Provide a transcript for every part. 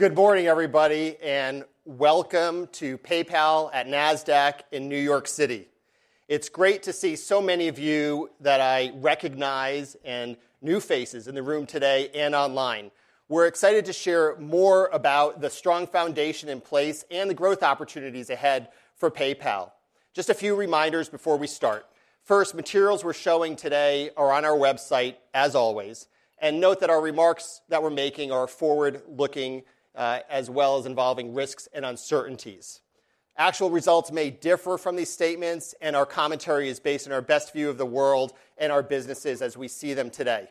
Good morning, everybody, and welcome to PayPal at Nasdaq in New York City. It's great to see so many of you that I recognize and new faces in the room today and online. We're excited to share more about the strong foundation in place and the growth opportunities ahead for PayPal. Just a few reminders before we start. First, materials we're showing today are on our website, as always. And note that our remarks that we're making are forward-looking, as well as involving risks and uncertainties. Actual results may differ from these statements, and our commentary is based on our best view of the world and our businesses as we see them today.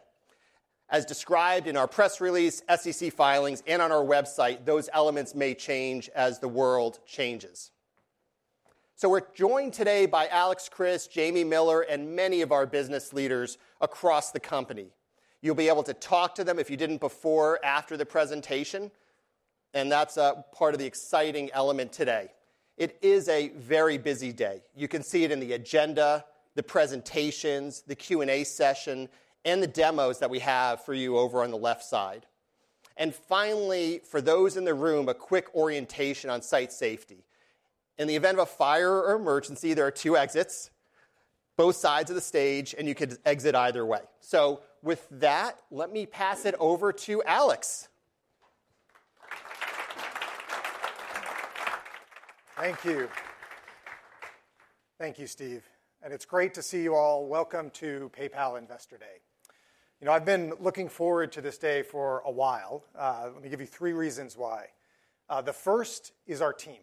As described in our press release, SEC filings, and on our website, those elements may change as the world changes. So we're joined today by Alex Chriss, Jamie Miller, and many of our business leaders across the company. You'll be able to talk to them if you didn't before after the presentation, and that's part of the exciting element today. It is a very busy day. You can see it in the agenda, the presentations, the Q&A session, and the demos that we have for you over on the left side. And finally, for those in the room, a quick orientation on site safety. In the event of a fire or emergency, there are two exits, both sides of the stage, and you could exit either way. So with that, let me pass it over to Alex. Thank you. Thank you, Steve. And it's great to see you all. Welcome to PayPal Investor Day. You know, I've been looking forward to this day for a while. Let me give you three reasons why. The first is our team.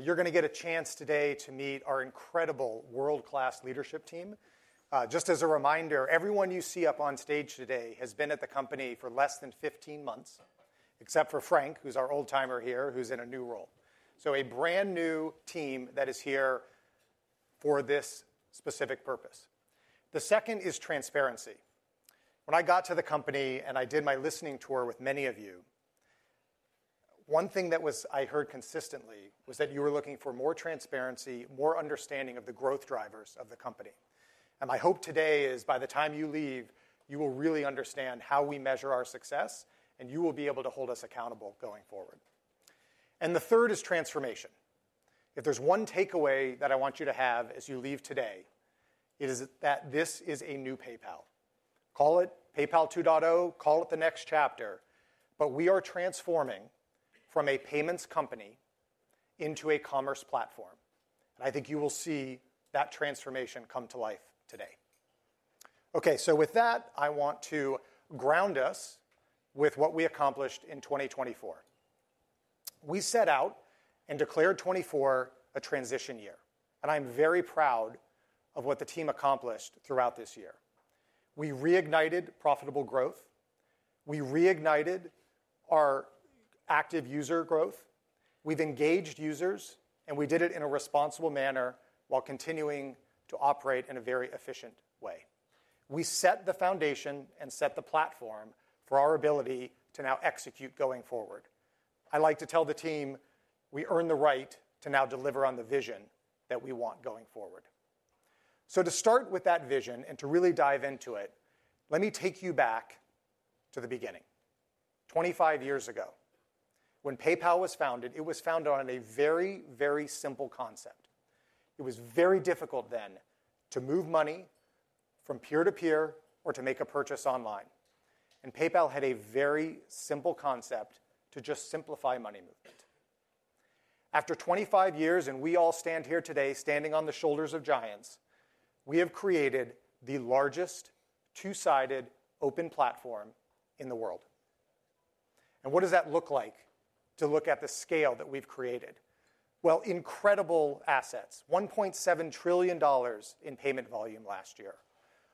You're going to get a chance today to meet our incredible world-class leadership team. Just as a reminder, everyone you see up on stage today has been at the company for less than 15 months, except for Frank, who's our old-timer here, who's in a new role. So a brand new team that is here for this specific purpose. The second is transparency. When I got to the company and I did my listening tour with many of you, one thing that I heard consistently was that you were looking for more transparency, more understanding of the growth drivers of the company. My hope today is by the time you leave, you will really understand how we measure our success, and you will be able to hold us accountable going forward. The third is transformation. If there's one takeaway that I want you to have as you leave today, it is that this is a new PayPal. Call it PayPal 2.0, call it the next chapter, but we are transforming from a payments company into a commerce platform. I think you will see that transformation come to life today. Okay, so with that, I want to ground us with what we accomplished in 2024. We set out and declared 2024 a transition year, and I'm very proud of what the team accomplished throughout this year. We reignited profitable growth. We reignited our active user growth. We've engaged users, and we did it in a responsible manner while continuing to operate in a very efficient way. We set the foundation and set the platform for our ability to now execute going forward. I like to tell the team, we earn the right to now deliver on the vision that we want going forward. So to start with that vision and to really dive into it, let me take you back to the beginning. Twenty-five years ago, when PayPal was founded, it was founded on a very, very simple concept. It was very difficult then to move money from peer-to-peer or to make a purchase online. And PayPal had a very simple concept to just simplify money movement. After twenty-five years, and we all stand here today standing on the shoulders of giants, we have created the largest two-sided open platform in the world. What does that look like to look at the scale that we've created? Incredible assets, $1.7 trillion in payment volume last year,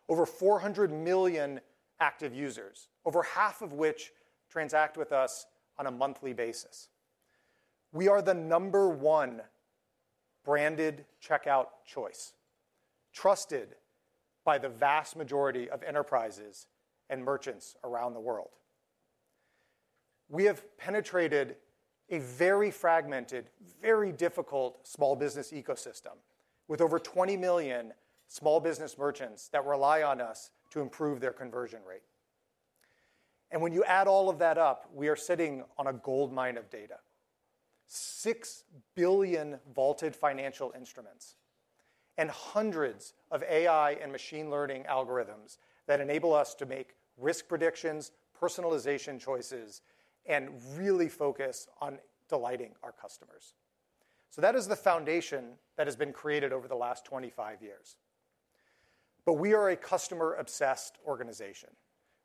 over 400 million active users, over half of which transact with us on a monthly basis. We are the number one branded checkout choice, trusted by the vast majority of enterprises and merchants around the world. We have penetrated a very fragmented, very difficult small business ecosystem with over 20 million small business merchants that rely on us to improve their conversion rate. When you add all of that up, we are sitting on a gold mine of data: six billion vaulted financial instruments and hundreds of AI and machine learning algorithms that enable us to make risk predictions, personalization choices, and really focus on delighting our customers. That is the foundation that has been created over the last 25 years. But we are a customer-obsessed organization.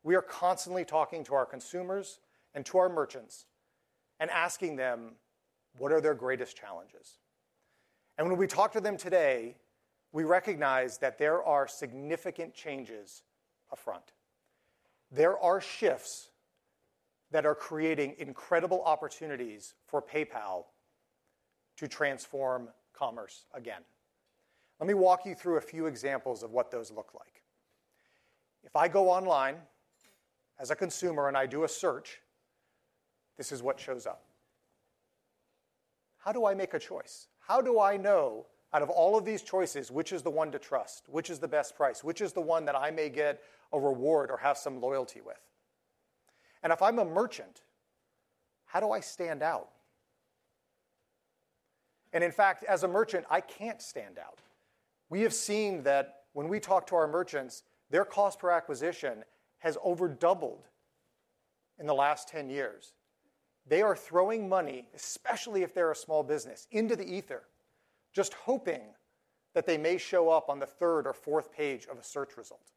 We are constantly talking to our consumers and to our merchants and asking them what are their greatest challenges. And when we talk to them today, we recognize that there are significant changes upfront. There are shifts that are creating incredible opportunities for PayPal to transform commerce again. Let me walk you through a few examples of what those look like. If I go online as a consumer and I do a search, this is what shows up. How do I make a choice? How do I know out of all of these choices, which is the one to trust, which is the best price, which is the one that I may get a reward or have some loyalty with? And if I'm a merchant, how do I stand out? And in fact, as a merchant, I can't stand out. We have seen that when we talk to our merchants, their cost per acquisition has overdoubled in the last 10 years. They are throwing money, especially if they're a small business, into the ether, just hoping that they may show up on the third or fourth page of a search result,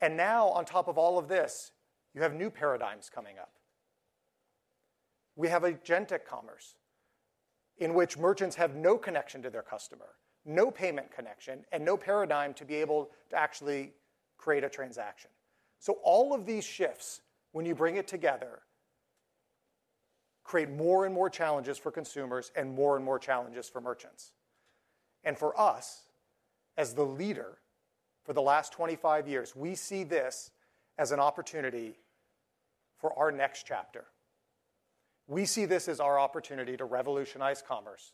and now, on top of all of this, you have new paradigms coming up. We have agentic commerce in which merchants have no connection to their customer, no payment connection, and no paradigm to be able to actually create a transaction, so all of these shifts, when you bring it together, create more and more challenges for consumers and more and more challenges for merchants, and for us, as the leader for the last 25 years, we see this as an opportunity for our next chapter. We see this as our opportunity to revolutionize commerce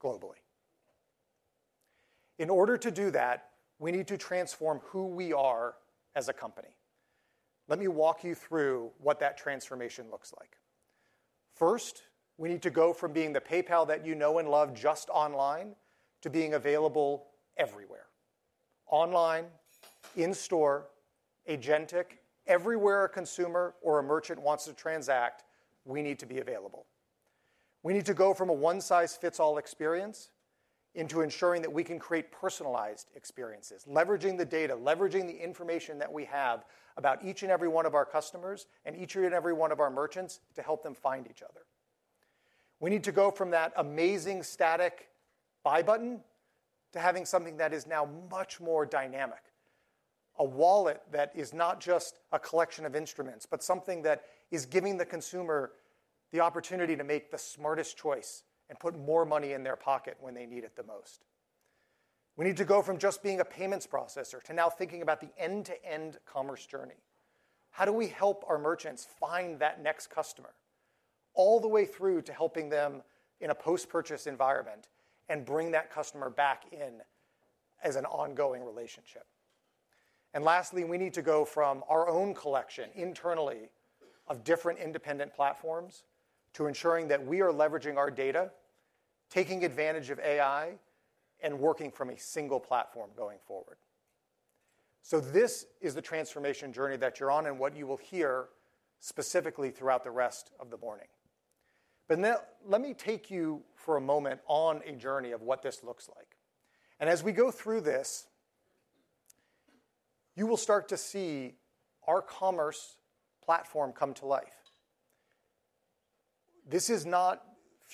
globally. In order to do that, we need to transform who we are as a company. Let me walk you through what that transformation looks like. First, we need to go from being the PayPal that you know and love just online to being available everywhere: online, in-store, agentic. Everywhere a consumer or a merchant wants to transact, we need to be available. We need to go from a one-size-fits-all experience into ensuring that we can create personalized experiences, leveraging the data, leveraging the information that we have about each and every one of our customers and each and every one of our merchants to help them find each other. We need to go from that amazing static buy button to having something that is now much more dynamic: a wallet that is not just a collection of instruments, but something that is giving the consumer the opportunity to make the smartest choice and put more money in their pocket when they need it the most. We need to go from just being a payments processor to now thinking about the end-to-end commerce journey. How do we help our merchants find that next customer? All the way through to helping them in a post-purchase environment and bring that customer back in as an ongoing relationship. And lastly, we need to go from our own collection internally of different independent platforms to ensuring that we are leveraging our data, taking advantage of AI, and working from a single platform going forward. This is the transformation journey that you're on and what you will hear specifically throughout the rest of the morning. But now let me take you for a moment on a journey of what this looks like. And as we go through this, you will start to see our commerce platform come to life. This is not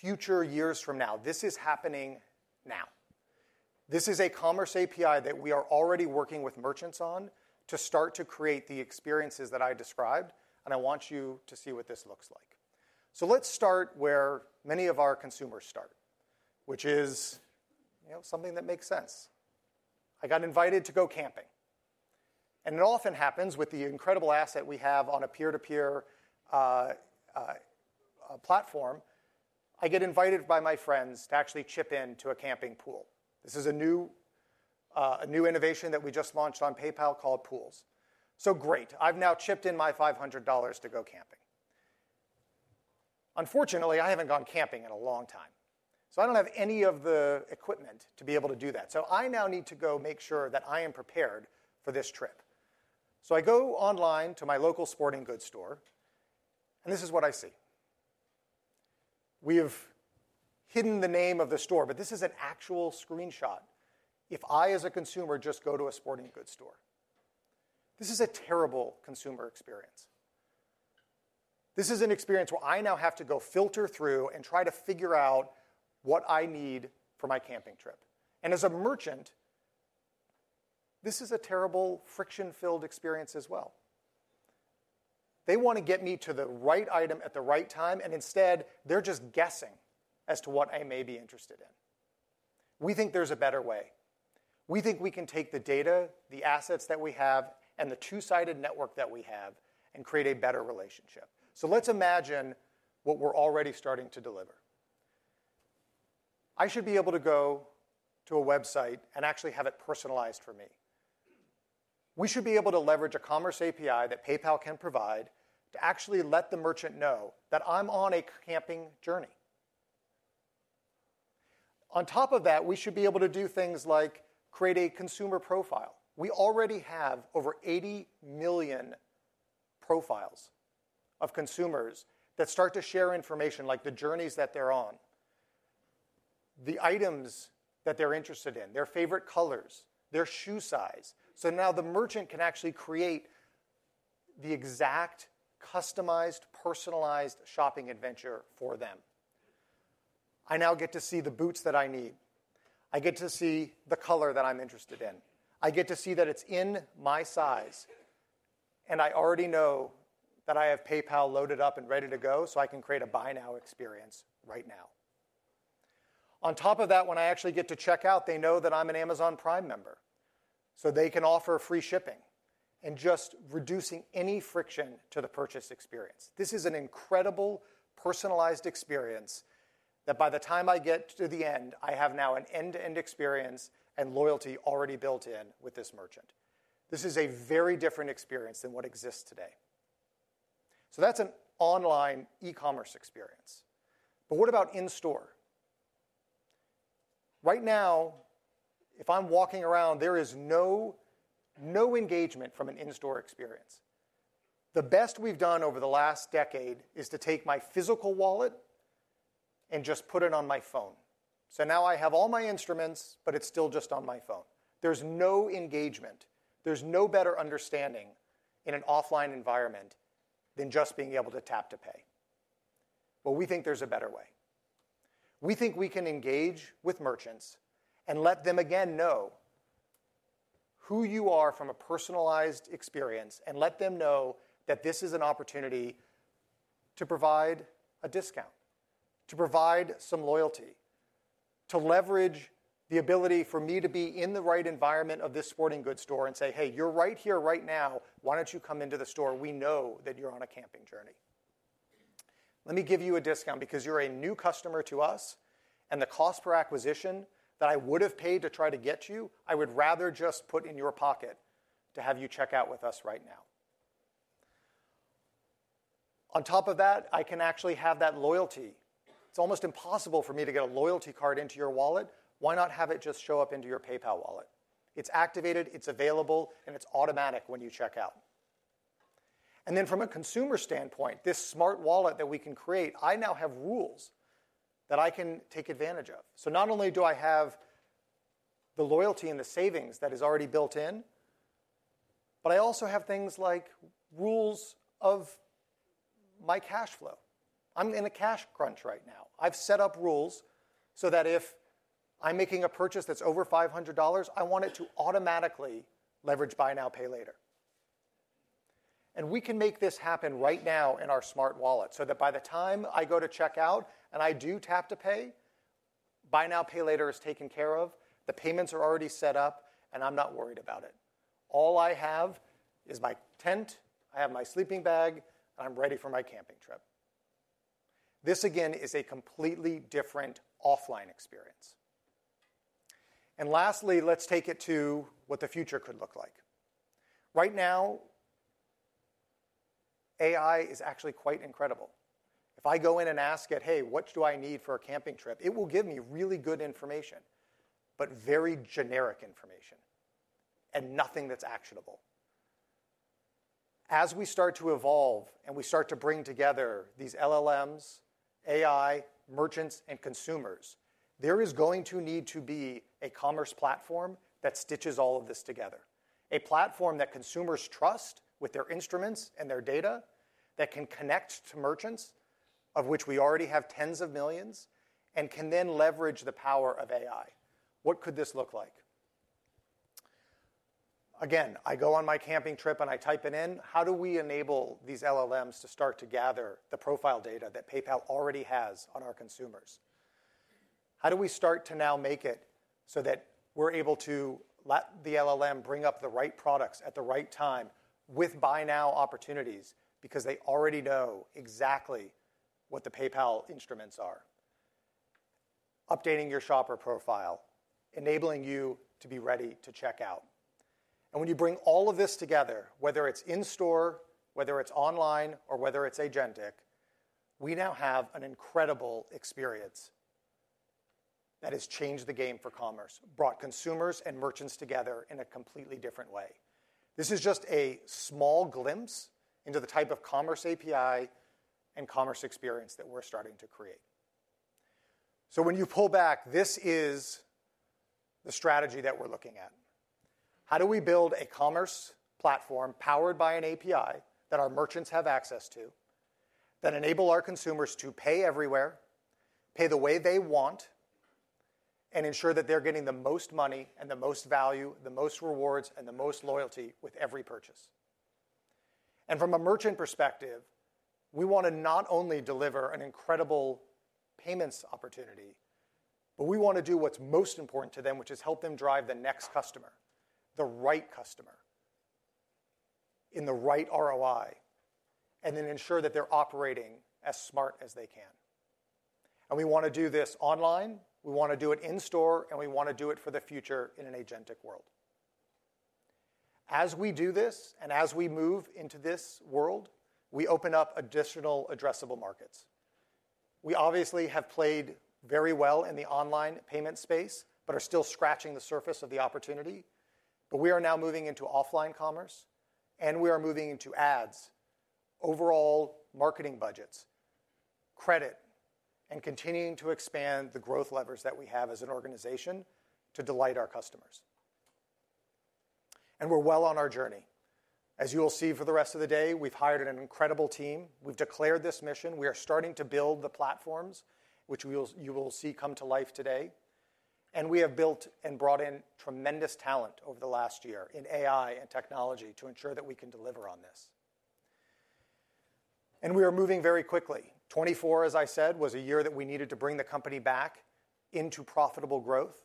future years from now. This is happening now. This is a Commerce API that we are already working with merchants on to start to create the experiences that I described, and I want you to see what this looks like. So let's start where many of our consumers start, which is something that makes sense. I got invited to go camping. And it often happens with the incredible asset we have on a peer-to-peer platform. I get invited by my friends to actually chip into a camping pool. This is a new innovation that we just launched on PayPal called Pools, so great. I've now chipped in my $500 to go camping. Unfortunately, I haven't gone camping in a long time, so I don't have any of the equipment to be able to do that, so I now need to go make sure that I am prepared for this trip. So I go online to my local sporting goods store, and this is what I see. We have hidden the name of the store, but this is an actual screenshot. If I, as a consumer, just go to a sporting goods store, this is a terrible consumer experience. This is an experience where I now have to go filter through and try to figure out what I need for my camping trip, and as a merchant, this is a terrible, friction-filled experience as well. They want to get me to the right item at the right time, and instead, they're just guessing as to what I may be interested in. We think there's a better way. We think we can take the data, the assets that we have, and the two-sided network that we have and create a better relationship. So let's imagine what we're already starting to deliver. I should be able to go to a website and actually have it personalized for me. We should be able to leverage a commerce API that PayPal can provide to actually let the merchant know that I'm on a camping journey. On top of that, we should be able to do things like create a consumer profile. We already have over 80 million profiles of consumers that start to share information like the journeys that they're on, the items that they're interested in, their favorite colors, their shoe size. So now the merchant can actually create the exact customized, personalized shopping adventure for them. I now get to see the boots that I need. I get to see the color that I'm interested in. I get to see that it's in my size, and I already know that I have PayPal loaded up and ready to go, so I can create a Buy Now experience right now. On top of that, when I actually get to checkout, they know that I'm an Amazon Prime member, so they can offer free shipping and just reducing any friction to the purchase experience. This is an incredible personalized experience that by the time I get to the end, I have now an end-to-end experience and loyalty already built in with this merchant. This is a very different experience than what exists today. So that's an online e-commerce experience. But what about in-store? Right now, if I'm walking around, there is no engagement from an in-store experience. The best we've done over the last decade is to take my physical wallet and just put it on my phone. So now I have all my instruments, but it's still just on my phone. There's no engagement. There's no better understanding in an offline environment than just being able to tap to pay. But we think there's a better way. We think we can engage with merchants and let them again know who you are from a personalized experience and let them know that this is an opportunity to provide a discount, to provide some loyalty, to leverage the ability for me to be in the right environment of this sporting goods store and say, "Hey, you're right here right now. Why don't you come into the store? We know that you're on a camping journey. Let me give you a discount because you're a new customer to us, and the cost per acquisition that I would have paid to try to get you, I would rather just put in your pocket to have you check out with us right now." On top of that, I can actually have that loyalty. It's almost impossible for me to get a loyalty card into your wallet. Why not have it just show up into your PayPal wallet? It's activated, it's available, and it's automatic when you check out, and then from a consumer standpoint, this smart wallet that we can create, I now have rules that I can take advantage of, so not only do I have the loyalty and the savings that is already built in, but I also have things like rules of my cash flow. I'm in a cash crunch right now. I've set up rules so that if I'm making a purchase that's over $500, I want it to automatically leverage Buy Now, Pay Later, and we can make this happen right now in our smart wallet so that by the time I go to checkout and I do tap to pay, Buy Now, Pay Later is taken care of, the payments are already set up, and I'm not worried about it. All I have is my tent, I have my sleeping bag, and I'm ready for my camping trip. This again is a completely different offline experience, and lastly, let's take it to what the future could look like. Right now, AI is actually quite incredible. If I go in and ask it, "Hey, what do I need for a camping trip?" it will give me really good information, but very generic information and nothing that's actionable. As we start to evolve and we start to bring together these LLMs, AI, merchants, and consumers, there is going to need to be a commerce platform that stitches all of this together. A platform that consumers trust with their instruments and their data that can connect to merchants, of which we already have tens of millions, and can then leverage the power of AI. What could this look like? Again, I go on my camping trip and I type it in. How do we enable these LLMs to start to gather the profile data that PayPal already has on our consumers? How do we start to now make it so that we're able to let the LLM bring up the right products at the right time with Buy Now opportunities because they already know exactly what the PayPal instruments are? Updating your shopper profile, enabling you to be ready to check out, and when you bring all of this together, whether it's in-store, whether it's online, or whether it's agentic, we now have an incredible experience that has changed the game for commerce, brought consumers and merchants together in a completely different way. This is just a small glimpse into the type of commerce API and commerce experience that we're starting to create. So when you pull back, this is the strategy that we're looking at. How do we build a commerce platform powered by an API that our merchants have access to, that enables our consumers to pay everywhere, pay the way they want, and ensure that they're getting the most money and the most value, the most rewards, and the most loyalty with every purchase? And from a merchant perspective, we want to not only deliver an incredible payments opportunity, but we want to do what's most important to them, which is help them drive the next customer, the right customer, in the right ROI, and then ensure that they're operating as smart as they can. And we want to do this online, we want to do it in-store, and we want to do it for the future in an agentic world. As we do this and as we move into this world, we open up additional addressable markets. We obviously have played very well in the online payment space, but are still scratching the surface of the opportunity, but we are now moving into offline commerce, and we are moving into ads, overall marketing budgets, credit, and continuing to expand the growth levers that we have as an organization to delight our customers, and we're well on our journey. As you will see for the rest of the day, we've hired an incredible team. We've declared this mission. We are starting to build the platforms, which you will see come to life today, and we have built and brought in tremendous talent over the last year in AI and technology to ensure that we can deliver on this, and we are moving very quickly. 2024, as I said, was a year that we needed to bring the company back into profitable growth.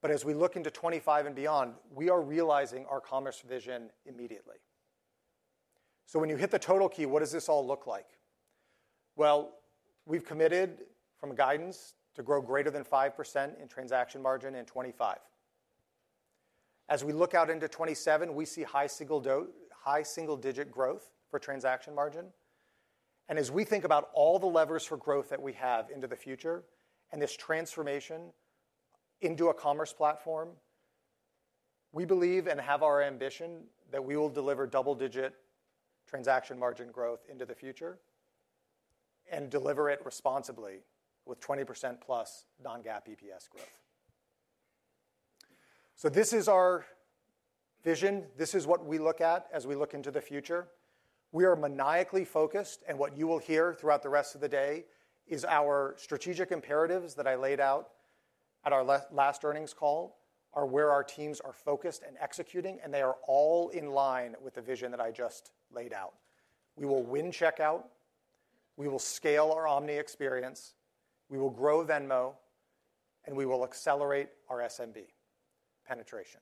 But as we look into 2025 and beyond, we are realizing our commerce vision immediately. So when you hit the total key, what does this all look like? Well, we've committed from guidance to grow greater than 5% in transaction margin in 2025. As we look out into 2027, we see high single-digit growth for transaction margin. And as we think about all the levers for growth that we have into the future and this transformation into a commerce platform, we believe and have our ambition that we will deliver double-digit transaction margin growth into the future and deliver it responsibly with 20%+ non-GAAP EPS growth. So this is our vision. This is what we look at as we look into the future. We are maniacally focused, and what you will hear throughout the rest of the day is our strategic imperatives that I laid out at our last earnings call are where our teams are focused and executing, and they are all in line with the vision that I just laid out. We will win checkout. We will scale our omni experience. We will grow Venmo, and we will accelerate our SMB penetration.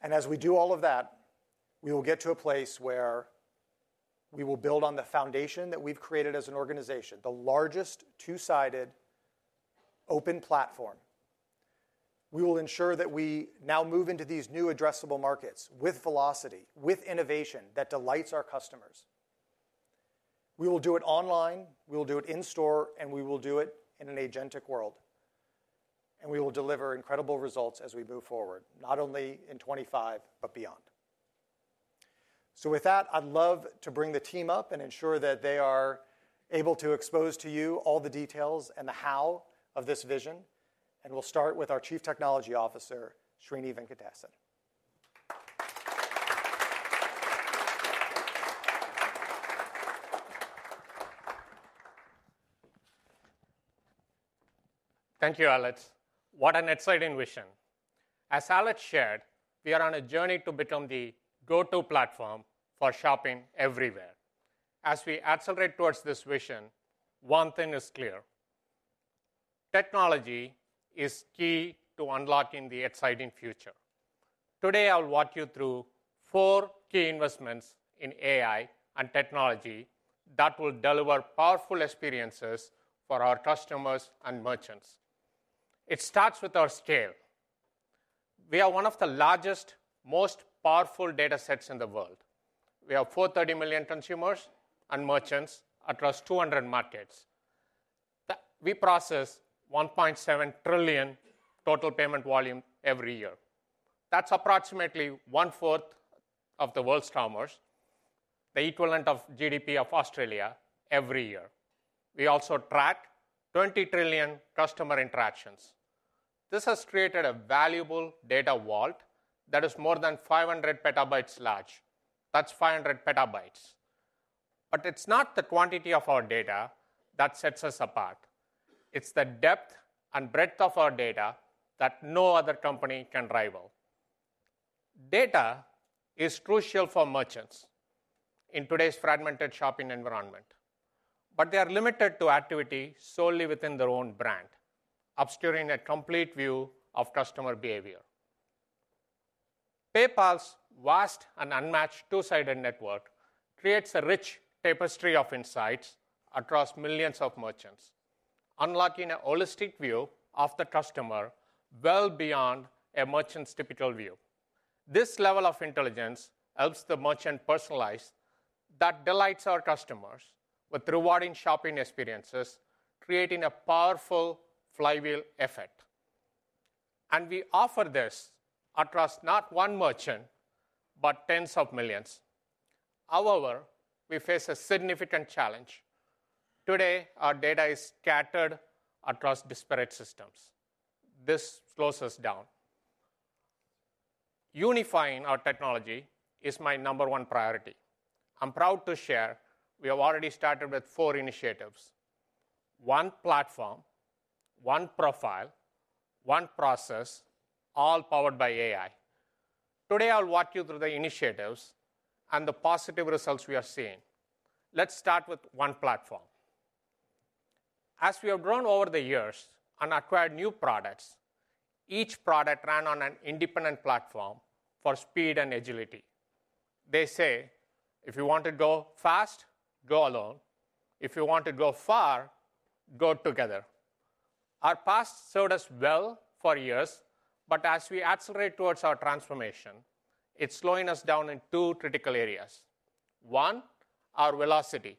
And as we do all of that, we will get to a place where we will build on the foundation that we've created as an organization, the largest two-sided open platform. We will ensure that we now move into these new addressable markets with velocity, with innovation that delights our customers. We will do it online. We will do it in-store, and we will do it in an agentic world. We will deliver incredible results as we move forward, not only in 2025, but beyond. With that, I'd love to bring the team up and ensure that they are able to expose to you all the details and the how of this vision. We'll start with our Chief Technology Officer, Srini Venkatesan. Thank you, Alex. What an exciting vision. As Alex shared, we are on a journey to become the go-to platform for shopping everywhere. As we accelerate towards this vision, one thing is clear. Technology is key to unlocking the exciting future. Today, I'll walk you through four key investments in AI and technology that will deliver powerful experiences for our customers and merchants. It starts with our scale. We are one of the largest, most powerful data sets in the world. We have 430 million consumers and merchants across 200 markets. We process 1.7 trillion total payment volume every year. That's approximately 1/4 of the world's commerce, the equivalent of GDP of Australia every year. We also track 20 trillion customer interactions. This has created a valuable data vault that is more than 500 petabytes large. That's 500 petabytes. But it's not the quantity of our data that sets us apart. It's the depth and breadth of our data that no other company can rival. Data is crucial for merchants in today's fragmented shopping environment, but they are limited to activity solely within their own brand, obscuring a complete view of customer behavior. PayPal's vast and unmatched two-sided network creates a rich tapestry of insights across millions of merchants, unlocking a holistic view of the customer well beyond a merchant's typical view. This level of intelligence helps the merchant personalize that delights our customers with rewarding shopping experiences, creating a powerful flywheel effect. And we offer this across not one merchant, but tens of millions. However, we face a significant challenge. Today, our data is scattered across disparate systems. This slows us down. Unifying our technology is my number one priority. I'm proud to share we have already started with four initiatives: one platform, one profile, one process, all powered by AI. Today, I'll walk you through the initiatives and the positive results we are seeing. Let's start with one platform. As we have grown over the years and acquired new products, each product ran on an independent platform for speed and agility. They say, "If you want to go fast, go alone. If you want to go far, go together." Our past served us well for years, but as we accelerate towards our transformation, it's slowing us down in two critical areas. One, our velocity.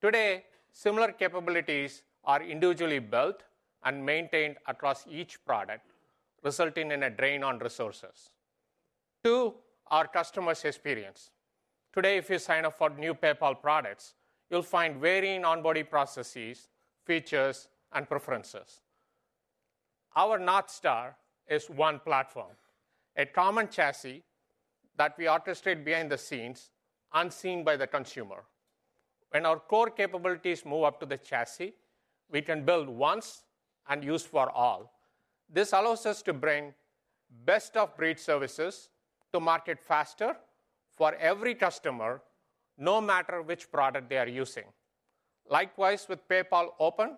Today, similar capabilities are individually built and maintained across each product, resulting in a drain on resources. Two, our customer's experience. Today, if you sign up for new PayPal products, you'll find varying onboarding processes, features, and preferences. Our North Star is one platform, a common chassis that we orchestrate behind the scenes, unseen by the consumer. When our core capabilities move up to the chassis, we can build once and use for all. This allows us to bring best-of-breed services to market faster for every customer, no matter which product they are using. Likewise, with PayPal Open,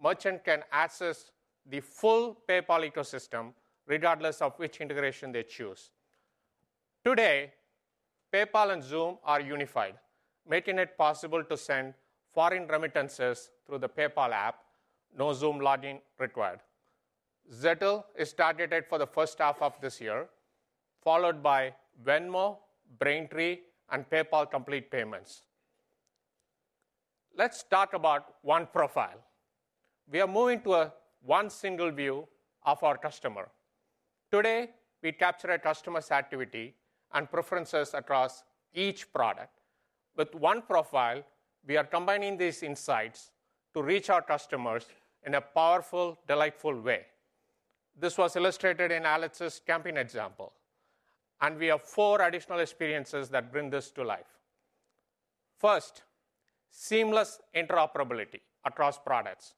merchants can access the full PayPal ecosystem regardless of which integration they choose. Today, PayPal and Xoom are unified, making it possible to send foreign remittances through the PayPal app, no Xoom login required. Zettle is targeted for the first half of this year, followed by Venmo, Braintree, and PayPal Complete Payments. Let's talk about one profile. We are moving to a one single view of our customer. Today, we capture a customer's activity and preferences across each product. With one profile, we are combining these insights to reach our customers in a powerful, delightful way. This was illustrated in Alex's camping example, and we have four additional experiences that bring this to life. First, seamless interoperability across products.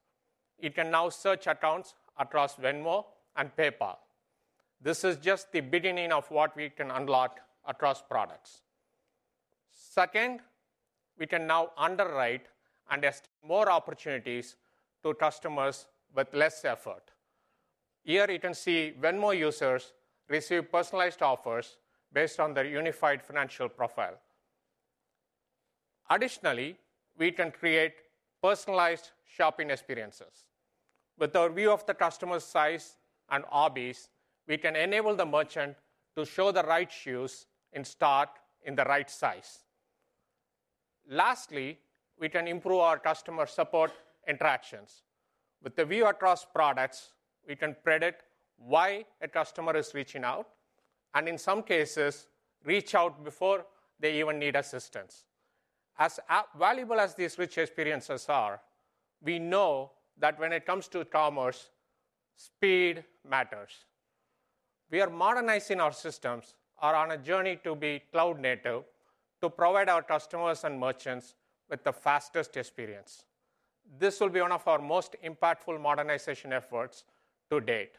You can now search accounts across Venmo and PayPal. This is just the beginning of what we can unlock across products. Second, we can now underwrite and estimate more opportunities to customers with less effort. Here, you can see Venmo users receive personalized offers based on their unified financial profile. Additionally, we can create personalized shopping experiences. With our view of the customer's size and hobbies, we can enable the merchant to show the right shoes and start in the right size. Lastly, we can improve our customer support interactions. With the view across products, we can predict why a customer is reaching out, and in some cases, reach out before they even need assistance. As valuable as these rich experiences are, we know that when it comes to commerce, speed matters. We are modernizing our systems, are on a journey to be cloud-native to provide our customers and merchants with the fastest experience. This will be one of our most impactful modernization efforts to date.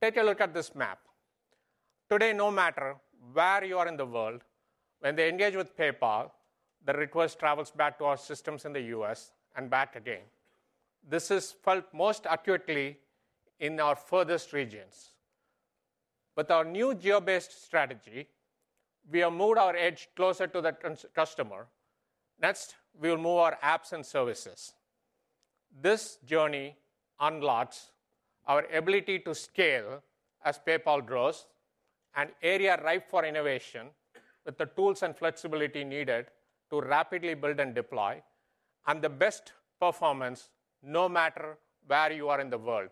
Take a look at this map. Today, no matter where you are in the world, when they engage with PayPal, the request travels back to our systems in the U.S. and back again. This is felt most acutely in our furthest regions. With our new geo-based strategy, we have moved our edge closer to the customer. Next, we will move our apps and services. This journey unlocks our ability to scale as PayPal grows and an area ripe for innovation with the tools and flexibility needed to rapidly build and deploy and the best performance no matter where you are in the world.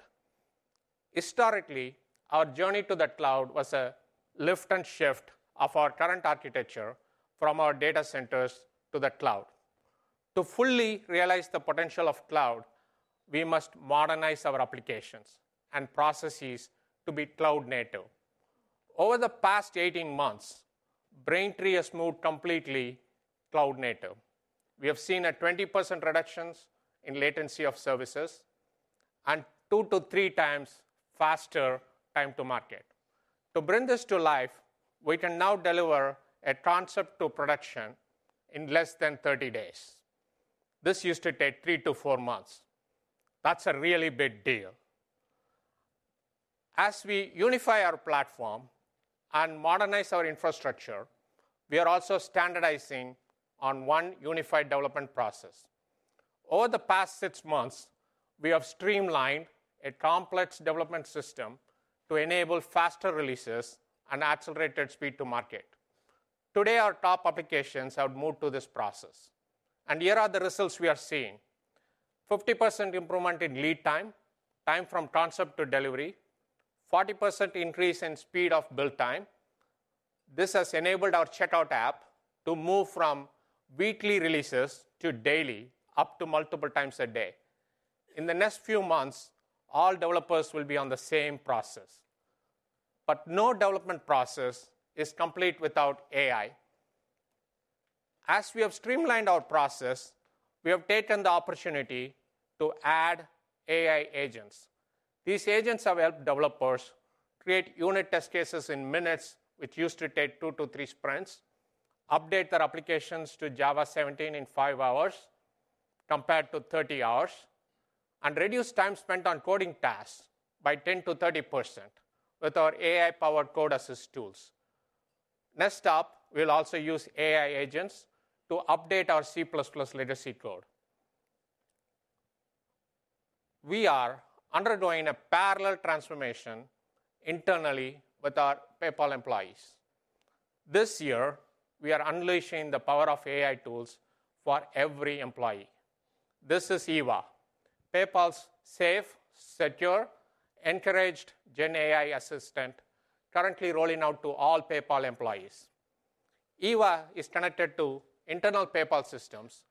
Historically, our journey to the cloud was a lift and shift of our current architecture from our data centers to the cloud. To fully realize the potential of cloud, we must modernize our applications and processes to be cloud-native. Over the past 18 months, Braintree has moved completely cloud-native. We have seen a 20% reduction in latency of services and two to three times faster time to market. To bring this to life, we can now deliver a concept to production in less than 30 days. This used to take three to four months. That's a really big deal. As we unify our platform and modernize our infrastructure, we are also standardizing on one unified development process. Over the past six months, we have streamlined a complex development system to enable faster releases and accelerated speed to market. Today, our top applications have moved to this process. And here are the results we are seeing: 50% improvement in lead time, time from concept to delivery, 40% increase in speed of build time. This has enabled our checkout app to move from weekly releases to daily, up to multiple times a day. In the next few months, all developers will be on the same process. But no development process is complete without AI. As we have streamlined our process, we have taken the opportunity to add AI agents. These agents have helped developers create unit test cases in minutes, which used to take two to three sprints, update their applications to Java 17 in five hours compared to 30 hours, and reduce time spent on coding tasks by 10% to 30% with our AI-powered code assist tools. Next up, we'll also use AI agents to update our C++ legacy code. We are undergoing a parallel transformation internally with our PayPal employees. This year, we are unleashing the power of AI tools for every employee. This is EVA, PayPal's safe, secure, encouraged GenAI assistant currently rolling out to all PayPal employees. EVA is connected to internal PayPal systems,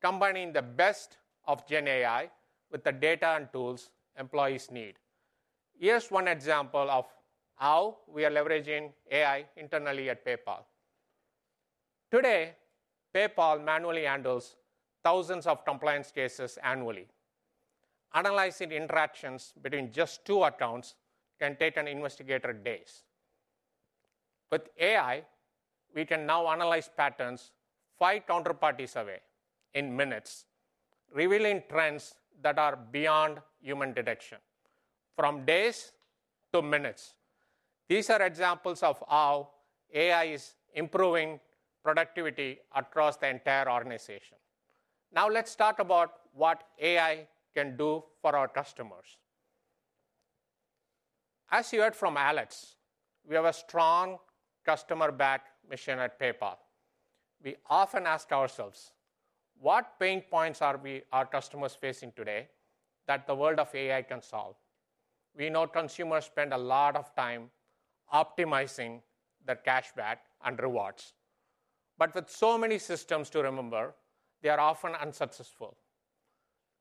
combining the best of GenAI with the data and tools employees need. Here's one example of how we are leveraging AI internally at PayPal. Today, PayPal manually handles thousands of compliance cases annually. Analyzing interactions between just two accounts can take an investigator days. With AI, we can now analyze patterns five counterparties away in minutes, revealing trends that are beyond human detection, from days to minutes. These are examples of how AI is improving productivity across the entire organization. Now, let's talk about what AI can do for our customers. As you heard from Alex, we have a strong customer-backed mission at PayPal. We often ask ourselves, what pain points are our customers facing today that the world of AI can solve? We know consumers spend a lot of time optimizing their cashback and rewards. But with so many systems to remember, they are often unsuccessful.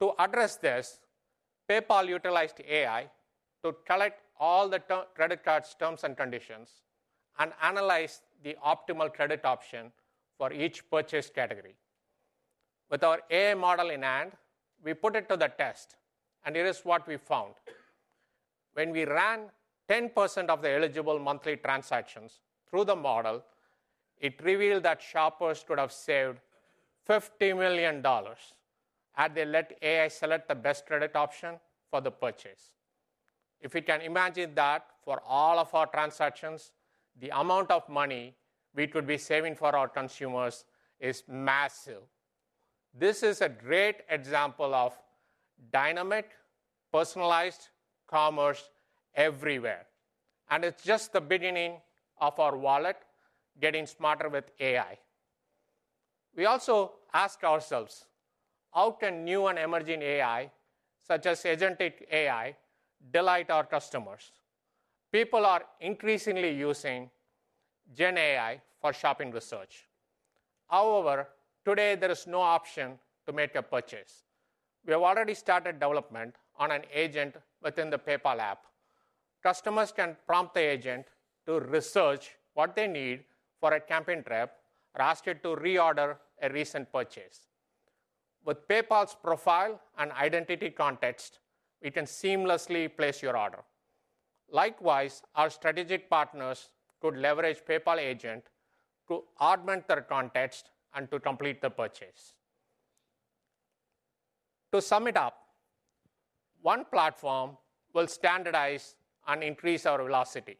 To address this, PayPal utilized AI to collect all the credit card's terms and conditions and analyze the optimal credit option for each purchase category. With our AI model in hand, we put it to the test, and here is what we found. When we ran 10% of the eligible monthly transactions through the model, it revealed that shoppers could have saved $50 million dollars had they let AI select the best credit option for the purchase. If we can imagine that for all of our transactions, the amount of money we could be saving for our consumers is massive. This is a great example of dynamic, personalized commerce everywhere. And it's just the beginning of our wallet getting smarter with AI. We also ask ourselves, how can new and emerging AI, such as Agentic AI, delight our customers? People are increasingly using GenAI for shopping research. However, today, there is no option to make a purchase. We have already started development on an agent within the PayPal app. Customers can prompt the agent to research what they need for a camping trip, or ask it to reorder a recent purchase. With PayPal's profile and identity context, we can seamlessly place your order. Likewise, our strategic partners could leverage PayPal Agent to augment their context and to complete the purchase. To sum it up, one platform will standardize and increase our velocity.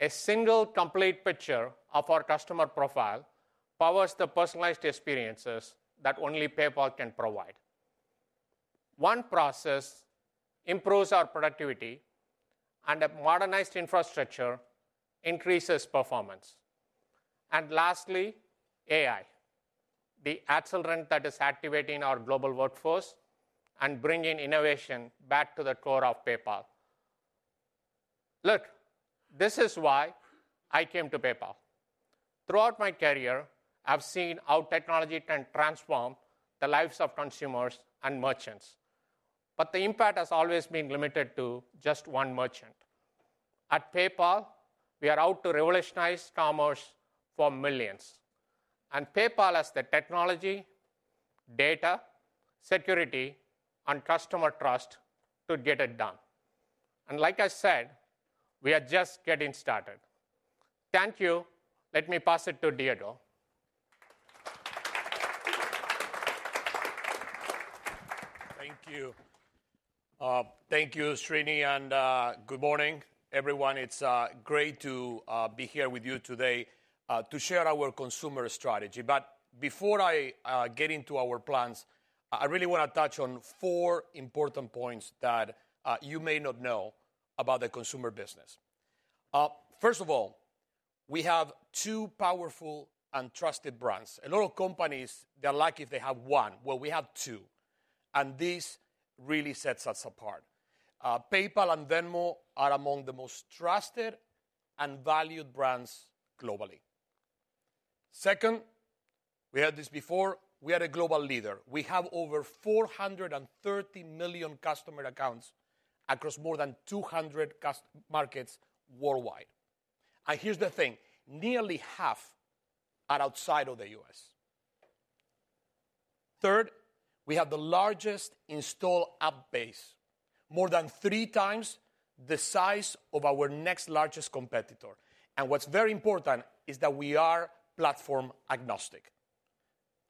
A single complete picture of our customer profile powers the personalized experiences that only PayPal can provide. One process improves our productivity, and a modernized infrastructure increases performance. And lastly, AI, the accelerant that is activating our global workforce and bringing innovation back to the core of PayPal. Look, this is why I came to PayPal. Throughout my career, I've seen how technology can transform the lives of consumers and merchants. But the impact has always been limited to just one merchant. At PayPal, we are out to revolutionize commerce for millions. And PayPal has the technology, data, security, and customer trust to get it done. And like I said, we are just getting started. Thank you. Let me pass it to Diego. Thank you. Thank you, Srini. And good morning, everyone. It's great to be here with you today to share our consumer strategy. But before I get into our plans, I really want to touch on four important points that you may not know about the consumer business. First of all, we have two powerful and trusted brands. A lot of companies, they're lucky if they have one. Well, we have two. And this really sets us apart. PayPal and Venmo are among the most trusted and valued brands globally. Second, we heard this before, we are a global leader. We have over 430 million customer accounts across more than 200 markets worldwide, and here's the thing, nearly half are outside of the U.S. Third, we have the largest install app base, more than three times the size of our next largest competitor, and what's very important is that we are platform agnostic.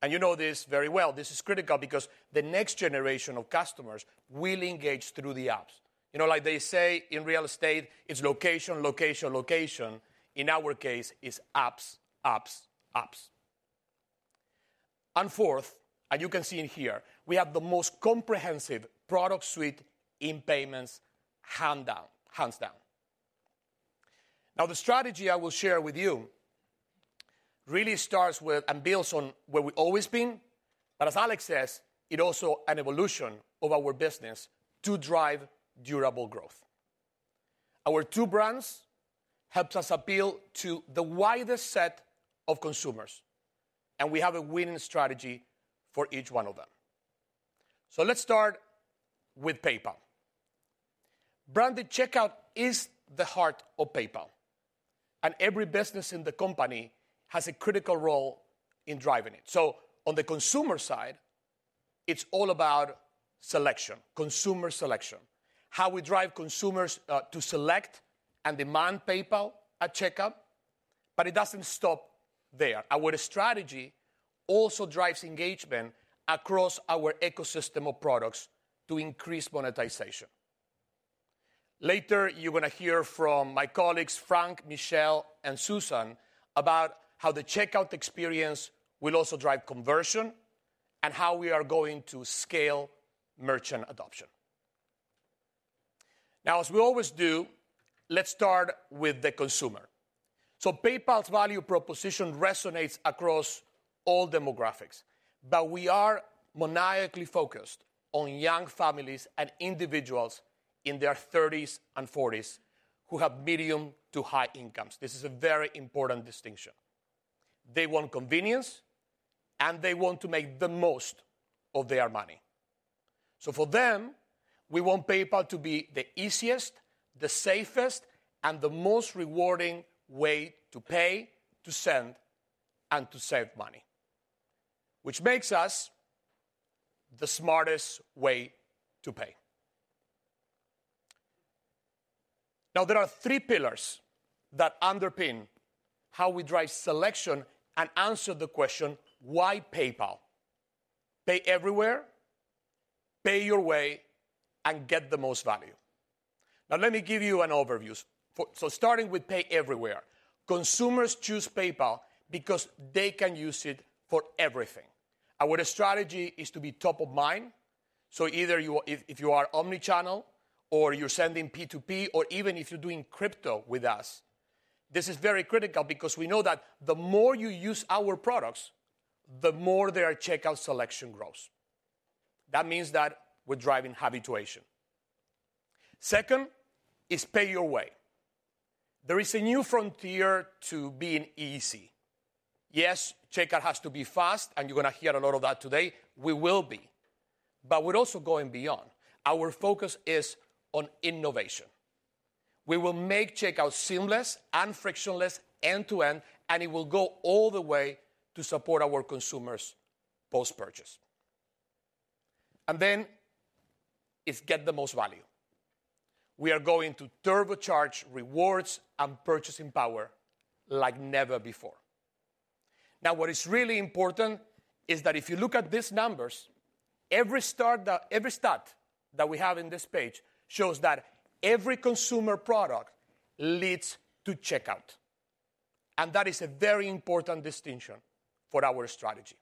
And you know this very well. This is critical because the next generation of customers will engage through the apps. You know, like they say in real estate, it's location, location, location. In our case, it's apps, apps, apps, and fourth, and you can see in here, we have the most comprehensive product suite in payments hands down. Now, the strategy I will share with you really starts with and builds on where we've always been. But as Alex says, it's also an evolution of our business to drive durable growth. Our two brands help us appeal to the widest set of consumers. And we have a winning strategy for each one of them. So let's start with PayPal. Branded checkout is the heart of PayPal. And every business in the company has a critical role in driving it. So on the consumer side, it's all about selection, consumer selection, how we drive consumers to select and demand PayPal at checkout. But it doesn't stop there. Our strategy also drives engagement across our ecosystem of products to increase monetization. Later, you're going to hear from my colleagues, Frank, Michelle, and Suzan, about how the checkout experience will also drive conversion and how we are going to scale merchant adoption. Now, as we always do, let's start with the consumer. So PayPal's value proposition resonates across all demographics. But we are demographically focused on young families and individuals in their 30s and 40s who have medium to high incomes. This is a very important distinction. They want convenience, and they want to make the most of their money. So for them, we want PayPal to be the easiest, the safest, and the most rewarding way to pay, to send, and to save money, which makes us the smartest way to pay. Now, there are three pillars that underpin how we drive selection and answer the question, why PayPal? Pay everywhere, pay your way, and get the most value. Now, let me give you an overview. So starting with Pay Everywhere, consumers choose PayPal because they can use it for everything. Our strategy is to be top of mind. So either if you are omnichannel, or you're sending P2P, or even if you're doing crypto with us, this is very critical because we know that the more you use our products, the more their checkout selection grows. That means that we're driving habituation. Second is Pay Your Way. There is a new frontier to being easy. Yes, checkout has to be fast, and you're going to hear a lot of that today. We will be. But we're also going beyond. Our focus is on innovation. We will make checkout seamless and frictionless end to end, and it will go all the way to support our consumers' post-purchase, and then it's Get the Most Value. We are going to turbocharge rewards and purchasing power like never before. Now, what is really important is that if you look at these numbers, every stat that we have in this page shows that every consumer product leads to checkout. And that is a very important distinction for our strategy.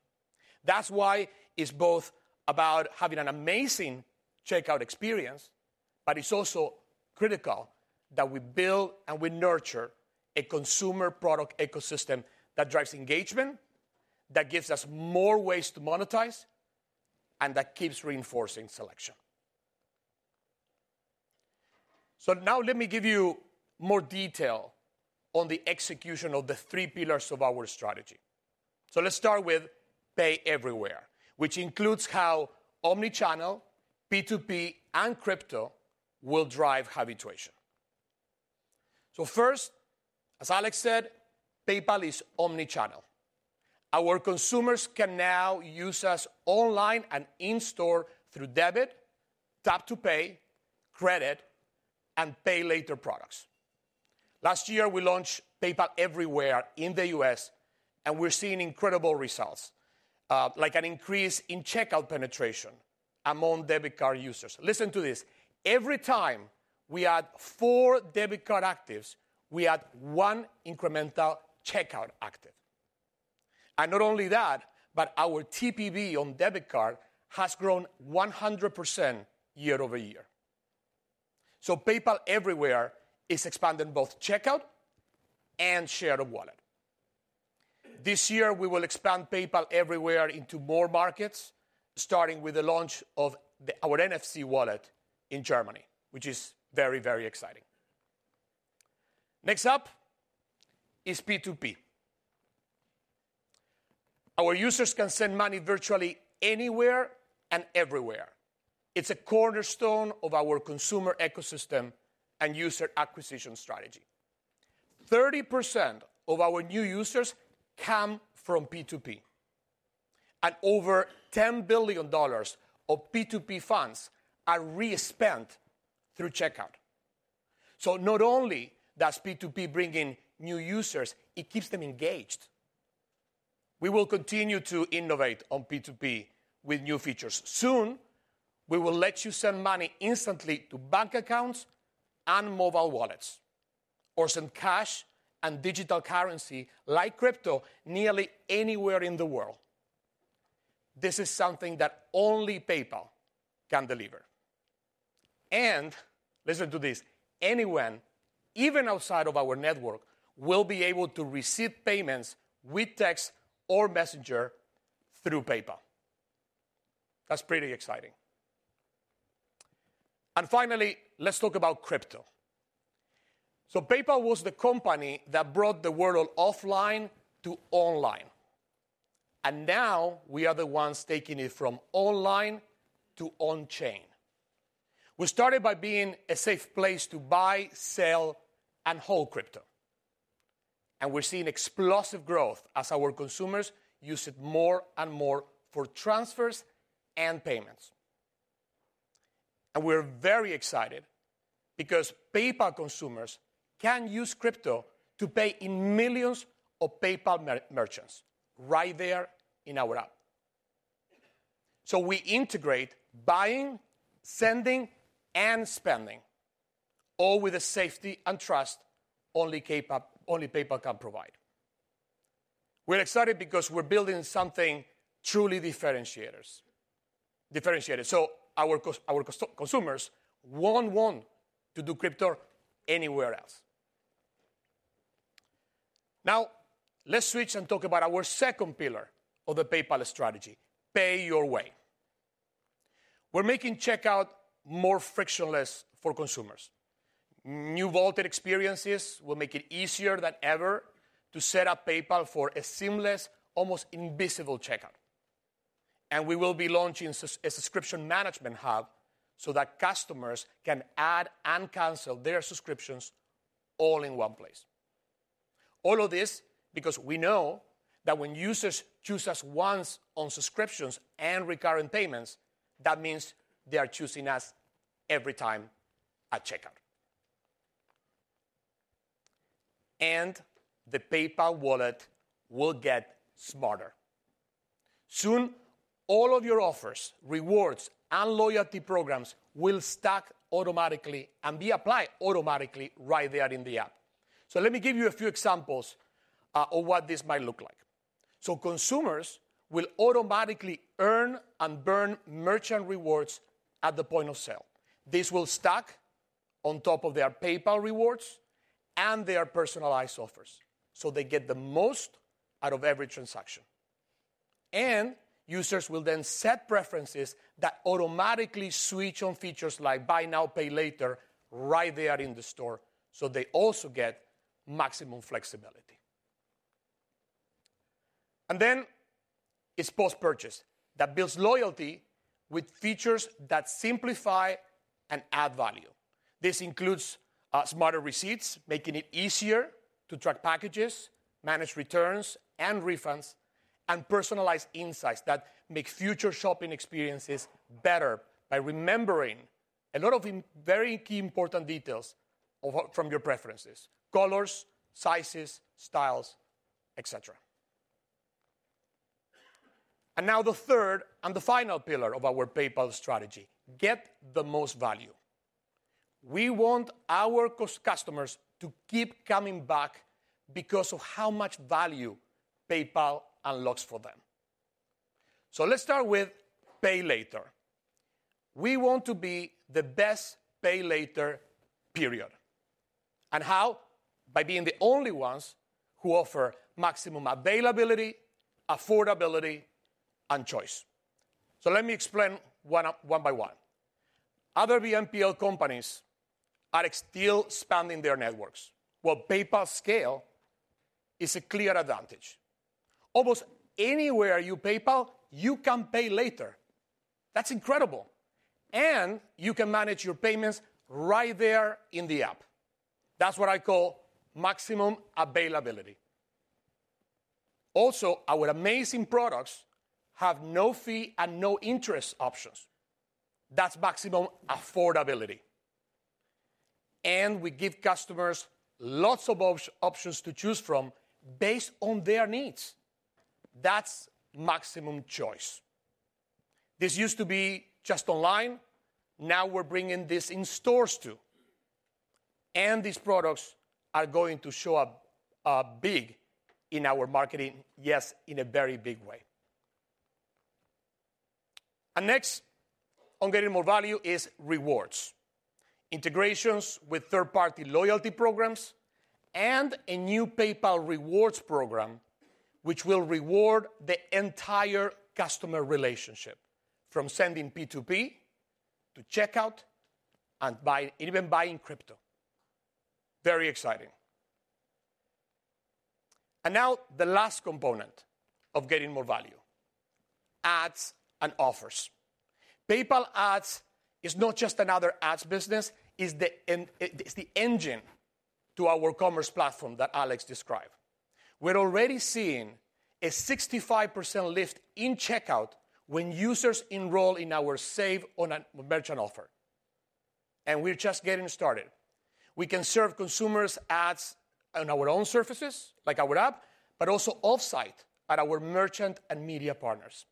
That's why it's both about having an amazing checkout experience, but it's also critical that we build and we nurture a consumer product ecosystem that drives engagement, that gives us more ways to monetize, and that keeps reinforcing selection. So now let me give you more detail on the execution of the three pillars of our strategy. So let's start with PayPal Everywhere, which includes how omnichannel, P2P, and crypto will drive habituation. So first, as Alex said, PayPal is omnichannel. Our consumers can now use us online and in-store through debit, tap-to-pay, credit, and pay-later products. Last year, we launched PayPal Everywhere in the U.S., and we're seeing incredible results, like an increase in checkout penetration among debit card users. Listen to this. Every time we add four debit card actives, we add one incremental checkout active. And not only that, but our TPV on debit card has grown 100% year over year. So PayPal Everywhere is expanding both checkout and share of wallet. This year, we will expand PayPal Everywhere into more markets, starting with the launch of our NFC wallet in Germany, which is very, very exciting. Next up is P2P. Our users can send money virtually anywhere and everywhere. It's a cornerstone of our consumer ecosystem and user acquisition strategy. 30% of our new users come from P2P. And over $10 billion of P2P funds are re-spent through checkout. So not only does P2P bring in new users, it keeps them engaged. We will continue to innovate on P2P with new features. Soon, we will let you send money instantly to bank accounts and mobile wallets, or send cash and digital currency like crypto nearly anywhere in the world. This is something that only PayPal can deliver. And listen to this, anyone, even outside of our network, will be able to receive payments with text or messenger through PayPal. That's pretty exciting. And finally, let's talk about crypto. So PayPal was the company that brought the world offline to online. And now we are the ones taking it from online to on-chain. We started by being a safe place to buy, sell, and hold crypto. And we're seeing explosive growth as our consumers use it more and more for transfers and payments. We're very excited because PayPal consumers can use crypto to pay in millions of PayPal merchants right there in our app. So we integrate buying, sending, and spending, all with the safety and trust only PayPal can provide. We're excited because we're building something truly differentiated. So our consumers won't want to do crypto anywhere else. Now, let's switch and talk about our second pillar of the PayPal strategy, Pay Your Way. We're making checkout more frictionless for consumers. New vaulted experiences will make it easier than ever to set up PayPal for a seamless, almost invisible checkout. And we will be launching a subscription management hub so that customers can add and cancel their subscriptions all in one place. All of this because we know that when users choose us once on subscriptions and recurring payments, that means they are choosing us every time at checkout. The PayPal Wallet will get smarter. Soon, all of your offers, rewards, and loyalty programs will stack automatically and be applied automatically right there in the app. Let me give you a few examples of what this might look like. Consumers will automatically earn and burn merchant rewards at the point of sale. This will stack on top of their PayPal Rewards and their personalized offers. They get the most out of every transaction. Users will then set preferences that automatically switch on features like Buy Now, Pay Later right there in the store. They also get maximum flexibility. It's post-purchase that builds loyalty with features that simplify and add value. This includes smarter receipts, making it easier to track packages, manage returns and refunds, and personalized insights that make future shopping experiences better by remembering a lot of very key important details from your preferences: colors, sizes, styles, etc. And now the third and the final pillar of our PayPal strategy, get the most value. We want our customers to keep coming back because of how much value PayPal unlocks for them. So let's start with Pay Later. We want to be the best Pay Later period. And how? By being the only ones who offer maximum availability, affordability, and choice. So let me explain one by one. Other BNPL companies are still expanding their networks. Well, PayPal's scale is a clear advantage. Almost anywhere you PayPal, you can Pay Later. That's incredible. And you can manage your payments right there in the app. That's what I call maximum availability. Also, our amazing products have no fee and no interest options. That's maximum affordability. And we give customers lots of options to choose from based on their needs. That's maximum choice. This used to be just online. Now we're bringing this in stores too. And these products are going to show up big in our marketing, yes, in a very big way. And next on getting more value is rewards, integrations with third-party loyalty programs, and a new PayPal rewards program, which will reward the entire customer relationship from sending P2P to checkout and even buying crypto. Very exciting. And now the last component of getting more value: ads and offers. PayPal Ads is not just another ads business. It's the engine to our commerce platform that Alex described. We're already seeing a 65% lift in checkout when users enroll in our save on a merchant offer. We're just getting started. We can serve consumers ads on our own services, like our app, but also off-site at our merchant and media partners.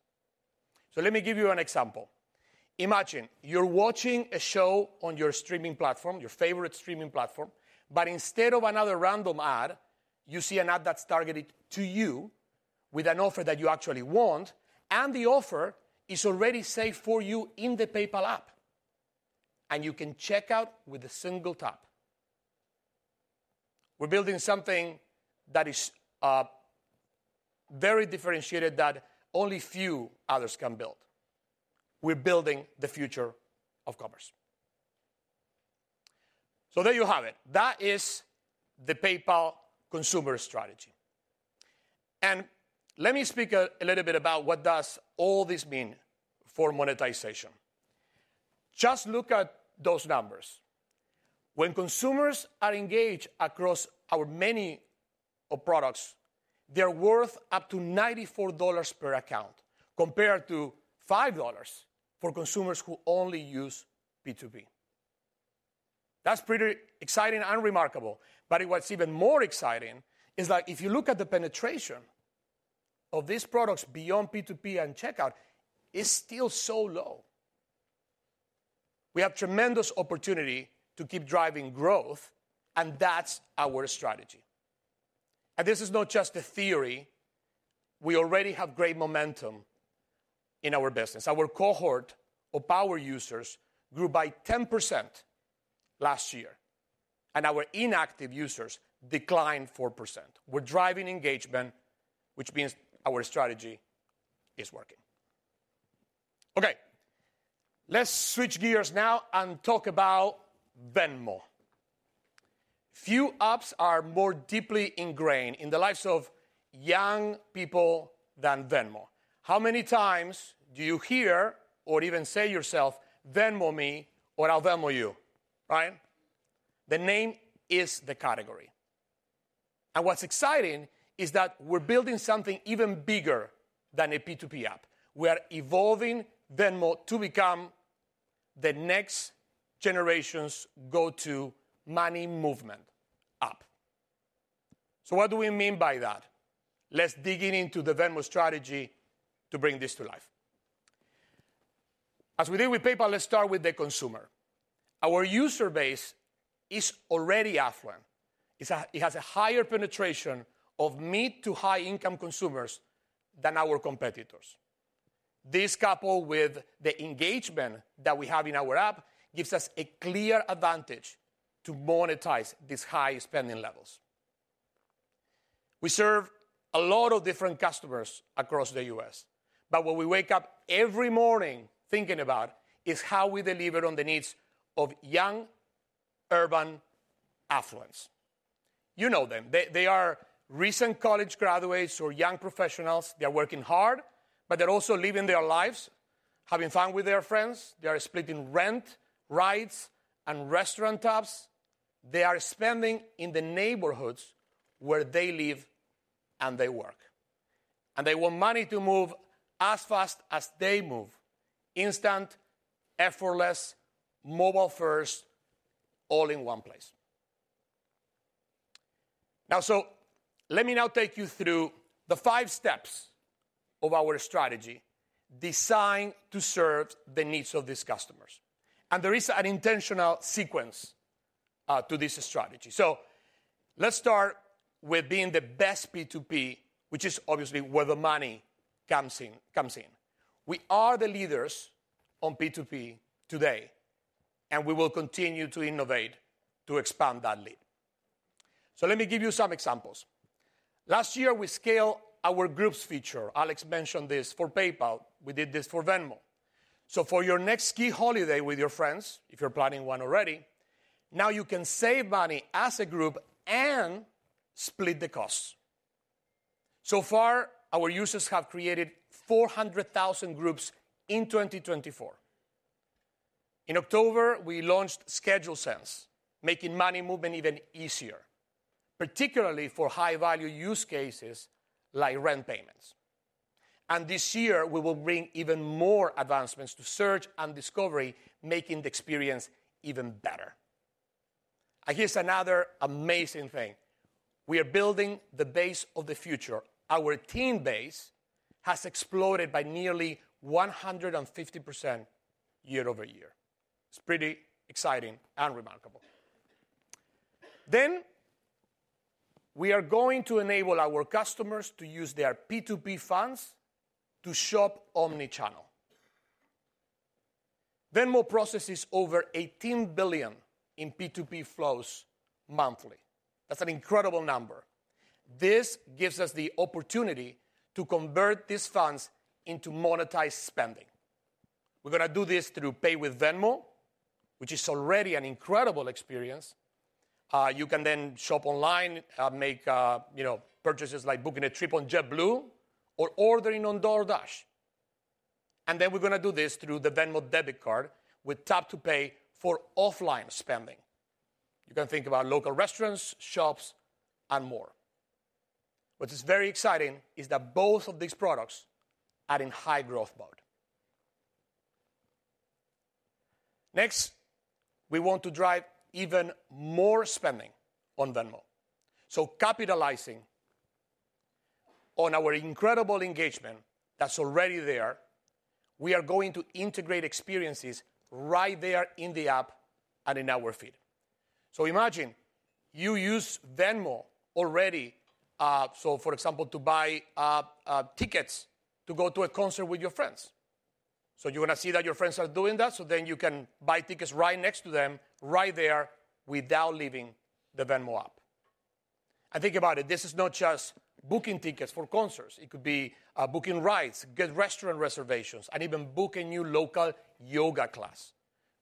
Let me give you an example. Imagine you're watching a show on your streaming platform, your favorite streaming platform, but instead of another random ad, you see an ad that's targeted to you with an offer that you actually want, and the offer is already saved for you in the PayPal app. You can check out with a single tap. We're building something that is very differentiated that only few others can build. We're building the future of commerce. There you have it. That is the PayPal consumer strategy. Let me speak a little bit about what does all this mean for monetization. Just look at those numbers. When consumers are engaged across our many products, they're worth up to $94 per account compared to $5 for consumers who only use P2P. That's pretty exciting and remarkable. What's even more exciting is that if you look at the penetration of these products beyond P2P and checkout, it's still so low. We have tremendous opportunity to keep driving growth, and that's our strategy. This is not just a theory. We already have great momentum in our business. Our cohort of our users grew by 10% last year, and our inactive users declined 4%. We're driving engagement, which means our strategy is working. Okay. Let's switch gears now and talk about Venmo. Few apps are more deeply ingrained in the lives of young people than Venmo. How many times do you hear or even say yourself, "Venmo me or I'll Venmo you," right? The name is the category. What's exciting is that we're building something even bigger than a P2P app. We are evolving Venmo to become the next generation's go-to money movement app. So what do we mean by that? Let's dig into the Venmo strategy to bring this to life. As we deal with PayPal, let's start with the consumer. Our user base is already affluent. It has a higher penetration of mid- to high-income consumers than our competitors. This coupled with the engagement that we have in our app gives us a clear advantage to monetize these high spending levels. We serve a lot of different customers across the U.S., but what we wake up every morning thinking about is how we deliver on the needs of young urban affluence. You know them. They are recent college graduates or young professionals. They're working hard, but they're also living their lives, having fun with their friends. They are splitting rent, rides, and restaurant tabs. They are spending in the neighborhoods where they live and they work. And they want money to move as fast as they move. Instant, effortless, mobile-first, all in one place. Now, so let me now take you through the five steps of our strategy designed to serve the needs of these customers. And there is an intentional sequence to this strategy. So let's start with being the best P2P, which is obviously where the money comes in. We are the leaders on P2P today, and we will continue to innovate to expand that lead. So let me give you some examples. Last year, we scaled our groups feature. Alex mentioned this for PayPal. We did this for Venmo. So for your next ski holiday with your friends, if you're planning one already, now you can save money as a group and split the costs. So far, our users have created 400,000 groups in 2024. In October, we launched Schedule Send, making money movement even easier, particularly for high-value use cases like rent payments. And this year, we will bring even more advancements to search and discovery, making the experience even better. And here's another amazing thing. We are building the base of the future. Our team base has exploded by nearly 150% year over year. It's pretty exciting and remarkable. Then we are going to enable our customers to use their P2P funds to shop omnichannel. Venmo processes over $18 billion in P2P flows monthly. That's an incredible number. This gives us the opportunity to convert these funds into monetized spending. We're going to do this through Pay with Venmo, which is already an incredible experience. You can then shop online, make purchases like booking a trip on JetBlue or ordering on DoorDash. And then we're going to do this through the Venmo Debit Card with tap-to-pay for offline spending. You can think about local restaurants, shops, and more. What is very exciting is that both of these products are in high growth mode. Next, we want to drive even more spending on Venmo. So capitalizing on our incredible engagement that's already there, we are going to integrate experiences right there in the app and in our feed. So imagine you use Venmo already, so for example, to buy tickets to go to a concert with your friends. So you're going to see that your friends are doing that, so then you can buy tickets right next to them, right there without leaving the Venmo app. And think about it. This is not just booking tickets for concerts. It could be booking rides, get restaurant reservations, and even book a new local yoga class,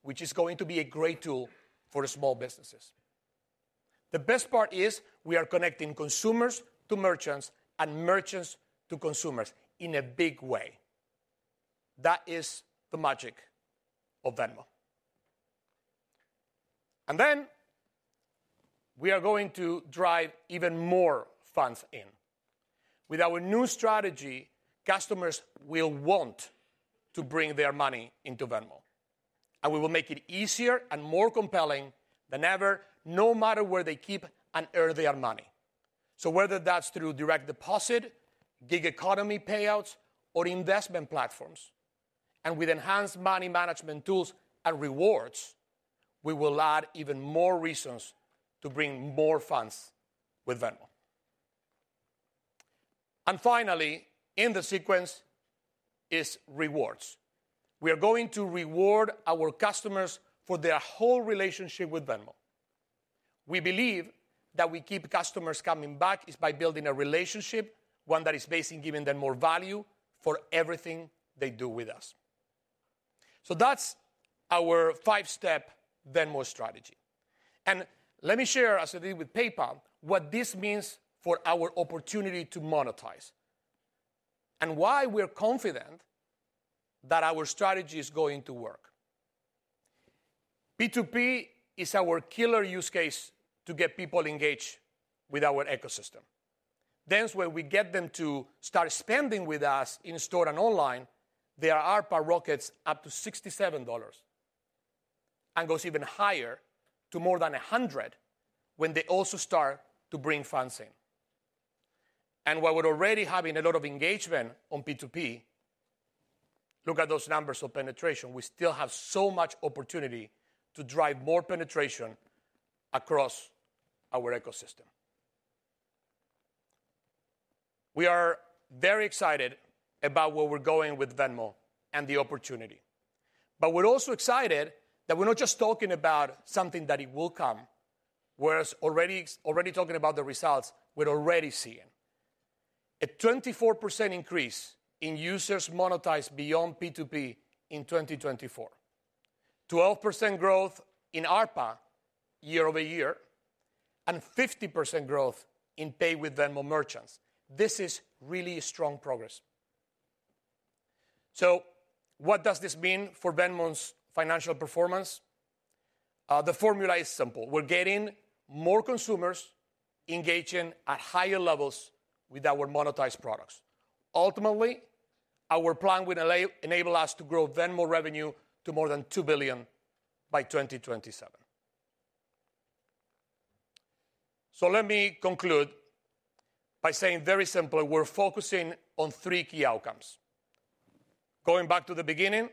which is going to be a great tool for small businesses. The best part is we are connecting consumers to merchants and merchants to consumers in a big way. That is the magic of Venmo. And then we are going to drive even more funds in. With our new strategy, customers will want to bring their money into Venmo. And we will make it easier and more compelling than ever, no matter where they keep and earn their money. So whether that's through direct deposit, gig economy payouts, or investment platforms. And with enhanced money management tools and rewards, we will add even more reasons to bring more funds with Venmo. And finally, in the sequence is rewards. We are going to reward our customers for their whole relationship with Venmo. We believe that we keep customers coming back is by building a relationship, one that is based in giving them more value for everything they do with us. So that's our five-step Venmo strategy. And let me share, as I did with PayPal, what this means for our opportunity to monetize and why we're confident that our strategy is going to work. P2P is our killer use case to get people engaged with our ecosystem. Then when we get them to start spending with us in store and online, their ARPA rockets up to $67 and goes even higher to more than $100 when they also start to bring funds in. And while we're already having a lot of engagement on P2P, look at those numbers of penetration. We still have so much opportunity to drive more penetration across our ecosystem. We are very excited about where we're going with Venmo and the opportunity. But we're also excited that we're not just talking about something that will come, we're already talking about the results we're already seeing. A 24% increase in users monetized beyond P2P in 2024, 12% growth in ARPA year over year, and 50% growth in Pay with Venmo merchants. This is really strong progress. So what does this mean for Venmo's financial performance? The formula is simple. We're getting more consumers engaging at higher levels with our monetized products. Ultimately, our plan will enable us to grow Venmo revenue to more than $2 billion by 2027. So let me conclude by saying very simply, we're focusing on three key outcomes. Going back to the beginning,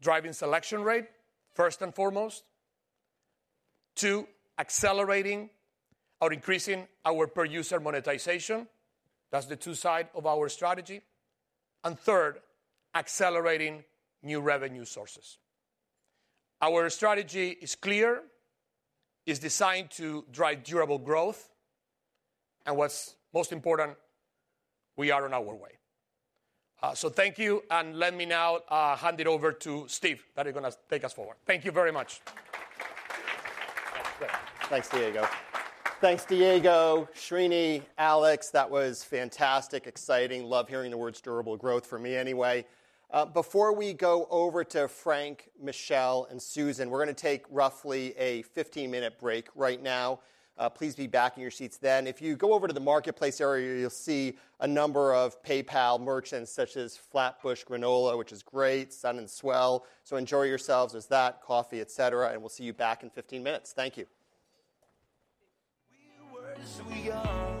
driving selection rate, first and foremost. Two, accelerating or increasing our per-user monetization. That's the two sides of our strategy. And third, accelerating new revenue sources. Our strategy is clear, is designed to drive durable growth. And what's most important, we are on our way. So thank you, and let me now hand it over to Steve that is going to take us forward. Thank you very much. Thanks, Diego. Thanks, Diego, Srini, Alex. That was fantastic, exciting. Love hearing the words durable growth for me anyway. Before we go over to Frank, Michelle, and Suzan, we're going to take roughly a 15-minute break right now. Please be back in your seats then. If you go over to the marketplace area, you'll see a number of PayPal merchants such as Flatbush Granola, which is great, Sun & Swell. So enjoy yourselves with that, coffee, etc. And we'll see you back in 15 minutes. Thank you. We were as we are.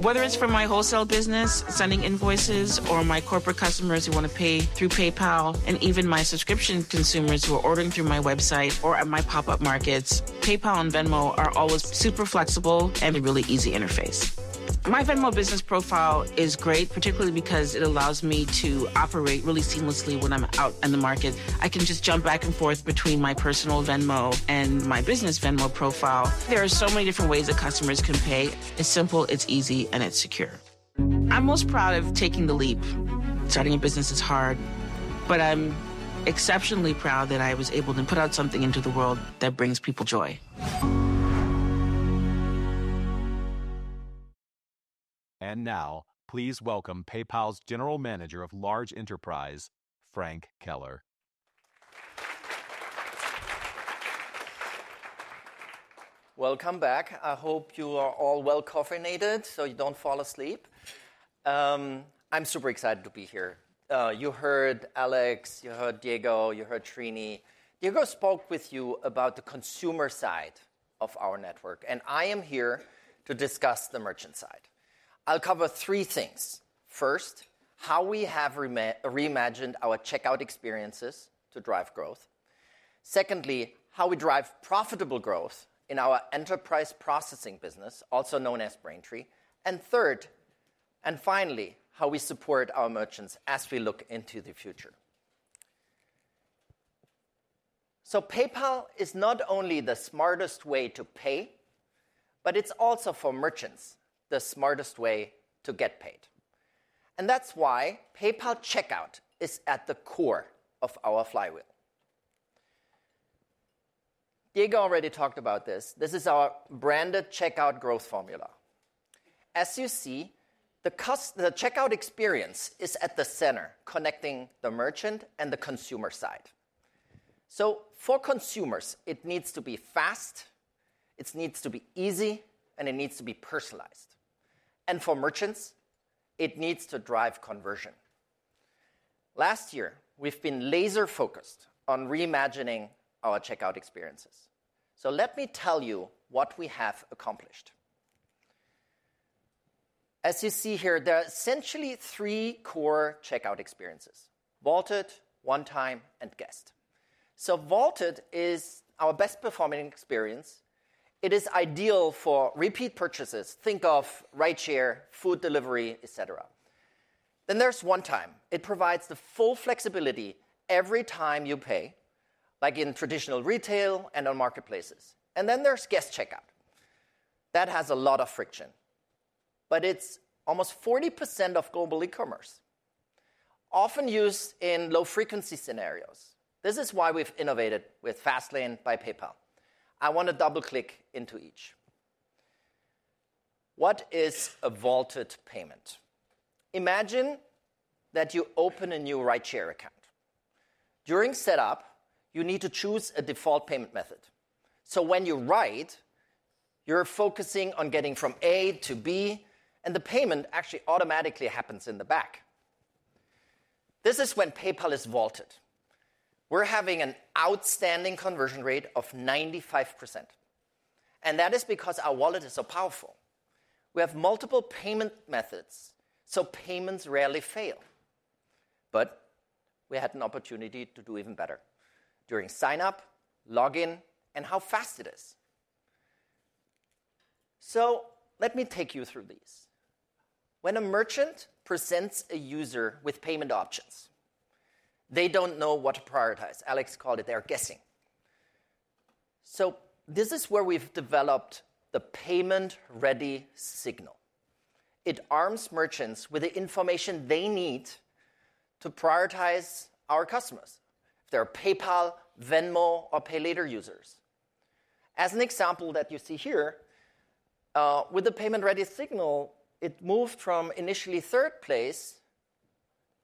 Whether it's for my wholesale business sending invoices or my corporate customers who want to pay through PayPal, and even my subscription consumers who are ordering through my website or at my pop-up markets, PayPal and Venmo are always super flexible and a really easy interface. My Venmo business profile is great, particularly because it allows me to operate really seamlessly when I'm out in the market. I can just jump back and forth between my personal Venmo and my business Venmo profile. There are so many different ways that customers can pay. It's simple, it's easy, and it's secure. I'm most proud of taking the leap. Starting a business is hard, but I'm exceptionally proud that I was able to put out something into the world that brings people joy. Now, please welcome PayPal's General Manager of Large Enterprise, Frank Keller. Welcome back. I hope you are all well coordinated so you don't fall asleep. I'm super excited to be here. You heard Alex, you heard Diego, you heard Srini. Diego spoke with you about the consumer side of our network, and I am here to discuss the merchant side. I'll cover three things. First, how we have reimagined our checkout experiences to drive growth. Secondly, how we drive profitable growth in our enterprise processing business, also known as Braintree. And third, and finally, how we support our merchants as we look into the future. So PayPal is not only the smartest way to pay, but it's also for merchants the smartest way to get paid. And that's why PayPal Checkout is at the core of our flywheel. Diego already talked about this. This is our branded checkout growth formula. As you see, the checkout experience is at the center, connecting the merchant and the consumer side, so for consumers, it needs to be fast, it needs to be easy, and it needs to be personalized, and for merchants, it needs to drive conversion. Last year, we've been laser-focused on reimagining our checkout experiences, so let me tell you what we have accomplished. As you see here, there are essentially three core checkout experiences: vaulted, one-time, and guest. So vaulted is our best-performing experience. It is ideal for repeat purchases. Think of rideshare, food delivery, et cetera, then there's one-time. It provides the full flexibility every time you pay, like in traditional retail and on marketplaces, and then there's guest checkout. That has a lot of friction, but it's almost 40% of global e-commerce, often used in low-frequency scenarios. This is why we've innovated with Fastlane by PayPal. I want to double-click into each. What is a vaulted payment? Imagine that you open a new rideshare account. During setup, you need to choose a default payment method, so when you ride, you're focusing on getting from A to B, and the payment actually automatically happens in the back. This is when PayPal is vaulted. We're having an outstanding conversion rate of 95%, and that is because our wallet is so powerful. We have multiple payment methods, so payments rarely fail, but we had an opportunity to do even better during sign-up, login, and how fast it is, so let me take you through these. When a merchant presents a user with payment options, they don't know what to prioritize. Alex called it; they're guessing, so this is where we've developed the payment-ready signal. It arms merchants with the information they need to prioritize our customers, if they're PayPal, Venmo, Pay Later users. As an example that you see here, with the payment-ready signal, it moved from initially third place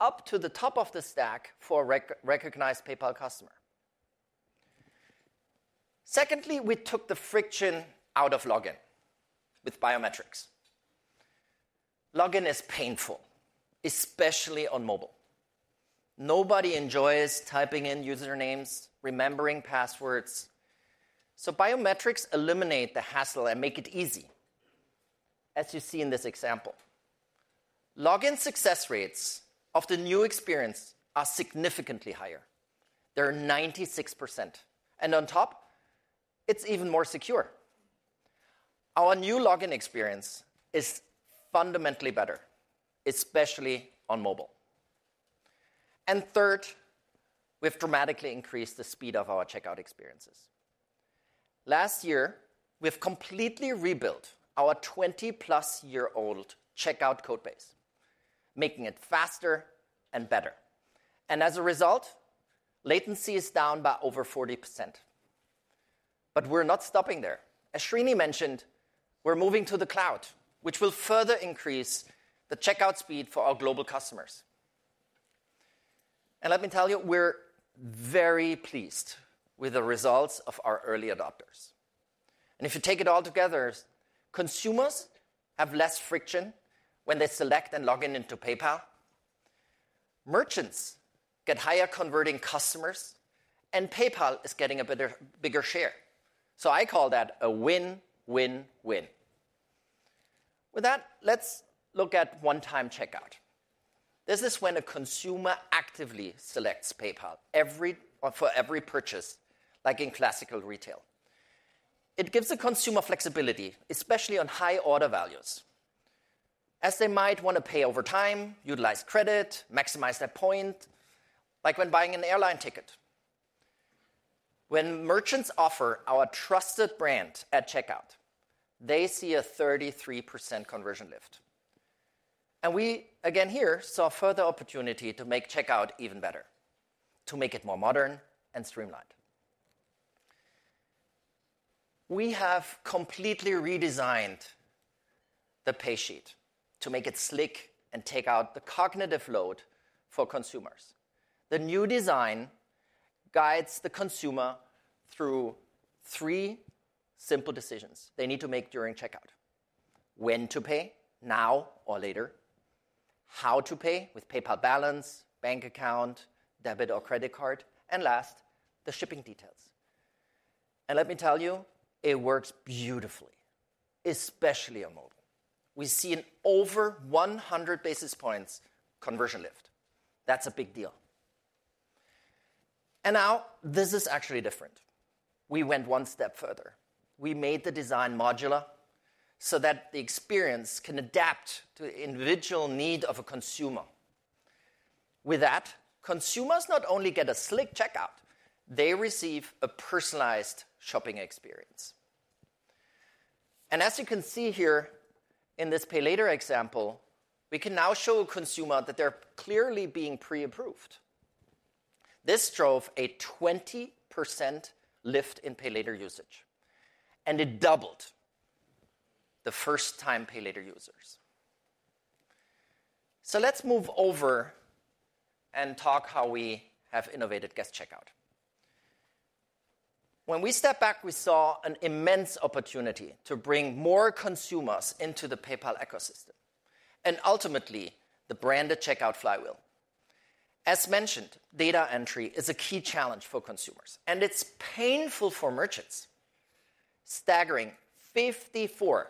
up to the top of the stack for a recognized PayPal customer. Secondly, we took the friction out of login with biometrics. Login is painful, especially on mobile. Nobody enjoys typing in usernames, remembering passwords. So biometrics eliminate the hassle and make it easy, as you see in this example. Login success rates of the new experience are significantly higher. They're 96%. And on top, it's even more secure. Our new login experience is fundamentally better, especially on mobile. And third, we've dramatically increased the speed of our checkout experiences. Last year, we've completely rebuilt our 20+-year-old checkout code base, making it faster and better. And as a result, latency is down by over 40%. But we're not stopping there. As Srini mentioned, we're moving to the cloud, which will further increase the checkout speed for our global customers. And let me tell you, we're very pleased with the results of our early adopters. And if you take it all together, consumers have less friction when they select and log in into PayPal. Merchants get higher converting customers, and PayPal is getting a bigger share. So I call that a win-win-win. With that, let's look at one-time checkout. This is when a consumer actively selects PayPal for every purchase, like in classical retail. It gives the consumer flexibility, especially on high order values, as they might want to pay over time, utilize credit, maximize their point, like when buying an airline ticket. When merchants offer our trusted brand at checkout, they see a 33% conversion lift, and we, again here, saw further opportunity to make checkout even better, to make it more modern and streamlined. We have completely redesigned the paysheet to make it slick and take out the cognitive load for consumers. The new design guides the consumer through three simple decisions they need to make during checkout: when to pay, now or later, how to pay with PayPal balance, bank account, debit, or credit card, and last, the shipping details, and let me tell you, it works beautifully, especially on mobile. We see an over 100 bps conversion lift. That's a big deal, and now, this is actually different. We went one step further. We made the design modular so that the experience can adapt to the individual need of a consumer. With that, consumers not only get a slick checkout, they receive a personalized shopping experience. And as you can see here in Pay Later example, we can now show a consumer that they're clearly being pre-approved. This drove a 20% lift Pay Later usage, and it doubled the Pay Later users. So let's move over and talk about how we have innovated guest checkout. When we stepped back, we saw an immense opportunity to bring more consumers into the PayPal ecosystem and ultimately the branded checkout flywheel. As mentioned, data entry is a key challenge for consumers, and it's painful for merchants. Staggering 54%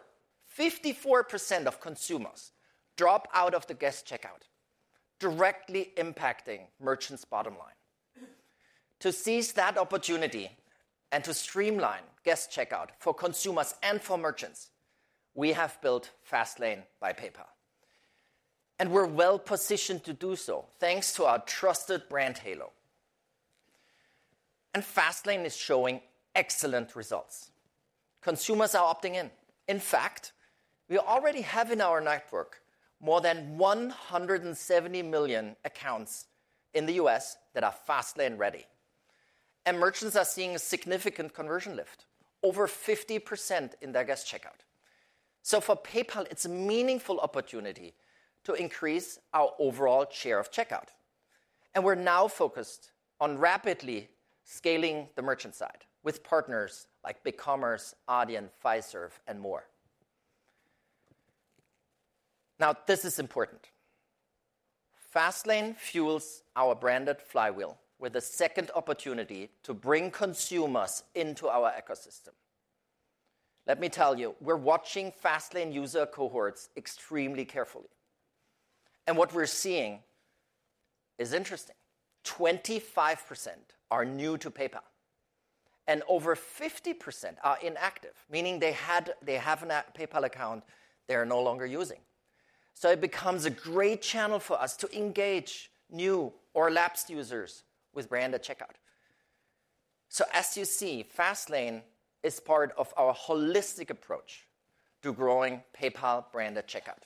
of consumers drop out of the guest checkout, directly impacting merchants' bottom line. To seize that opportunity and to streamline guest checkout for consumers and for merchants, we have built Fastlane by PayPal. And we're well-positioned to do so thanks to our trusted brand, halo. Fastlane is showing excellent results. Consumers are opting in. In fact, we already have in our network more than 170 million accounts in the U.S. that are Fastlane-ready. Merchants are seeing a significant conversion lift, over 50% in their guest checkout. For PayPal, it's a meaningful opportunity to increase our overall share of checkout. We're now focused on rapidly scaling the merchant side with partners like BigCommerce, Adyen, Fiserv, and more. Now, this is important. Fastlane fuels our branded flywheel with a second opportunity to bring consumers into our ecosystem. Let me tell you, we're watching Fastlane user cohorts extremely carefully. What we're seeing is interesting. 25% are new to PayPal, and over 50% are inactive, meaning they had a PayPal account they're no longer using. It becomes a great channel for us to engage new or lapsed users with branded checkout. So as you see, Fastlane is part of our holistic approach to growing PayPal branded checkout.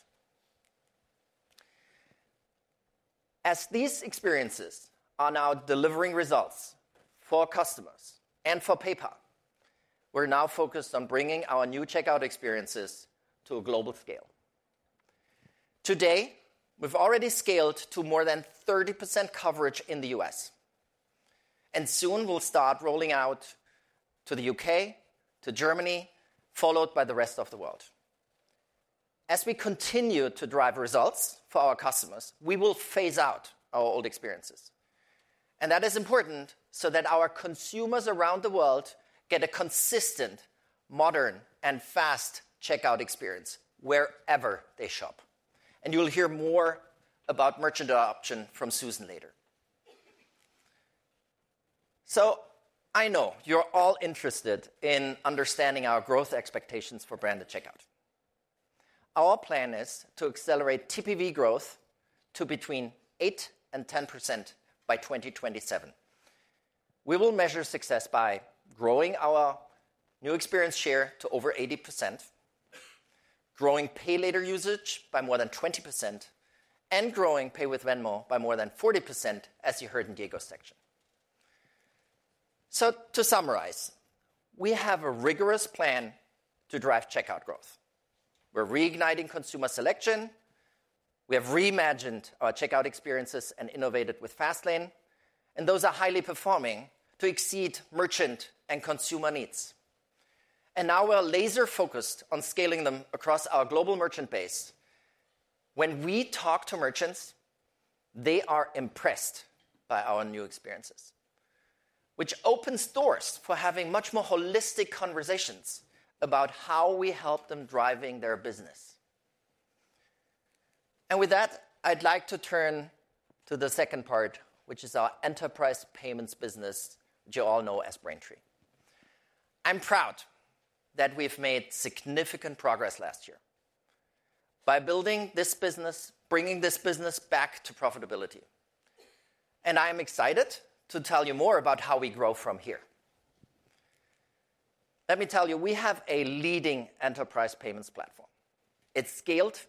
As these experiences are now delivering results for customers and for PayPal, we're now focused on bringing our new checkout experiences to a global scale. Today, we've already scaled to more than 30% coverage in the U.S. And soon, we'll start rolling out to the U.K., to Germany, followed by the rest of the world. As we continue to drive results for our customers, we will phase out our old experiences. And that is important so that our consumers around the world get a consistent, modern, and fast checkout experience wherever they shop. And you'll hear more about merchant adoption from Suzan later. So I know you're all interested in understanding our growth expectations for branded checkout. Our plan is to accelerate TPV growth to between 8% and 10% by 2027. We will measure success by growing our new experience share to over 80%, Pay Later usage by more than 20%, and growing Pay with Venmo by more than 40%, as you heard in Diego's section, so to summarize, we have a rigorous plan to drive checkout growth. We're reigniting consumer selection. We have reimagined our checkout experiences and innovated with Fastlane, and those are highly performing to exceed merchant and consumer needs, and now we're laser-focused on scaling them across our global merchant base. When we talk to merchants, they are impressed by our new experiences, which opens doors for having much more holistic conversations about how we help them drive their business, and with that, I'd like to turn to the second part, which is our enterprise payments business, which you all know as Braintree. I'm proud that we've made significant progress last year by building this business, bringing this business back to profitability, and I am excited to tell you more about how we grow from here. Let me tell you, we have a leading enterprise payments platform. It's scaled.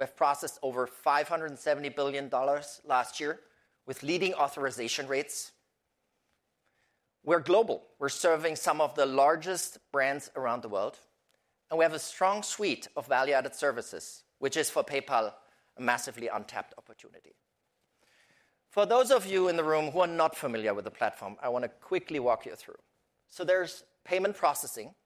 We've processed over $570 billion last year with leading authorization rates. We're global. We're serving some of the largest brands around the world, and we have a strong suite of value-added services, which is, for PayPal, a massively untapped opportunity. For those of you in the room who are not familiar with the platform, I want to quickly walk you through, so there's payment processing.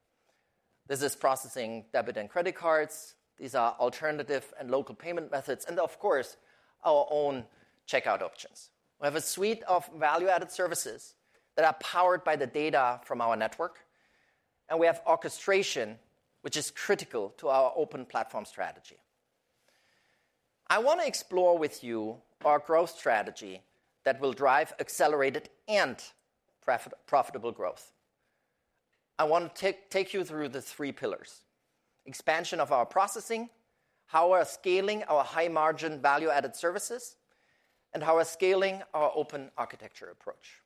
This is processing debit and credit cards. These are alternative and local payment methods, and of course, our own checkout options. We have a suite of value-added services that are powered by the data from our network. We have orchestration, which is critical to our open platform strategy. I want to explore with you our growth strategy that will drive accelerated and profitable growth. I want to take you through the three pillars: expansion of our processing, how we're scaling our high-margin value-added services, and how we're scaling our open architecture approach.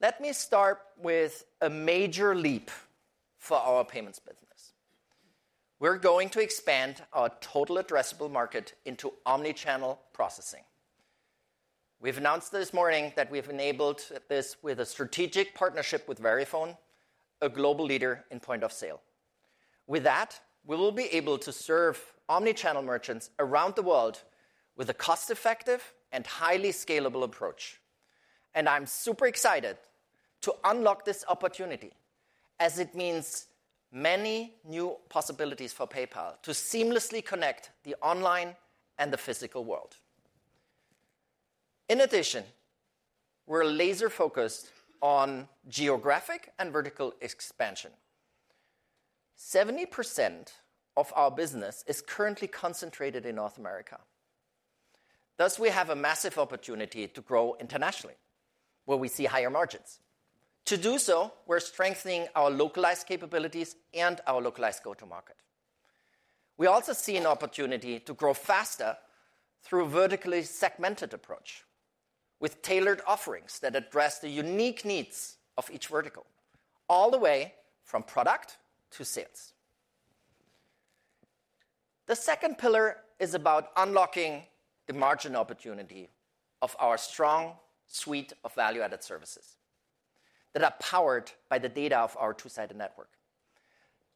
Let me start with a major leap for our payments business. We're going to expand our total addressable market into omnichannel processing. We've announced this morning that we've enabled this with a strategic partnership with Verifone, a global leader in point of sale. With that, we will be able to serve omnichannel merchants around the world with a cost-effective and highly scalable approach. I'm super excited to unlock this opportunity, as it means many new possibilities for PayPal to seamlessly connect the online and the physical world. In addition, we're laser-focused on geographic and vertical expansion. 70% of our business is currently concentrated in North America. Thus, we have a massive opportunity to grow internationally, where we see higher margins. To do so, we're strengthening our localized capabilities and our localized go-to-market. We also see an opportunity to grow faster through a vertically segmented approach with tailored offerings that address the unique needs of each vertical, all the way from product to sales. The second pillar is about unlocking the margin opportunity of our strong suite of value-added services that are powered by the data of our two-sided network.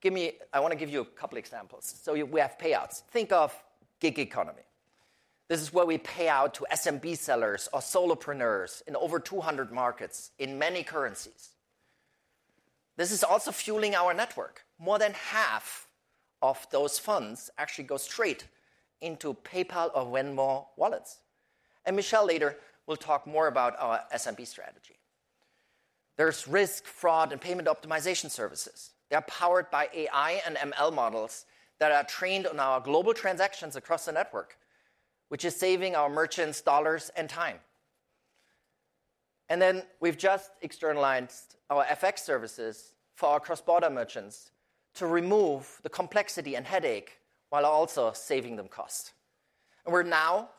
I want to give you a couple of examples. So we have payouts. Think of gig economy. This is where we pay out to SMB sellers or solopreneurs in over 200 markets in many currencies. This is also fueling our network. More than half of those funds actually go straight into PayPal or Venmo wallets, and Michelle later will talk more about our SMB strategy. There's risk, fraud, and payment optimization services. They're powered by AI and ML models that are trained on our global transactions across the network, which is saving our merchants' dollars and time, and then we've just externalized our FX services for our cross-border merchants to remove the complexity and headache while also saving them cost. And we're now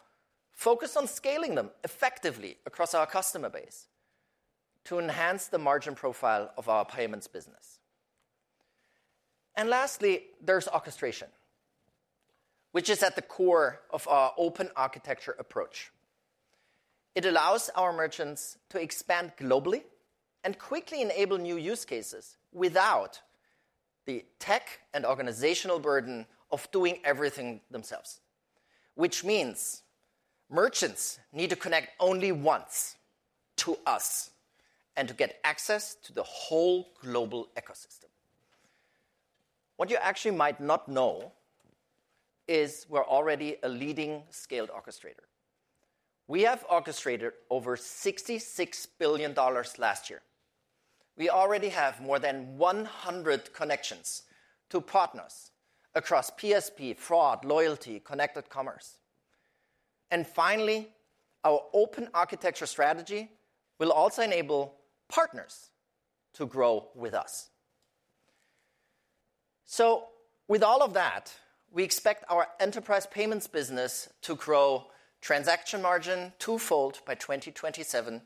focused on scaling them effectively across our customer base to enhance the margin profile of our payments business, and lastly, there's orchestration, which is at the core of our open architecture approach. It allows our merchants to expand globally and quickly enable new use cases without the tech and organizational burden of doing everything themselves, which means merchants need to connect only once to us and to get access to the whole global ecosystem. What you actually might not know is we're already a leading scaled orchestrator. We have orchestrated over $66 billion last year. We already have more than 100 connections to partners across PSP, fraud, loyalty, connected commerce. And finally, our open architecture strategy will also enable partners to grow with us. So with all of that, we expect our enterprise payments business to grow transaction margin twofold by 2027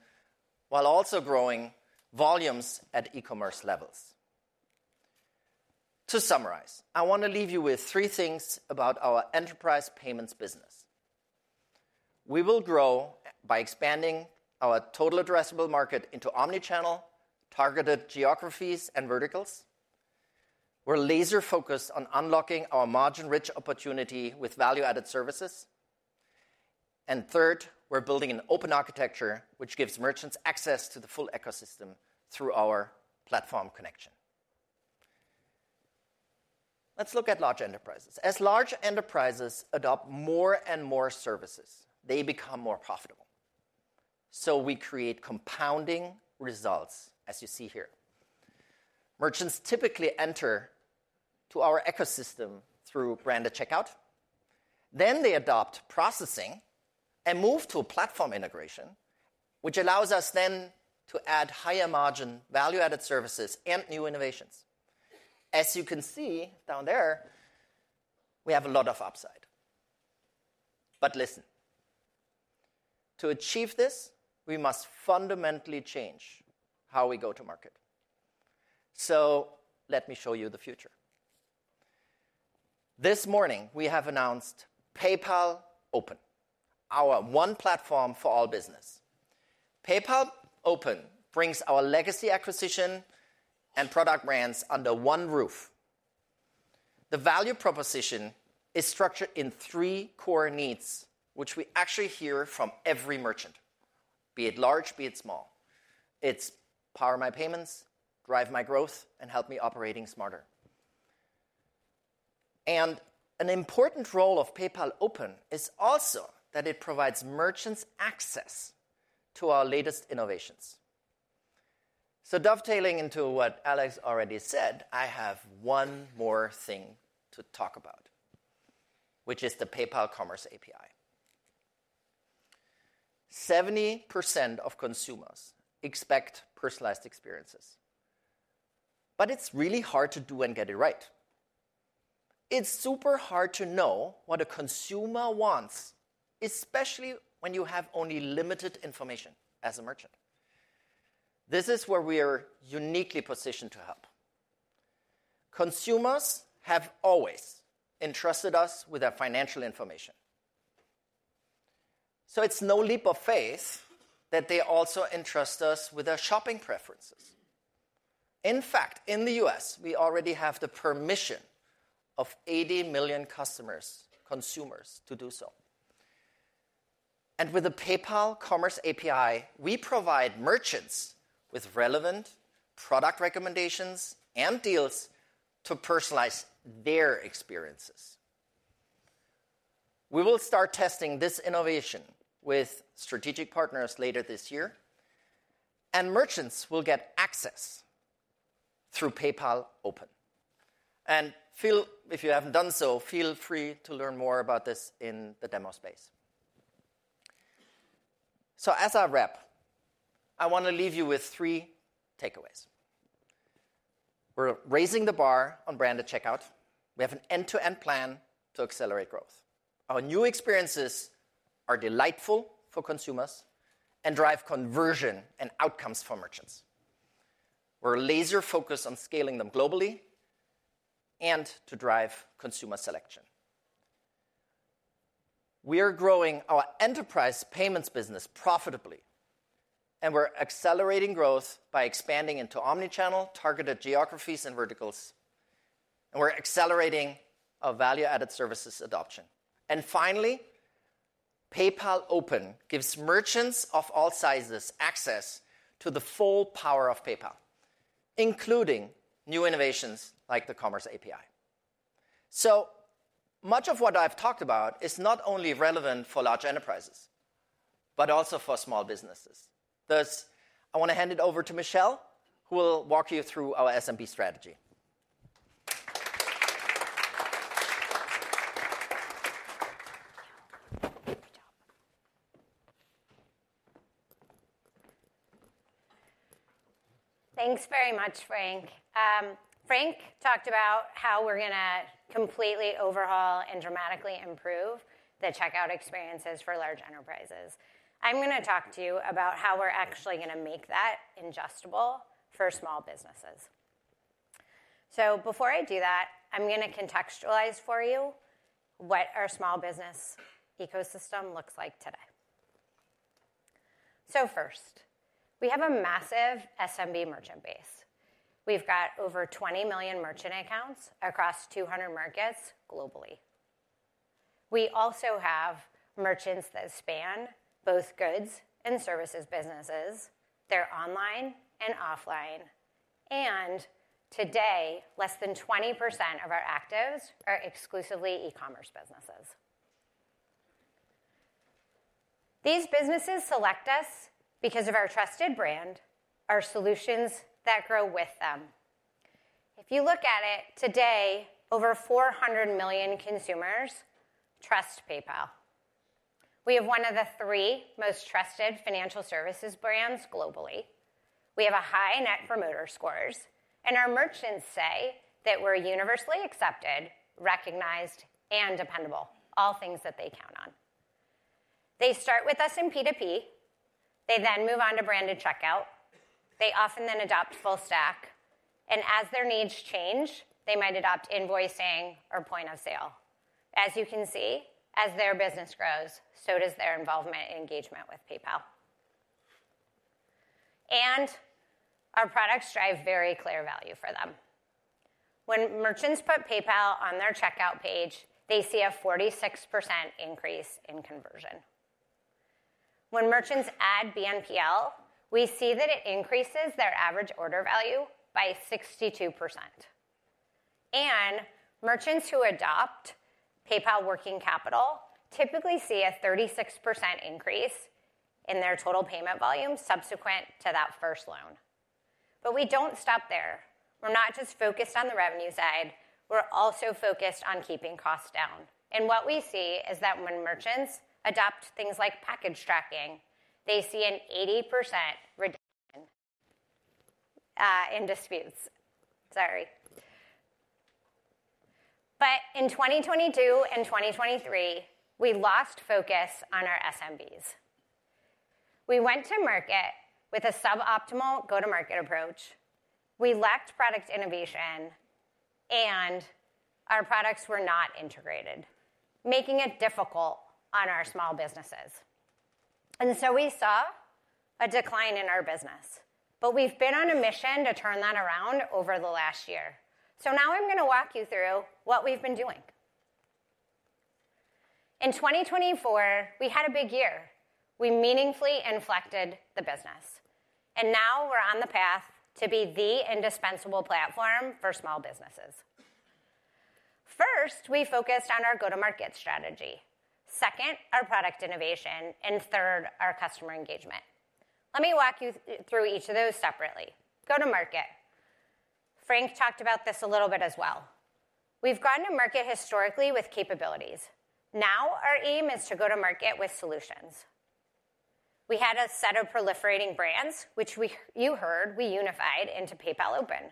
while also growing volumes at e-commerce levels. To summarize, I want to leave you with three things about our enterprise payments business. We will grow by expanding our total addressable market into omnichannel, targeted geographies, and verticals. We're laser-focused on unlocking our margin-rich opportunity with value-added services. And third, we're building an open architecture which gives merchants access to the full ecosystem through our platform connection. Let's look at large enterprises. As large enterprises adopt more and more services, they become more profitable. So we create compounding results, as you see here. Merchants typically enter to our ecosystem through branded checkout. Then they adopt processing and move to a platform integration, which allows us then to add higher margin value-added services and new innovations. As you can see down there, we have a lot of upside. But listen, to achieve this, we must fundamentally change how we go to market. So let me show you the future. This morning, we have announced PayPal Open, our one platform for all business. PayPal Open brings our legacy acquisition and product brands under one roof. The value proposition is structured in three core needs, which we actually hear from every merchant, be it large, be it small. It's power my payments, drive my growth, and help me operate smarter. And an important role of PayPal Open is also that it provides merchants access to our latest innovations. So dovetailing into what Alex already said, I have one more thing to talk about, which is the PayPal Commerce API. 70% of consumers expect personalized experiences. But it's really hard to do and get it right. It's super hard to know what a consumer wants, especially when you have only limited information as a merchant. This is where we are uniquely positioned to help. Consumers have always entrusted us with their financial information. So it's no leap of faith that they also entrust us with their shopping preferences. In fact, in the U.S., we already have the permission of 80 million customers, consumers, to do so. And with the PayPal Commerce API, we provide merchants with relevant product recommendations and deals to personalize their experiences. We will start testing this innovation with strategic partners later this year. And merchants will get access through PayPal Open. And if you haven't done so, feel free to learn more about this in the demo space. So as our wrap, I want to leave you with three takeaways. We're raising the bar on branded checkout. We have an end-to-end plan to accelerate growth. Our new experiences are delightful for consumers and drive conversion and outcomes for merchants. We're laser-focused on scaling them globally and to drive consumer selection. We are growing our enterprise payments business profitably. And we're accelerating growth by expanding into omnichannel, targeted geographies, and verticals. We're accelerating our value-added services adoption. Finally, PayPal Open gives merchants of all sizes access to the full power of PayPal, including new innovations like the Commerce API. Much of what I've talked about is not only relevant for large enterprises, but also for small businesses. I want to hand it over to Michelle, who will walk you through our SMB strategy. Thanks very much, Frank. Frank talked about how we're going to completely overhaul and dramatically improve the checkout experiences for large enterprises. I'm going to talk to you about how we're actually going to make that adjustable for small businesses. So before I do that, I'm going to contextualize for you what our small business ecosystem looks like today. So first, we have a massive SMB merchant base. We've got over 20 million merchant accounts across 200 markets globally. We also have merchants that span both goods and services businesses, their online and offline. And today, less than 20% of our actives are exclusively e-commerce businesses. These businesses select us because of our trusted brand, our solutions that grow with them. If you look at it today, over 400 million consumers trust PayPal. We have one of the three most trusted financial services brands globally. We have high net promoter scores, and our merchants say that we're universally accepted, recognized, and dependable, all things that they count on. They start with us in P2P. They then move on to branded checkout. They often then adopt full stack, and as their needs change, they might adopt invoicing or point of sale. As you can see, as their business grows, so does their involvement and engagement with PayPal, and our products drive very clear value for them. When merchants put PayPal on their checkout page, they see a 46% increase in conversion. When merchants add BNPL, we see that it increases their average order value by 62%, and merchants who adopt PayPal Working Capital typically see a 36% increase in their total payment volume subsequent to that first loan, but we don't stop there. We're not just focused on the revenue side. We're also focused on keeping costs down. And what we see is that when merchants adopt things like package tracking, they see an 80% reduction in disputes. Sorry. But in 2022 and 2023, we lost focus on our SMBs. We went to market with a suboptimal go-to-market approach. We lacked product innovation. And our products were not integrated, making it difficult on our small businesses. And so we saw a decline in our business. But we've been on a mission to turn that around over the last year. So now I'm going to walk you through what we've been doing. In 2024, we had a big year. We meaningfully inflected the business. And now we're on the path to be the indispensable platform for small businesses. First, we focused on our go-to-market strategy. Second, our product innovation. And third, our customer engagement. Let me walk you through each of those separately. Go-to-market. Frank talked about this a little bit as well. We've gone to market historically with capabilities. Now our aim is to go-to-market with solutions. We had a set of proliferating brands, which you heard we unified into PayPal Open.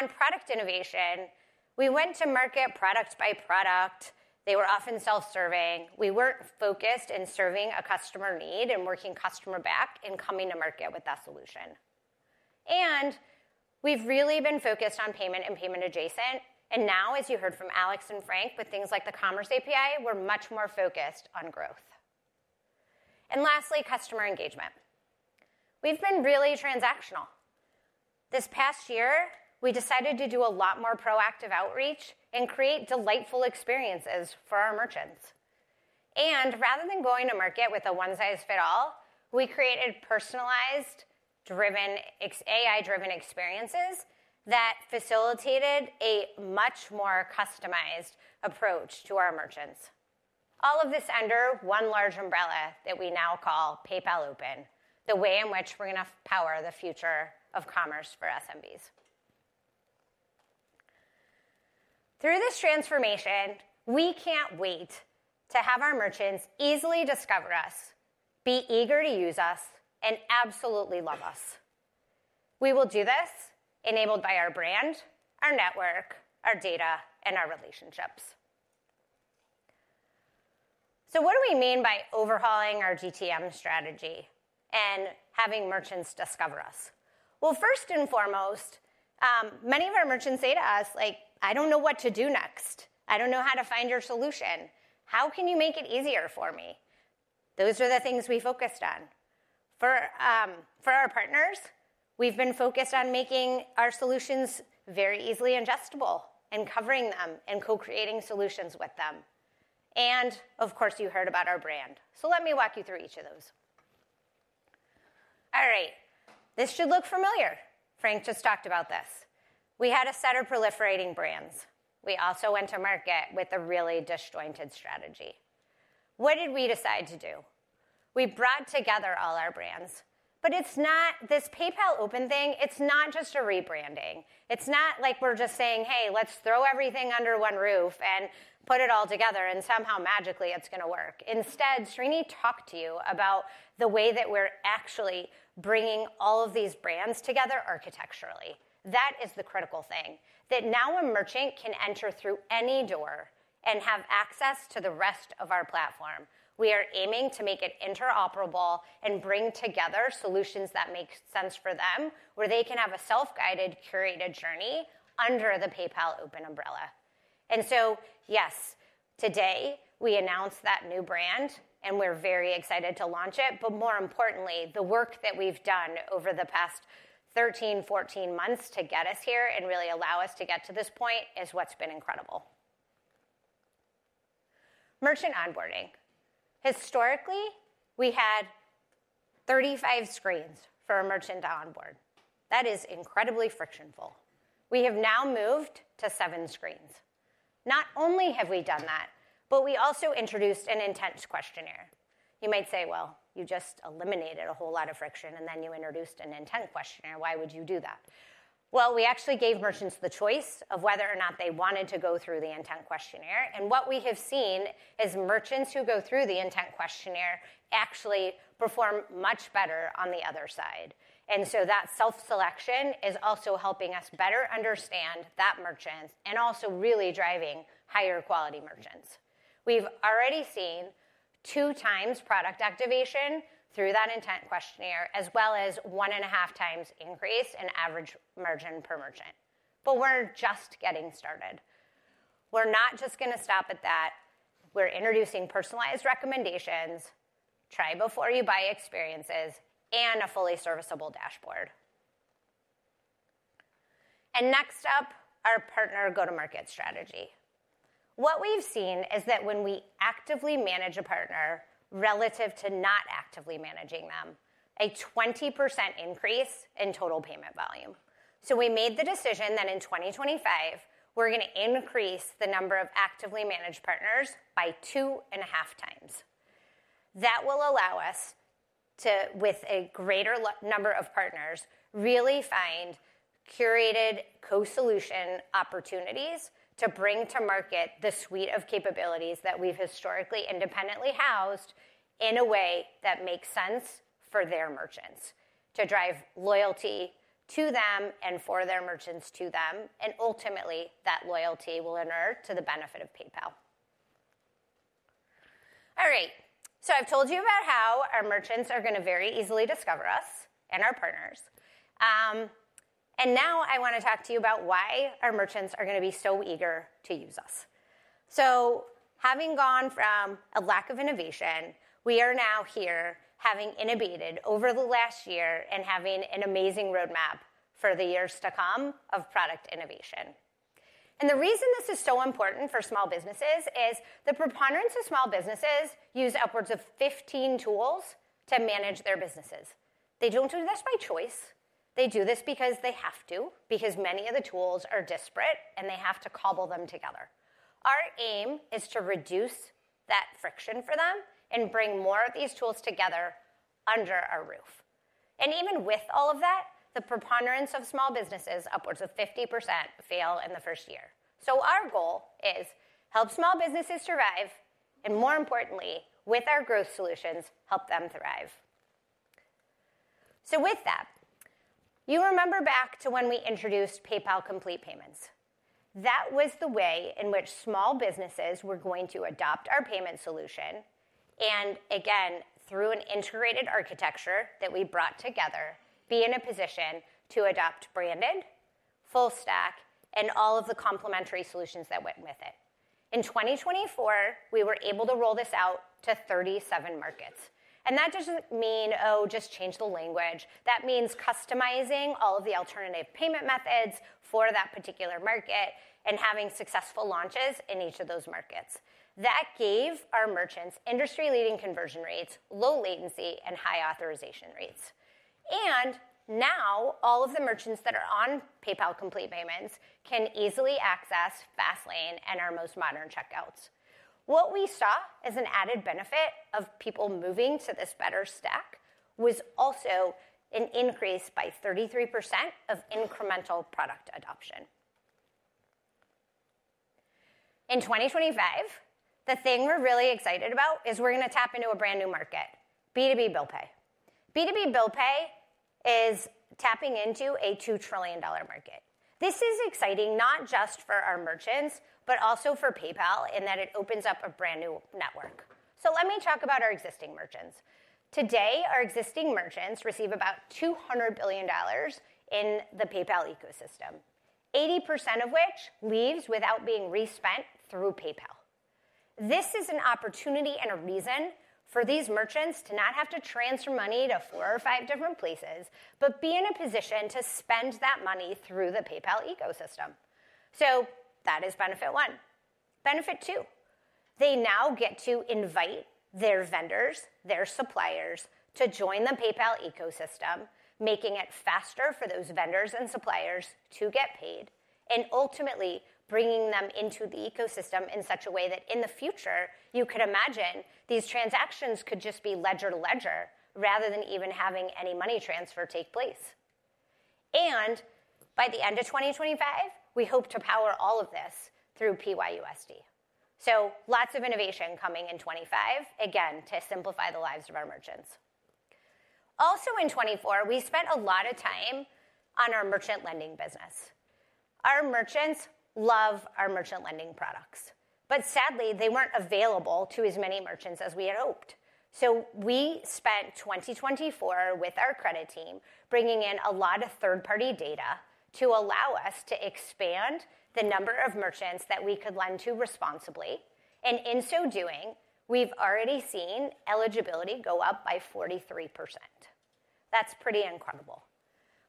On product innovation, we went to market product by product. They were often self-serving. We weren't focused in serving a customer need and working customer back and coming to market with that solution, and we've really been focused on payment and payment adjacent. And now, as you heard from Alex and Frank with things like the Commerce API, we're much more focused on growth. Lastly, customer engagement. We've been really transactional. This past year, we decided to do a lot more proactive outreach and create delightful experiences for our merchants. Rather than going to market with a one-size-fits-all, we created personalized, AI-driven experiences that facilitated a much more customized approach to our merchants. All of this under one large umbrella that we now call PayPal Open, the way in which we're going to power the future of commerce for SMBs. Through this transformation, we can't wait to have our merchants easily discover us, be eager to use us, and absolutely love us. We will do this enabled by our brand, our network, our data, and our relationships. So what do we mean by overhauling our GTM strategy and having merchants discover us? Well, first and foremost, many of our merchants say to us, "I don't know what to do next. I don't know how to find your solution. How can you make it easier for me?" Those are the things we focused on. For our partners, we've been focused on making our solutions very easily adjustable and covering them and co-creating solutions with them, and of course, you heard about our brand, so let me walk you through each of those. All right. This should look familiar. Frank just talked about this. We had a set of proliferating brands. We also went to market with a really disjointed strategy. What did we decide to do? We brought together all our brands, but it's not this PayPal Open thing. It's not just a rebranding. It's not like we're just saying, "Hey, let's throw everything under one roof and put it all together, and somehow magically it's going to work." Instead, Srini talked to you about the way that we're actually bringing all of these brands together architecturally. That is the critical thing, that now a merchant can enter through any door and have access to the rest of our platform. We are aiming to make it interoperable and bring together solutions that make sense for them, where they can have a self-guided, curated journey under the PayPal Open umbrella. And so yes, today we announced that new brand, and we're very excited to launch it. But more importantly, the work that we've done over the past 13, 14 months to get us here and really allow us to get to this point is what's been incredible. Merchant onboarding. Historically, we had 35 screens for a merchant to onboard. That is incredibly friction-full. We have now moved to seven screens. Not only have we done that, but we also introduced an intent questionnaire. You might say, "Well, you just eliminated a whole lot of friction, and then you introduced an intent questionnaire. Why would you do that?" Well, we actually gave merchants the choice of whether or not they wanted to go through the intent questionnaire. And what we have seen is merchants who go through the intent questionnaire actually perform much better on the other side. And so that self-selection is also helping us better understand that merchant and also really driving higher quality merchants. We've already seen two times product activation through that intent questionnaire, as well as one and a half times increase in average margin per merchant. But we're just getting started. We're not just going to stop at that. We're introducing personalized recommendations, try-before-you-buy experiences, and a fully serviceable dashboard. And next up, our partner go-to-market strategy. What we've seen is that when we actively manage a partner relative to not actively managing them, a 20% increase in total payment volume. So we made the decision that in 2025, we're going to increase the number of actively managed partners by two and a half times. That will allow us, with a greater number of partners, really find curated co-solution opportunities to bring to market the suite of capabilities that we've historically independently housed in a way that makes sense for their merchants, to drive loyalty to them and for their merchants to them. And ultimately, that loyalty will inherit to the benefit of PayPal. All right. So I've told you about how our merchants are going to very easily discover us and our partners. And now I want to talk to you about why our merchants are going to be so eager to use us. Having gone from a lack of innovation, we are now here having innovated over the last year and having an amazing roadmap for the years to come of product innovation. The reason this is so important for small businesses is the preponderance of small businesses use upwards of 15 tools to manage their businesses. They don't do this by choice. They do this because they have to, because many of the tools are disparate and they have to cobble them together. Our aim is to reduce that friction for them and bring more of these tools together under our roof. Even with all of that, the preponderance of small businesses, upwards of 50%, fail in the first year. Our goal is to help small businesses survive and, more importantly, with our growth solutions, help them thrive. So with that, you remember back to when we introduced PayPal Complete Payments. That was the way in which small businesses were going to adopt our payment solution. And again, through an integrated architecture that we brought together, be in a position to adopt branded, full stack, and all of the complementary solutions that went with it. In 2024, we were able to roll this out to 37 markets. And that doesn't mean, "Oh, just change the language." That means customizing all of the alternative payment methods for that particular market and having successful launches in each of those markets. That gave our merchants industry-leading conversion rates, low latency, and high authorization rates. And now all of the merchants that are on PayPal Complete Payments can easily access Fastlane and our most modern checkouts. What we saw as an added benefit of people moving to this better stack was also an increase by 33% of incremental product adoption. In 2025, the thing we're really excited about is we're going to tap into a brand new market, B2B bill pay. B2B bill pay is tapping into a $2 trillion market. This is exciting not just for our merchants, but also for PayPal in that it opens up a brand new network. So let me talk about our existing merchants. Today, our existing merchants receive about $200 billion in the PayPal ecosystem, 80% of which leaves without being re-spent through PayPal. This is an opportunity and a reason for these merchants to not have to transfer money to four or five different places, but be in a position to spend that money through the PayPal ecosystem. So that is benefit one. Benefit two. They now get to invite their vendors, their suppliers to join the PayPal ecosystem, making it faster for those vendors and suppliers to get paid and ultimately bringing them into the ecosystem in such a way that in the future, you could imagine these transactions could just be ledger to ledger rather than even having any money transfer take place. And by the end of 2025, we hope to power all of this through PYUSD. So lots of innovation coming in 2025, again, to simplify the lives of our merchants. Also in 2024, we spent a lot of time on our merchant lending business. Our merchants love our merchant lending products, but sadly, they weren't available to as many merchants as we had hoped. We spent 2024 with our credit team bringing in a lot of third-party data to allow us to expand the number of merchants that we could lend to responsibly. In so doing, we've already seen eligibility go up by 43%. That's pretty incredible.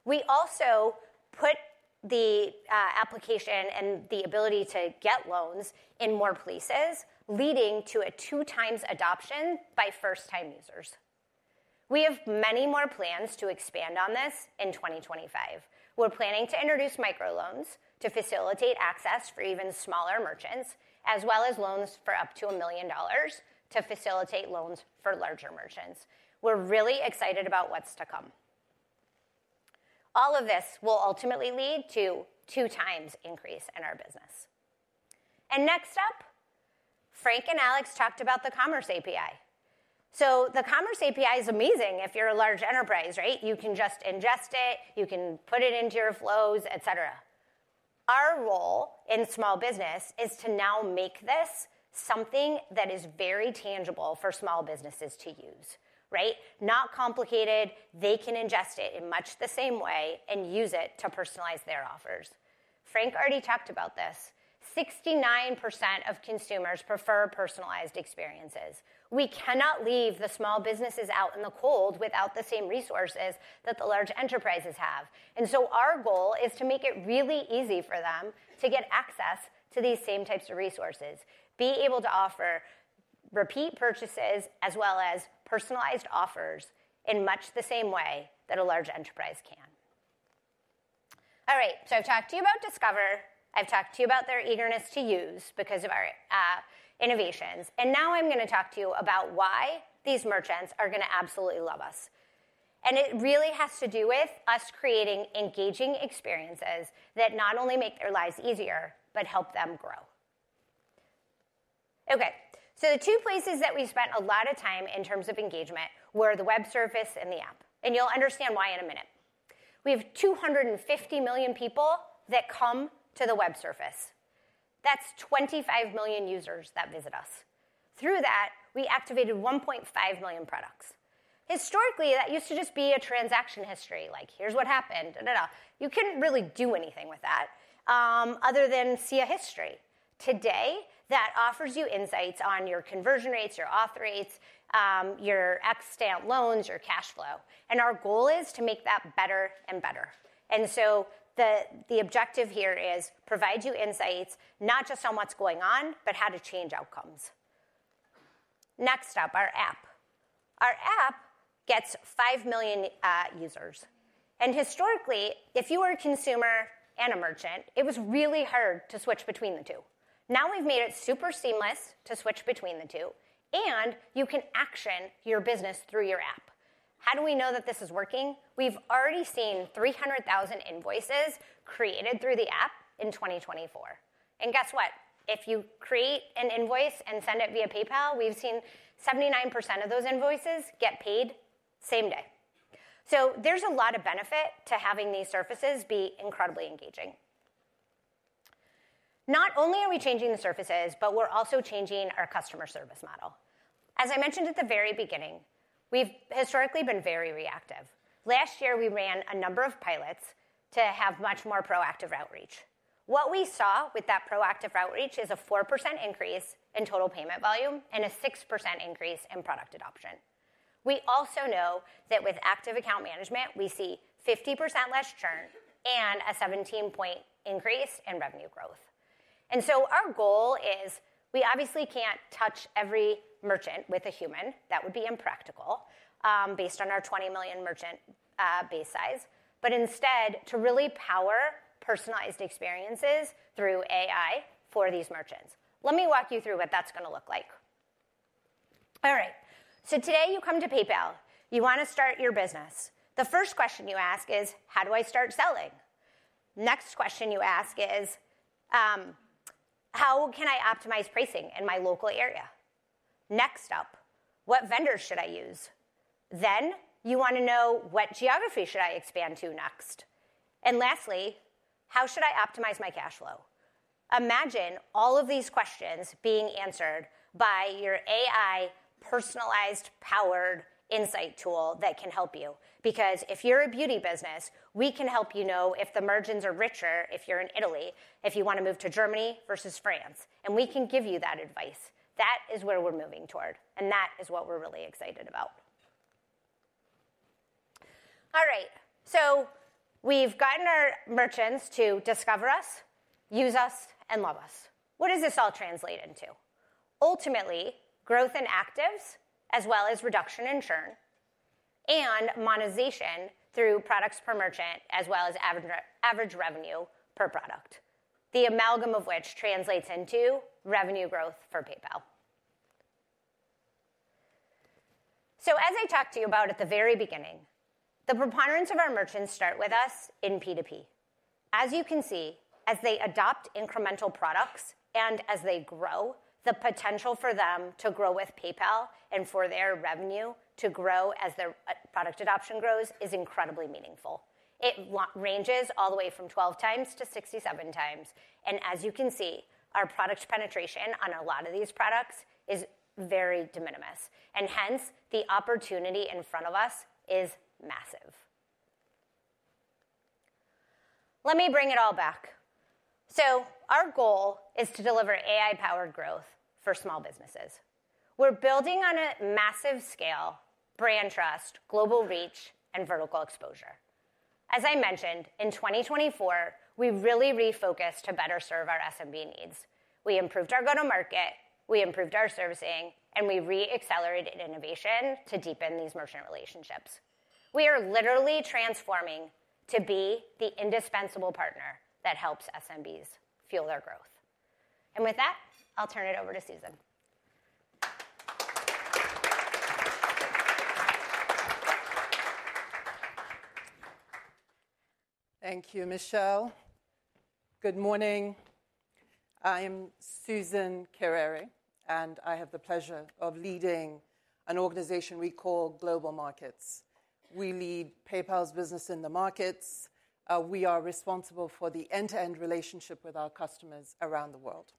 We also put the application and the ability to get loans in more places, leading to a two-times adoption by first-time users. We have many more plans to expand on this in 2025. We're planning to introduce microloans to facilitate access for even smaller merchants, as well as loans for up to $1 million to facilitate loans for larger merchants. We're really excited about what's to come. All of this will ultimately lead to a two-times increase in our business. Next up, Frank and Alex talked about the Commerce API. The Commerce API is amazing if you're a large enterprise, right? You can just ingest it. You can put it into your flows, et cetera. Our role in small business is to now make this something that is very tangible for small businesses to use, right? Not complicated. They can ingest it in much the same way and use it to personalize their offers. Frank already talked about this. 69% of consumers prefer personalized experiences. We cannot leave the small businesses out in the cold without the same resources that the large enterprises have, and so our goal is to make it really easy for them to get access to these same types of resources, be able to offer repeat purchases as well as personalized offers in much the same way that a large enterprise can. All right, so I've talked to you about Discover. I've talked to you about their eagerness to use because of our innovations. And now I'm going to talk to you about why these merchants are going to absolutely love us. And it really has to do with us creating engaging experiences that not only make their lives easier, but help them grow. Okay. So the two places that we spent a lot of time in terms of engagement were the web surface and the app. And you'll understand why in a minute. We have 250 million people that come to the web surface. That's 25 million users that visit us. Through that, we activated 1.5 million products. Historically, that used to just be a transaction history like, "Here's what happened." You couldn't really do anything with that other than see a history. Today, that offers you insights on your conversion rates, your auth rates, your extant loans, your cash flow. And our goal is to make that better and better. So the objective here is to provide you insights not just on what's going on, but how to change outcomes. Next up, our app. Our app gets five million users. Historically, if you were a consumer and a merchant, it was really hard to switch between the two. Now we've made it super seamless to switch between the two, and you can action your business through your app. How do we know that this is working? We've already seen 300,000 invoices created through the app in 2024. Guess what? If you create an invoice and send it via PayPal, we've seen 79% of those invoices get paid same day. There's a lot of benefit to having these surfaces be incredibly engaging. Not only are we changing the surfaces, but we're also changing our customer service model. As I mentioned at the very beginning, we've historically been very reactive. Last year, we ran a number of pilots to have much more proactive outreach. What we saw with that proactive outreach is a 4% increase in total payment volume and a 6% increase in product adoption. We also know that with active account management, we see 50% less churn and a 17-point increase in revenue growth, and so our goal is we obviously can't touch every merchant with a human, that would be impractical based on our 20 million merchant base size, but instead to really power personalized experiences through AI for these merchants. Let me walk you through what that's going to look like. All right, so today you come to PayPal. You want to start your business. The first question you ask is, "How do I start selling?" Next question you ask is, "How can I optimize pricing in my local area?" Next up, "What vendors should I use?" Then you want to know, "What geography should I expand to next?" And lastly, "How should I optimize my cash flow?" Imagine all of these questions being answered by your AI personalized powered insight tool that can help you. Because if you're a beauty business, we can help you know if the margins are richer if you're in Italy, if you want to move to Germany versus France. And we can give you that advice. That is where we're moving toward. And that is what we're really excited about. All right. So we've gotten our merchants to discover us, use us, and love us. What does this all translate into? Ultimately, growth in actives as well as reduction in churn and monetization through products per merchant as well as average revenue per product, the amalgam of which translates into revenue growth for PayPal, so as I talked to you about at the very beginning, the preponderance of our merchants start with us in P2P. As you can see, as they adopt incremental products and as they grow, the potential for them to grow with PayPal and for their revenue to grow as their product adoption grows is incredibly meaningful. It ranges all the way from 12 times to 67 times, and as you can see, our product penetration on a lot of these products is very de minimis, and hence, the opportunity in front of us is massive. Let me bring it all back, so our goal is to deliver AI-powered growth for small businesses. We're building on a massive scale, brand trust, global reach, and vertical exposure. As I mentioned, in 2024, we really refocused to better serve our SMB needs. We improved our go-to-market, we improved our servicing, and we re-accelerated innovation to deepen these merchant relationships. We are literally transforming to be the indispensable partner that helps SMBs fuel their growth. And with that, I'll turn it over to Suzan. Thank you, Michelle. Good morning. I am Suzan Kereere, and I have the pleasure of leading an organization we call Global Markets. We lead PayPal's business in the markets. We are responsible for the end-to-end relationship with our customers around the world.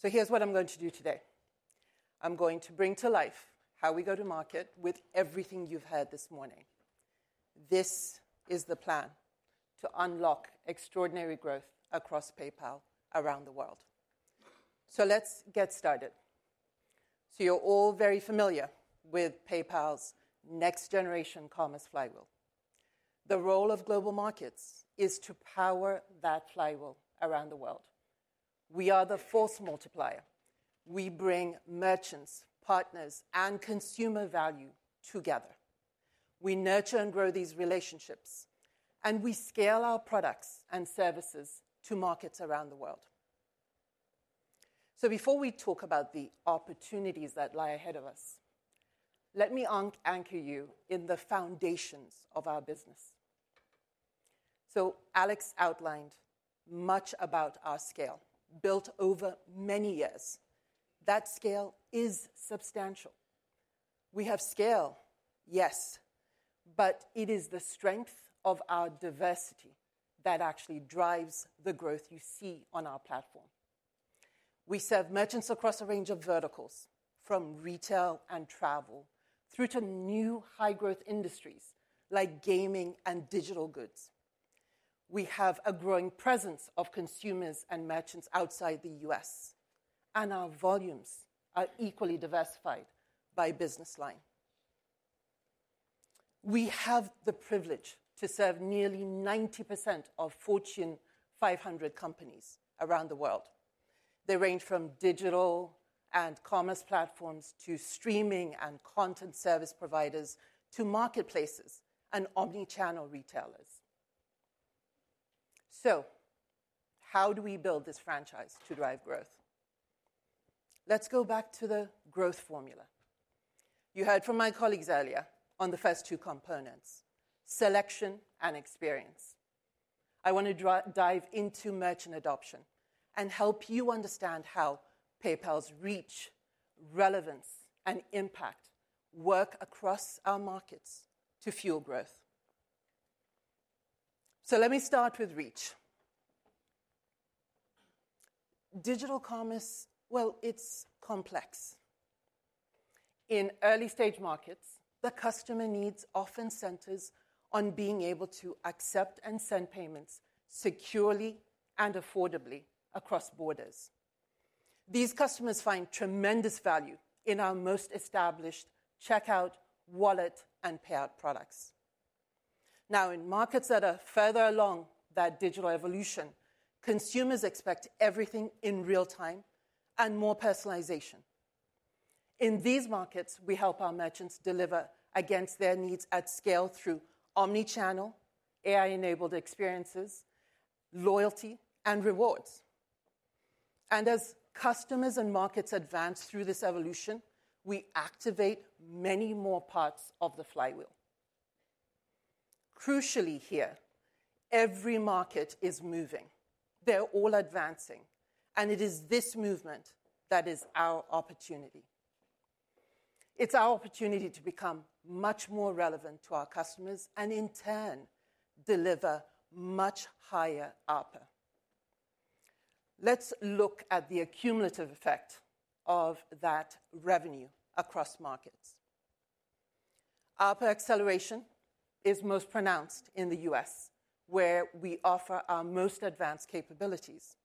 So here's what I'm going to do today. I'm going to bring to life how we go to market with everything you've heard this morning. This is the plan to unlock extraordinary growth across PayPal around the world. So let's get started. So you're all very familiar with PayPal's next-generation commerce flywheel. The role of Global Markets is to power that flywheel around the world. We are the force multiplier. We bring merchants, partners, and consumer value together. We nurture and grow these relationships, and we scale our products and services to markets around the world. So before we talk about the opportunities that lie ahead of us, let me anchor you in the foundations of our business. So Alex outlined much about our scale built over many years. That scale is substantial. We have scale, yes, but it is the strength of our diversity that actually drives the growth you see on our platform. We serve merchants across a range of verticals, from retail and travel through to new high-growth industries like gaming and digital goods. We have a growing presence of consumers and merchants outside the U.S., and our volumes are equally diversified by business line. We have the privilege to serve nearly 90% of Fortune 500 companies around the world. They range from digital and commerce platforms to streaming and content service providers to marketplaces and omnichannel retailers. So how do we build this franchise to drive growth? Let's go back to the growth formula. You heard from my colleagues earlier on the first two components, selection and experience. I want to dive into merchant adoption and help you understand how PayPal's reach, relevance, and impact work across our markets to fuel growth. So let me start with reach. Digital commerce, well, it's complex. In early-stage markets, the customer needs often center on being able to accept and send payments securely and affordably across borders. These customers find tremendous value in our most established checkout, wallet, and payout products. Now, in markets that are further along that digital evolution, consumers expect everything in real time and more personalization. In these markets, we help our merchants deliver against their needs at scale through omnichannel, AI-enabled experiences, loyalty, and rewards. And as customers and markets advance through this evolution, we activate many more parts of the flywheel. Crucially here, every market is moving. They're all advancing, and it is this movement that is our opportunity. It's our opportunity to become much more relevant to our customers and, in turn, deliver much higher APR. Let's look at the accumulative effect of that revenue across markets. APR acceleration is most pronounced in the U.S., where we offer our most advanced capabilities.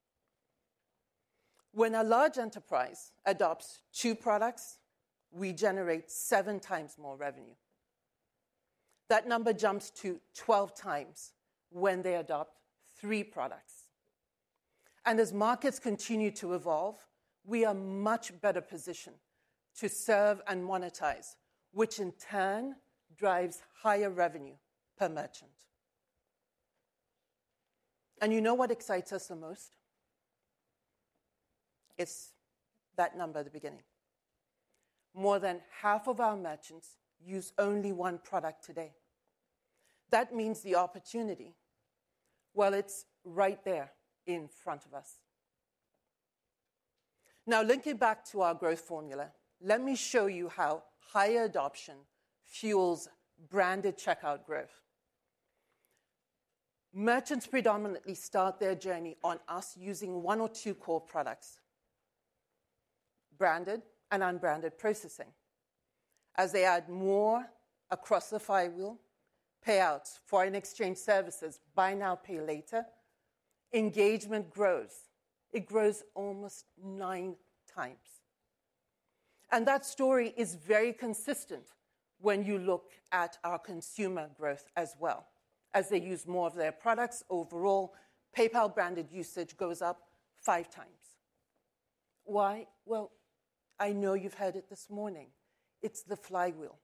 When a large enterprise adopts two products, we generate seven times more revenue. That number jumps to 12 times when they adopt three products, and as markets continue to evolve, we are in a much better position to serve and monetize, which in turn drives higher revenue per merchant, and you know what excites us the most? It's that number at the beginning. More than half of our merchants use only one product today. That means the opportunity, well, it's right there in front of us. Now, linking back to our growth formula, let me show you how higher adoption fuels branded checkout growth. Merchants predominantly start their journey on us using one or two core products: branded and unbranded processing. As they add more across the flywheel, payouts, foreign exchange services, Buy Now, Pay Later, engagement grows. It grows almost nine times. And that story is very consistent when you look at our consumer growth as well. As they use more of their products, overall, PayPal branded usage goes up five times. Why? Well, I know you've heard it this morning. It's the flywheel.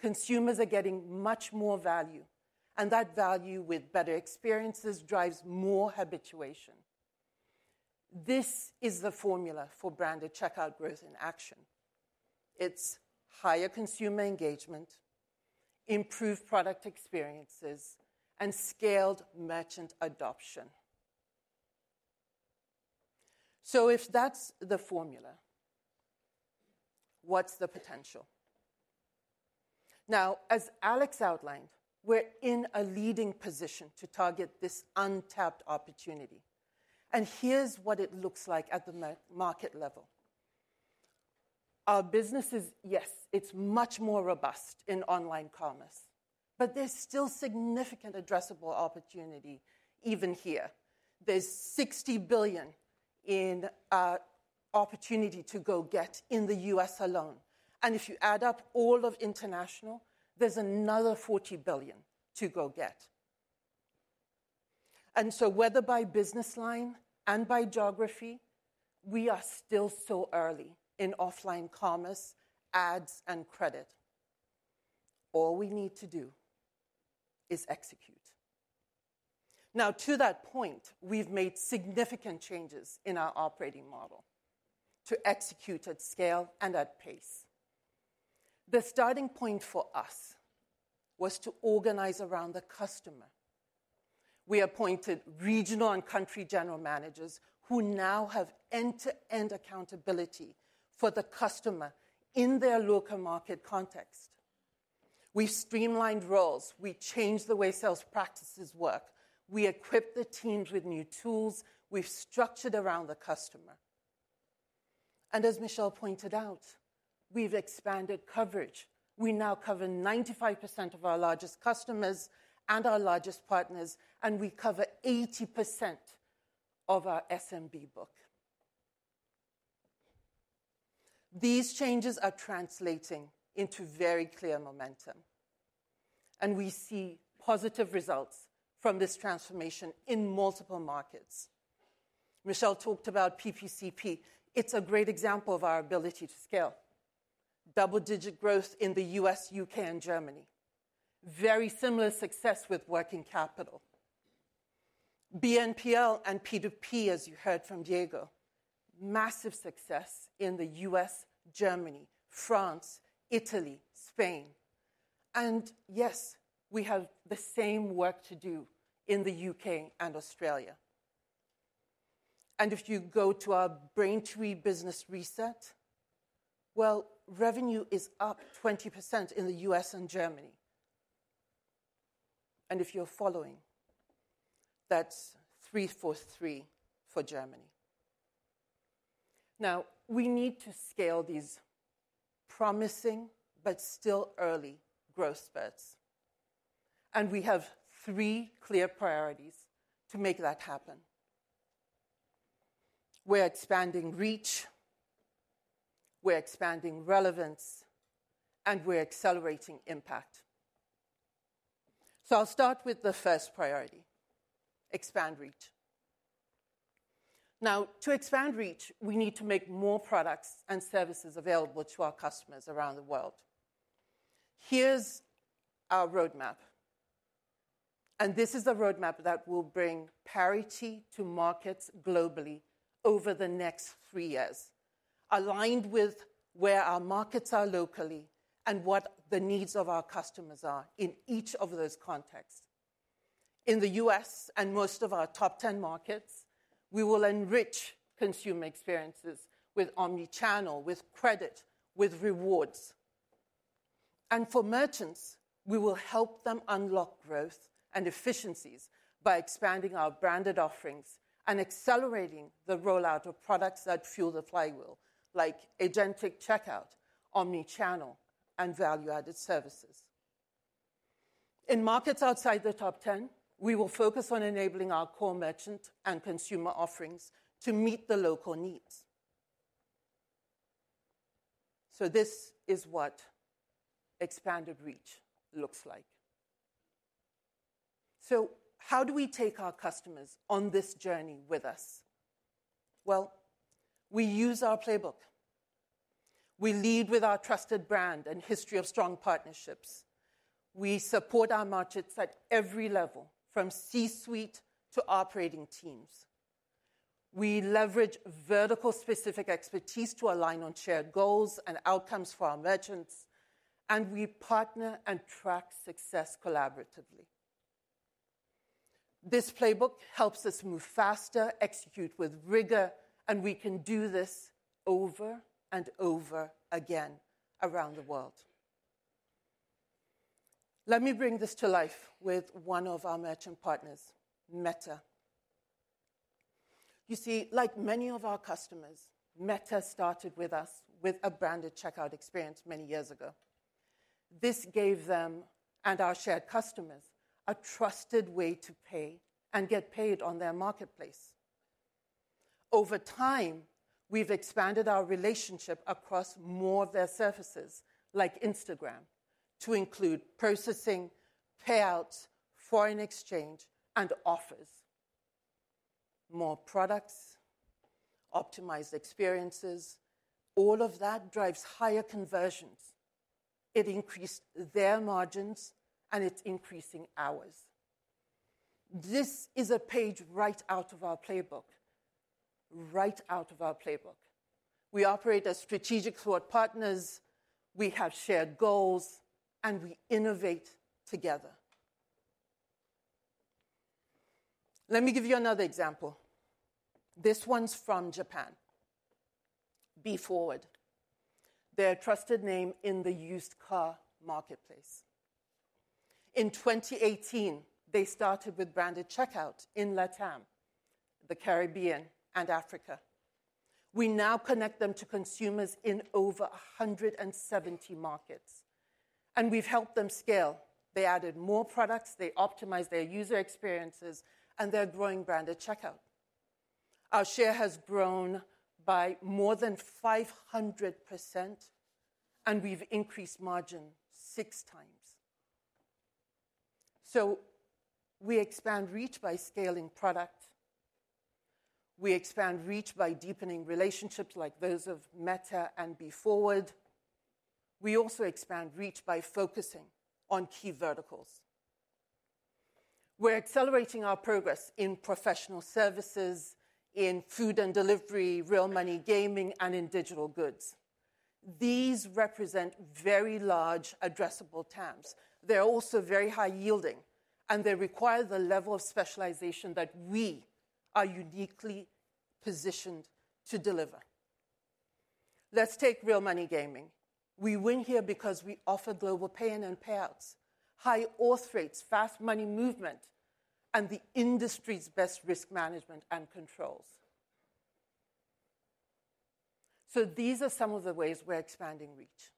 Consumers are getting much more value. And that value with better experiences drives more habituation. This is the formula for branded checkout growth in action. It's higher consumer engagement, improved product experiences, and scaled merchant adoption. So if that's the formula, what's the potential? Now, as Alex outlined, we're in a leading position to target this untapped opportunity. And here's what it looks like at the market level. Our businesses, yes, it's much more robust in online commerce, but there's still significant addressable opportunity even here. There's $60 billion in opportunity to go get in the U.S. alone. And if you add up all of international, there's another $40 billion to go get. And so whether by business line and by geography, we are still so early in offline commerce, ads, and credit. All we need to do is execute. Now, to that point, we've made significant changes in our operating model to execute at scale and at pace. The starting point for us was to organize around the customer. We appointed regional and country general managers who now have end-to-end accountability for the customer in their local market context. We've streamlined roles. We changed the way sales practices work. We equipped the teams with new tools. We've structured around the customer. And as Michelle pointed out, we've expanded coverage. We now cover 95% of our largest customers and our largest partners, and we cover 80% of our SMB book. These changes are translating into very clear momentum. And we see positive results from this transformation in multiple markets. Michelle talked about PPCP. It's a great example of our ability to scale. Double-digit growth in the U.S., U.K., and Germany. Very similar success with working capital. BNPL and P2P, as you heard from Diego, massive success in the U.S., Germany, France, Italy, Spain. And yes, we have the same work to do in the U.K. and Australia. And if you go to our Braintree business reset, well, revenue is up 20% in the U.S. and Germany. If you're following, that's three for three for Germany. Now, we need to scale these promising but still early growth spurts. We have three clear priorities to make that happen. We're expanding reach, we're expanding relevance, and we're accelerating impact. I'll start with the first priority: expand reach. Now, to expand reach, we need to make more products and services available to our customers around the world. Here's our roadmap. This is the roadmap that will bring parity to markets globally over the next three years, aligned with where our markets are locally and what the needs of our customers are in each of those contexts. In the U.S. and most of our top 10 markets, we will enrich consumer experiences with omnichannel, with credit, with rewards. And for merchants, we will help them unlock growth and efficiencies by expanding our branded offerings and accelerating the rollout of products that fuel the flywheel, like agentic checkout, omnichannel, and value-added services. In markets outside the top 10, we will focus on enabling our core merchant and consumer offerings to meet the local needs. So this is what expanded reach looks like. So how do we take our customers on this journey with us? Well, we use our playbook. We lead with our trusted brand and history of strong partnerships. We support our markets at every level, from C-suite to operating teams. We leverage vertical-specific expertise to align on shared goals and outcomes for our merchants. And we partner and track success collaboratively. This playbook helps us move faster, execute with rigor, and we can do this over and over again around the world. Let me bring this to life with one of our merchant partners, Meta. You see, like many of our customers, Meta started with us with a branded checkout experience many years ago. This gave them and our shared customers a trusted way to pay and get paid on their marketplace. Over time, we've expanded our relationship across more of their services, like Instagram, to include processing, payouts, foreign exchange, and offers. More products, optimized experiences, all of that drives higher conversions. It increased their margins, and it's increasing ours. This is a page right out of our playbook, right out of our playbook. We operate as strategic thought partners. We have shared goals, and we innovate together. Let me give you another example. This one's from Japan, Be Forward. Their trusted name in the used car marketplace. In 2018, they started with branded checkout in LatAm, the Caribbean, and Africa. We now connect them to consumers in over 170 markets, and we've helped them scale. They added more products. They optimized their user experiences, and they're growing branded checkout. Our share has grown by more than 500%, and we've increased margin six times, so we expand reach by scaling product. We expand reach by deepening relationships like those of Meta and Be Forward. We also expand reach by focusing on key verticals. We're accelerating our progress in professional services, in food and delivery, real money gaming, and in digital goods. These represent very large addressable TAMs. They're also very high yielding, and they require the level of specialization that we are uniquely positioned to deliver. Let's take real money gaming. We win here because we offer global pay-in and payouts, high auth rates, fast money movement, and the industry's best risk management and controls. So these are some of the ways we're expanding reach.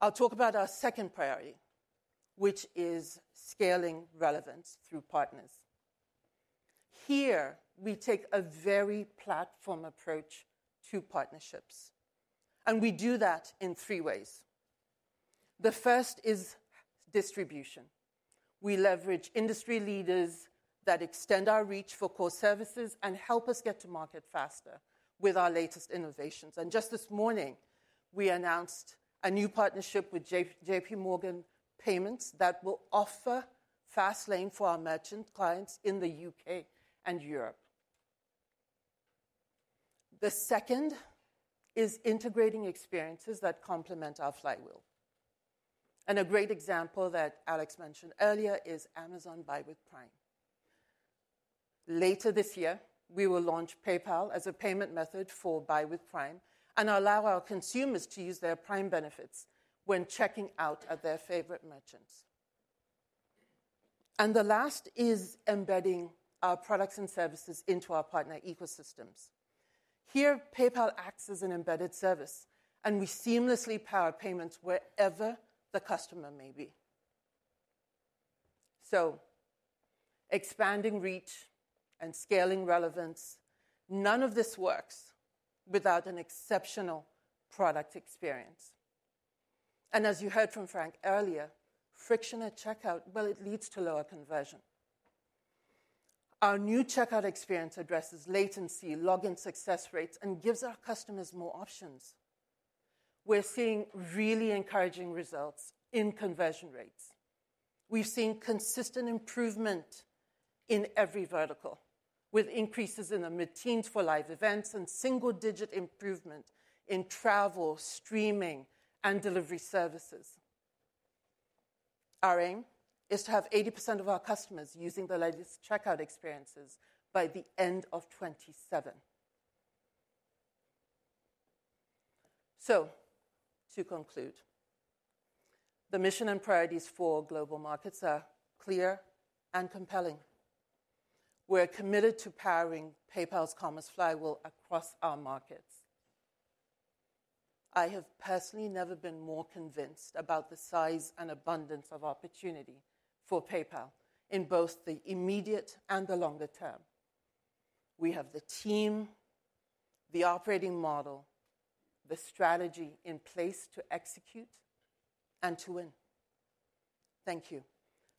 I'll talk about our second priority, which is scaling relevance through partners. Here, we take a very platform approach to partnerships. And we do that in three ways. The first is distribution. We leverage industry leaders that extend our reach for core services and help us get to market faster with our latest innovations. And just this morning, we announced a new partnership with JPMorgan Payments that will offer Fastlane for our merchant clients in the U.K. and Europe. The second is integrating experiences that complement our flywheel. And a great example that Alex mentioned earlier is Amazon Buy with Prime. Later this year, we will launch PayPal as a payment method for Buy with Prime and allow our consumers to use their Prime benefits when checking out at their favorite merchants. The last is embedding our products and services into our partner ecosystems. Here, PayPal acts as an embedded service, and we seamlessly power payments wherever the customer may be. Expanding reach and scaling relevance, none of this works without an exceptional product experience. As you heard from Frank earlier, friction at checkout, well, it leads to lower conversion. Our new checkout experience addresses latency, login success rates, and gives our customers more options. We're seeing really encouraging results in conversion rates. We've seen consistent improvement in every vertical, with increases in the mid-teens for live events and single-digit improvement in travel, streaming, and delivery services. Our aim is to have 80% of our customers using the latest checkout experiences by the end of 2027. To conclude, the mission and priorities for global markets are clear and compelling. We're committed to powering PayPal's commerce flywheel across our markets. I have personally never been more convinced about the size and abundance of opportunity for PayPal in both the immediate and the longer term. We have the team, the operating model, the strategy in place to execute and to win. Thank you.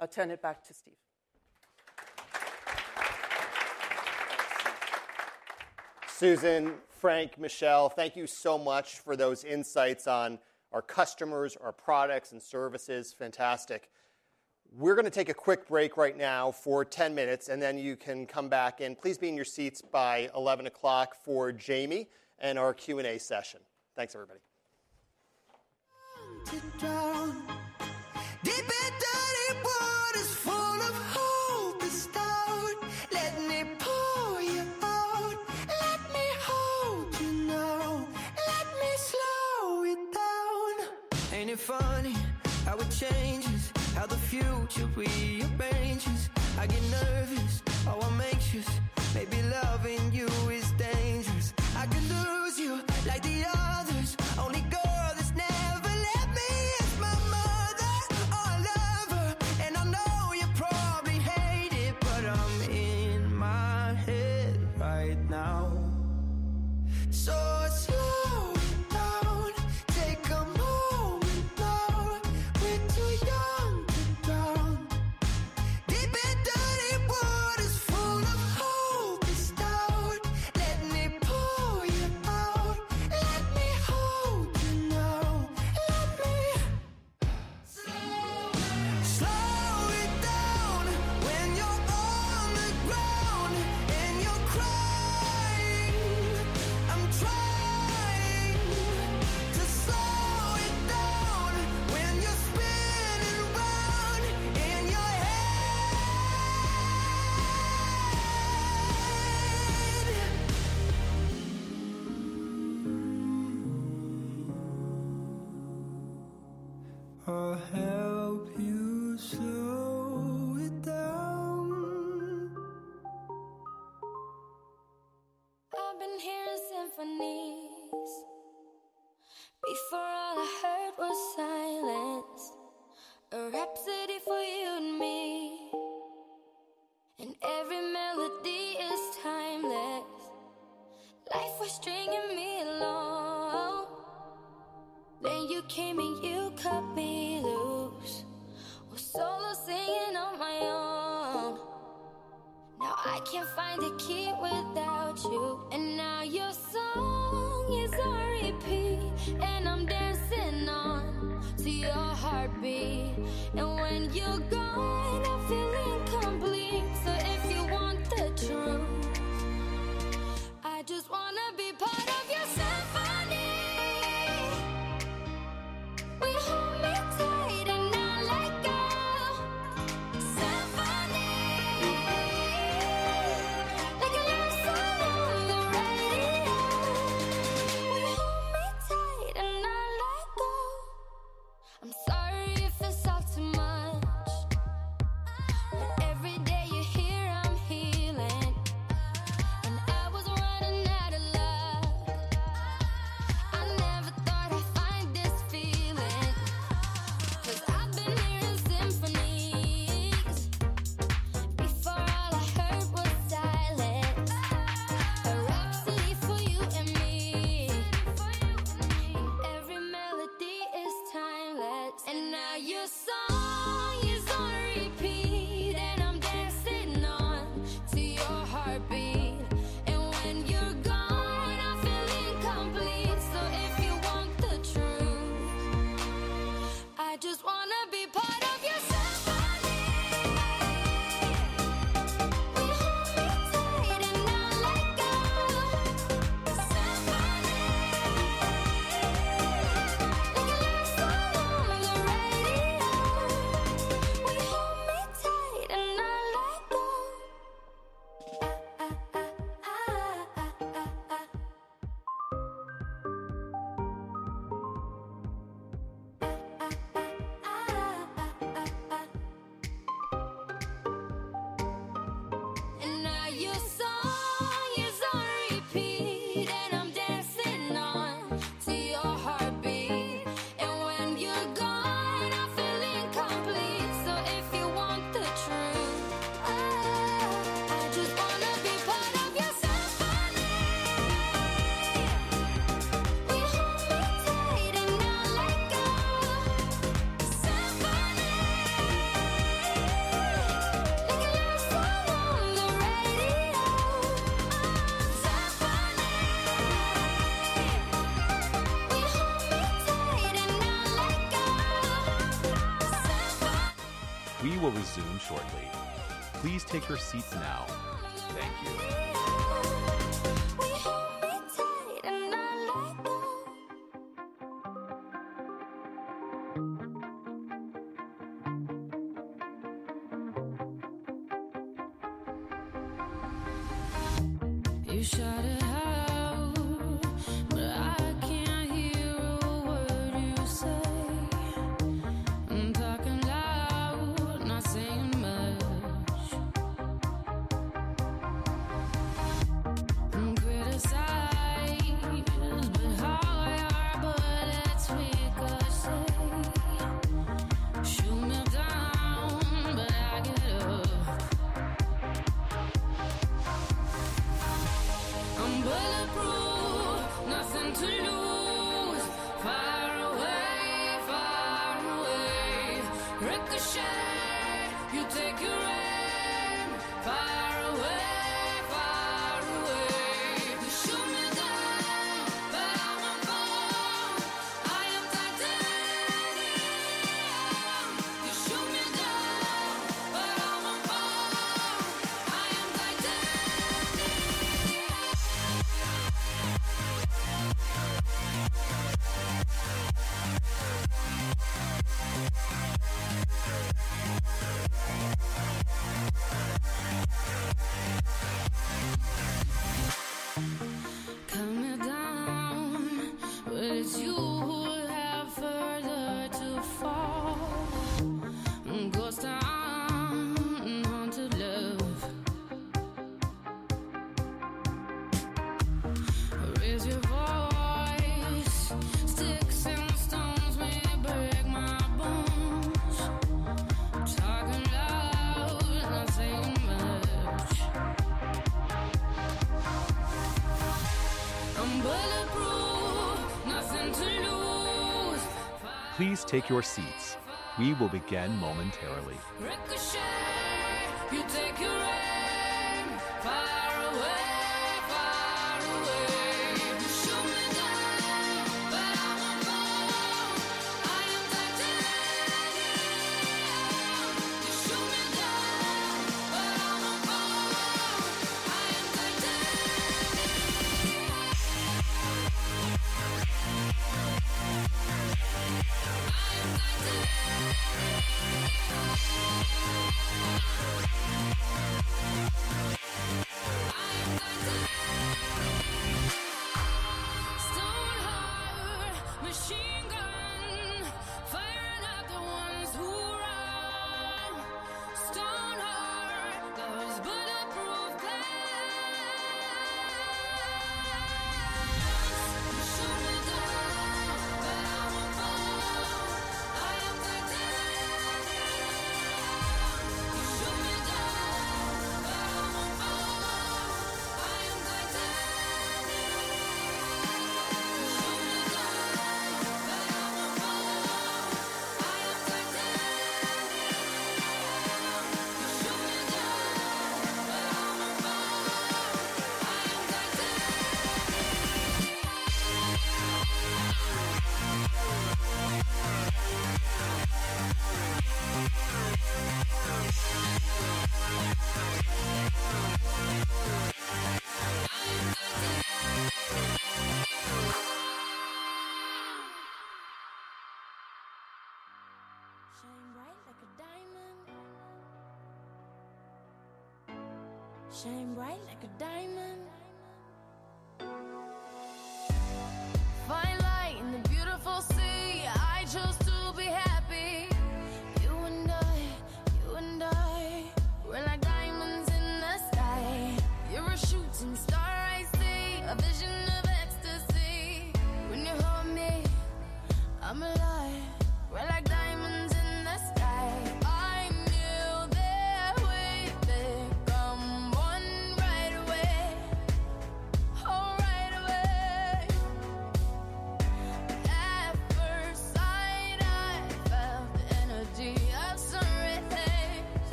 I'll turn it back to Steve. Suzan, Frank, Michelle, thank you so much for those insights on our customers, our products, and services. Fantastic. We're going to take a quick break right now for 10 minutes, and then you can come back in. Please be in your seats by 11:00 A.M. for Jamie and our Q&A session. Thanks, everybody. Down to dark. Deep and dirty water's full of hope to start. Let me pour you out. Let me hold you now. Let me slow it down. Ain't it funny how it changes? How the future rearranges. I get nervous, Please take your seats now.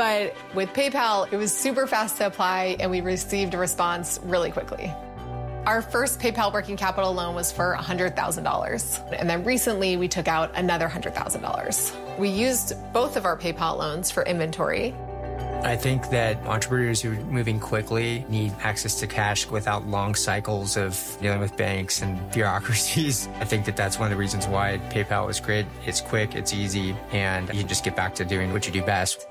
but with PayPal, it was super fast to apply, and we received a response really quickly. Our first PayPal Working Capital loan was for $100,000, and then recently, we took out another $100,000. We used both of our PayPal loans for inventory. I think that entrepreneurs who are moving quickly need access to cash without long cycles of dealing with banks and bureaucracies. I think that that's one of the reasons why PayPal is great. It's quick, it's easy, and you can just get back to doing what you do best.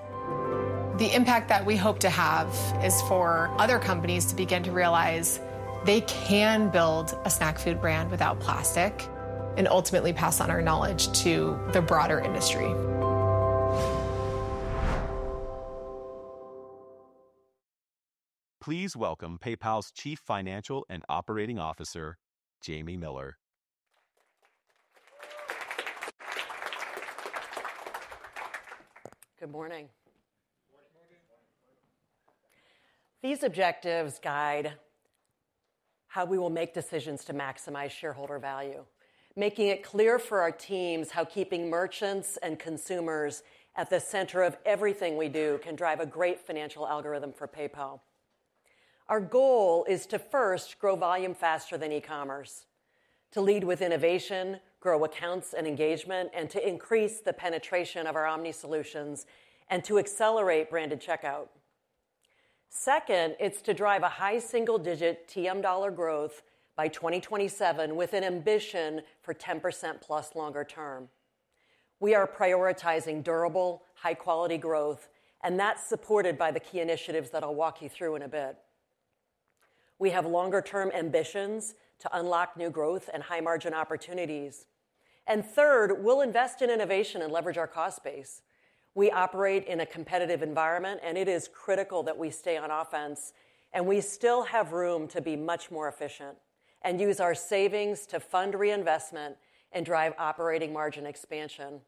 The impact that we hope to have is for other companies to begin to realize they can build a snack food brand without plastic and ultimately pass on our knowledge to the broader industry. Please welcome PayPal's Chief Financial and Operating Officer, Jamie Miller. Good morning. These objectives guide how we will make decisions to maximize shareholder value, making it clear for our teams how keeping merchants and consumers at the center of everything we do can drive a great financial algorithm for PayPal. Our goal is to first grow volume faster than e-commerce, to lead with innovation, grow accounts and engagement, and to increase the penetration of our omni solutions and to accelerate branded checkout. Second, it's to drive a high single-digit TM dollar growth by 2027 with an ambition for 10%+ longer term. We are prioritizing durable, high-quality growth, and that's supported by the key initiatives that I'll walk you through in a bit. We have longer-term ambitions to unlock new growth and high-margin opportunities. And third, we'll invest in innovation and leverage our cost base. We operate in a competitive environment, and it is critical that we stay on offense, and we still have room to be much more efficient and use our savings to fund reinvestment and drive operating margin expansion.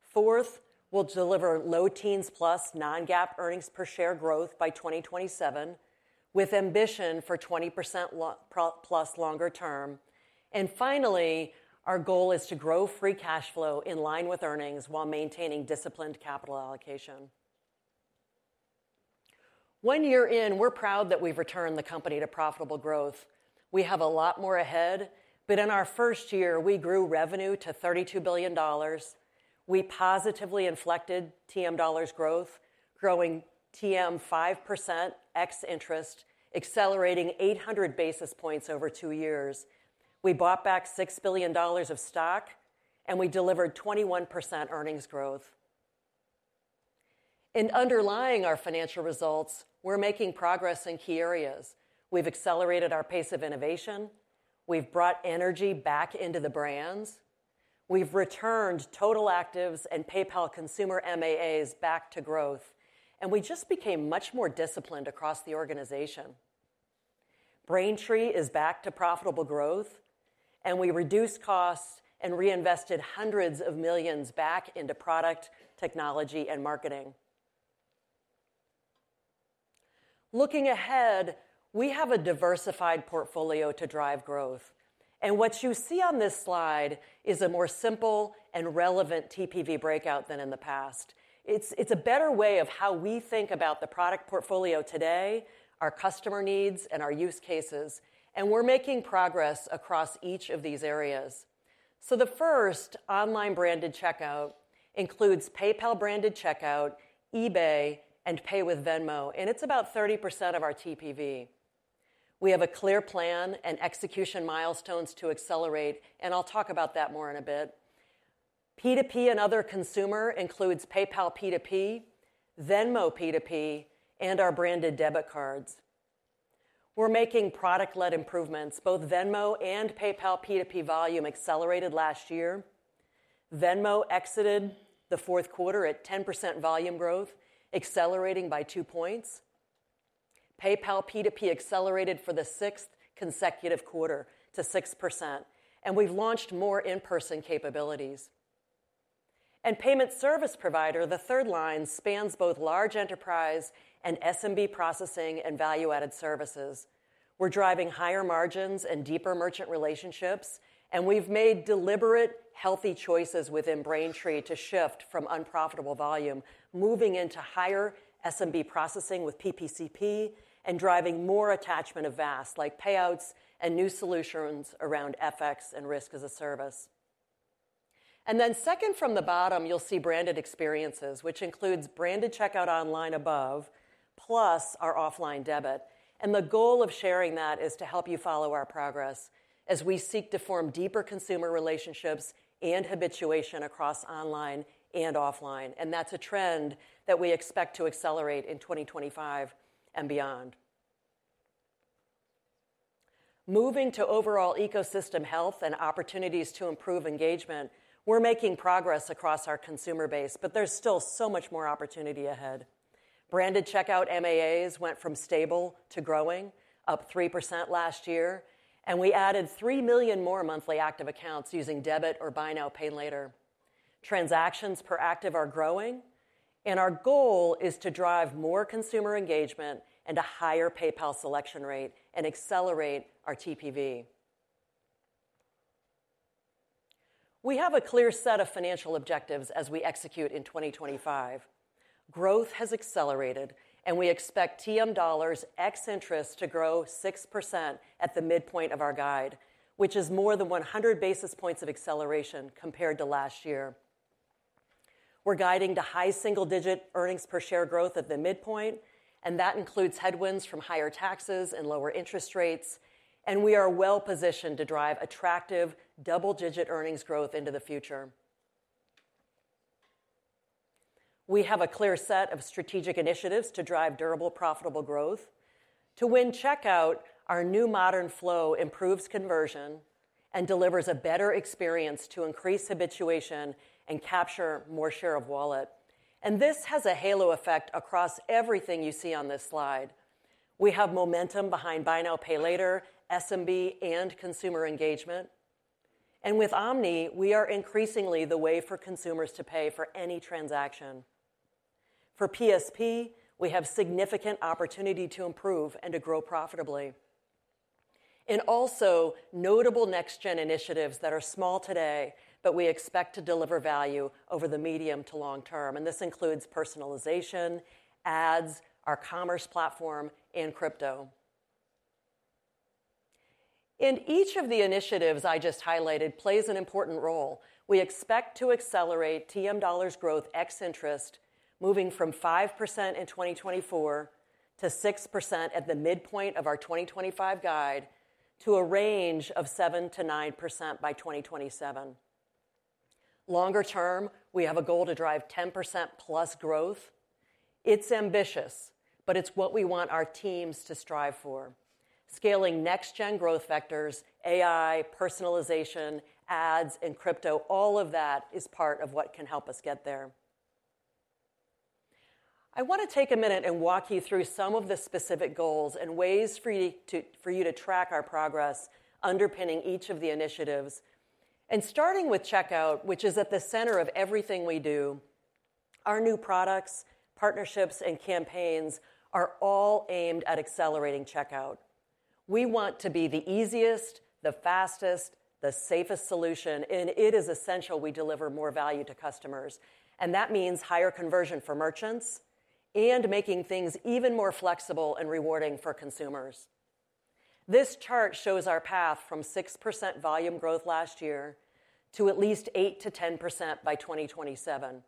Fourth, we'll deliver low teens plus non-GAAP earnings per share growth by 2027 with ambition for 20%+ longer term. And finally, our goal is to grow free cash flow in line with earnings while maintaining disciplined capital allocation. One year in, we're proud that we've returned the company to profitable growth. We have a lot more ahead, but in our first year, we grew revenue to $32 billion. We positively inflected TM dollars growth, growing TM 5% ex interest, accelerating 800 bps over two years. We bought back $6 billion of stock, and we delivered 21% earnings growth. Underpinning our financial results, we're making progress in key areas. We've accelerated our pace of innovation. We've brought energy back into the brands. We've returned total actives and PayPal consumer MAAs back to growth, and we just became much more disciplined across the organization. Braintree is back to profitable growth, and we reduced costs and reinvested hundreds of millions back into product, technology, and marketing. Looking ahead, we have a diversified portfolio to drive growth. What you see on this slide is a more simple and relevant TPV breakout than in the past. It's a better way of how we think about the product portfolio today, our customer needs, and our use cases. We're making progress across each of these areas. The first online branded checkout includes PayPal branded checkout, eBay, and Pay with Venmo, and it's about 30% of our TPV. We have a clear plan and execution milestones to accelerate, and I'll talk about that more in a bit. P2P and other consumer includes PayPal P2P, Venmo P2P, and our branded debit cards. We're making product-led improvements. Both Venmo and PayPal P2P volume accelerated last year. Venmo exited the fourth quarter at 10% volume growth, accelerating by two points. PayPal P2P accelerated for the sixth consecutive quarter to 6%, and we've launched more in-person capabilities. Payment service provider, the third line spans both large enterprise and SMB processing and value-added services. We're driving higher margins and deeper merchant relationships, and we've made deliberate, healthy choices within Braintree to shift from unprofitable volume, moving into higher SMB processing with PPCP and driving more attachment of VAS like payouts and new solutions around FX and risk as a service. And then second from the bottom, you'll see branded experiences, which includes branded checkout online above plus our offline debit. And the goal of sharing that is to help you follow our progress as we seek to form deeper consumer relationships and habituation across online and offline. And that's a trend that we expect to accelerate in 2025 and beyond. Moving to overall ecosystem health and opportunities to improve engagement, we're making progress across our consumer base, but there's still so much more opportunity ahead. Branded checkout MAAs went from stable to growing, up 3% last year, and we added 3 million more monthly active accounts using debit or Buy Now, Pay Later. Transactions per active are growing, and our goal is to drive more consumer engagement and a higher PayPal selection rate and accelerate our TPV. We have a clear set of financial objectives as we execute in 2025. Growth has accelerated, and we expect TM dollars ex interest to grow 6% at the midpoint of our guide, which is more than 100 bps of acceleration compared to last year. We're guiding to high single-digit earnings per share growth at the midpoint, and that includes headwinds from higher taxes and lower interest rates, and we are well-positioned to drive attractive double-digit earnings growth into the future. We have a clear set of strategic initiatives to drive durable, profitable growth. To win checkout, our new modern flow improves conversion and delivers a better experience to increase habituation and capture more share of wallet. And this has a halo effect across everything you see on this slide. We have momentum behind Buy Now, Pay Later, SMB, and consumer engagement. And with Omni, we are increasingly the way for consumers to pay for any transaction. For PSP, we have significant opportunity to improve and to grow profitably. And also notable next-gen initiatives that are small today, but we expect to deliver value over the medium to long term. And this includes personalization, ads, our commerce platform, and crypto. And each of the initiatives I just highlighted plays an important role. We expect to accelerate TM dollars growth ex interest, moving from 5% in 2024 to 6% at the midpoint of our 2025 guide to a range of 7% to 9% by 2027. Longer term, we have a goal to drive 10%+ growth. It's ambitious, but it's what we want our teams to strive for. Scaling next-gen growth vectors, AI, personalization, ads, and crypto, all of that is part of what can help us get there. I want to take a minute and walk you through some of the specific goals and ways for you to track our progress underpinning each of the initiatives. And starting with checkout, which is at the center of everything we do, our new products, partnerships, and campaigns are all aimed at accelerating checkout. We want to be the easiest, the fastest, the safest solution, and it is essential we deliver more value to customers. And that means higher conversion for merchants and making things even more flexible and rewarding for consumers. This chart shows our path from 6% volume growth last year to at least 8% to 10% by 2027.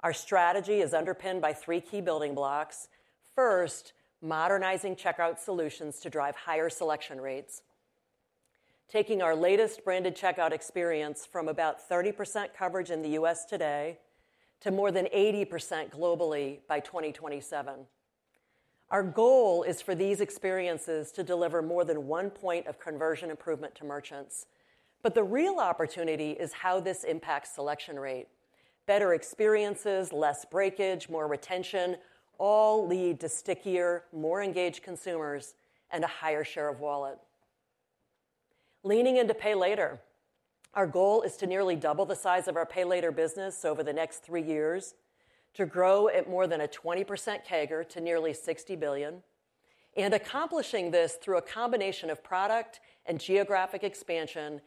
Our strategy is underpinned by three key building blocks. First, modernizing checkout solutions to drive higher selection rates, taking our latest branded checkout experience from about 30% coverage in the U.S. today to more than 80% globally by 2027. Our goal is for these experiences to deliver more than one point of conversion improvement to merchants. But the real opportunity is how this impacts selection rate. Better experiences, less breakage, more retention, all lead to stickier, more engaged consumers and a higher share of wallet. Leaning into Pay Later, our goal is to nearly double the size of our Pay Later business over the next three years, to grow at more than a 20% CAGR to nearly $60 billion, and accomplishing this through a combination of product and geographic expansion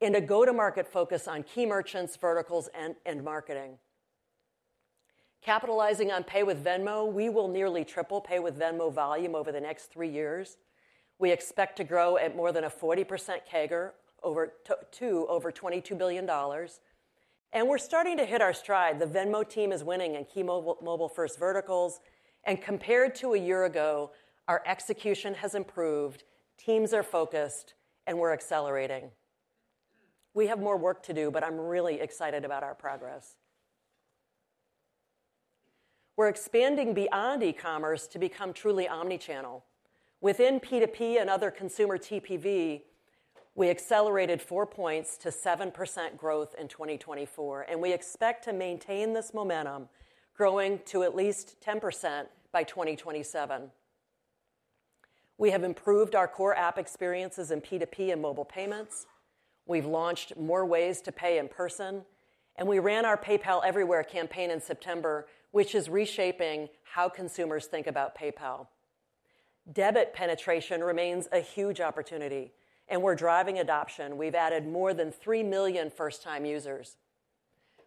and a go-to-market focus on key merchants, verticals, and marketing. Capitalizing on Pay with Venmo, we will nearly triple Pay with Venmo volume over the next three years. We expect to grow at more than a 40% CAGR to over $22 billion, and we're starting to hit our stride. The Venmo team is winning in key mobile-first verticals, and compared to a year ago, our execution has improved, teams are focused, and we're accelerating. We have more work to do, but I'm really excited about our progress. We're expanding beyond e-commerce to become truly omnichannel. Within P2P and other consumer TPV, we accelerated four points to 7% growth in 2024, and we expect to maintain this momentum, growing to at least 10% by 2027. We have improved our core app experiences in P2P and mobile payments. We've launched more ways to pay in person, and we ran our PayPal Everywhere campaign in September, which is reshaping how consumers think about PayPal. Debit penetration remains a huge opportunity, and we're driving adoption. We've added more than three million first-time users.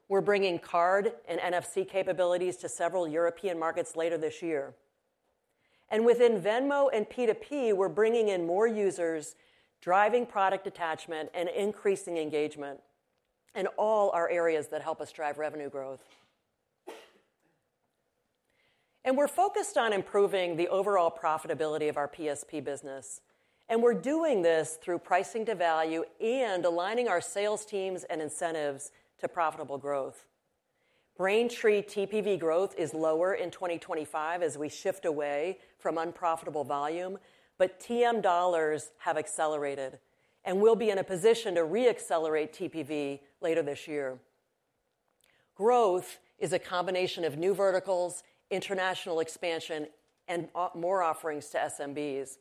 We're bringing card and NFC capabilities to several European markets later this year, and within Venmo and P2P, we're bringing in more users, driving product attachment and increasing engagement in all our areas that help us drive revenue growth. We're focused on improving the overall profitability of our PSP business, and we're doing this through pricing to value and aligning our sales teams and incentives to profitable growth. Braintree TPV growth is lower in 2025 as we shift away from unprofitable volume, but TM dollars have accelerated, and we'll be in a position to re-accelerate TPV later this year. Growth is a combination of new verticals, international expansion, and more offerings to SMBs.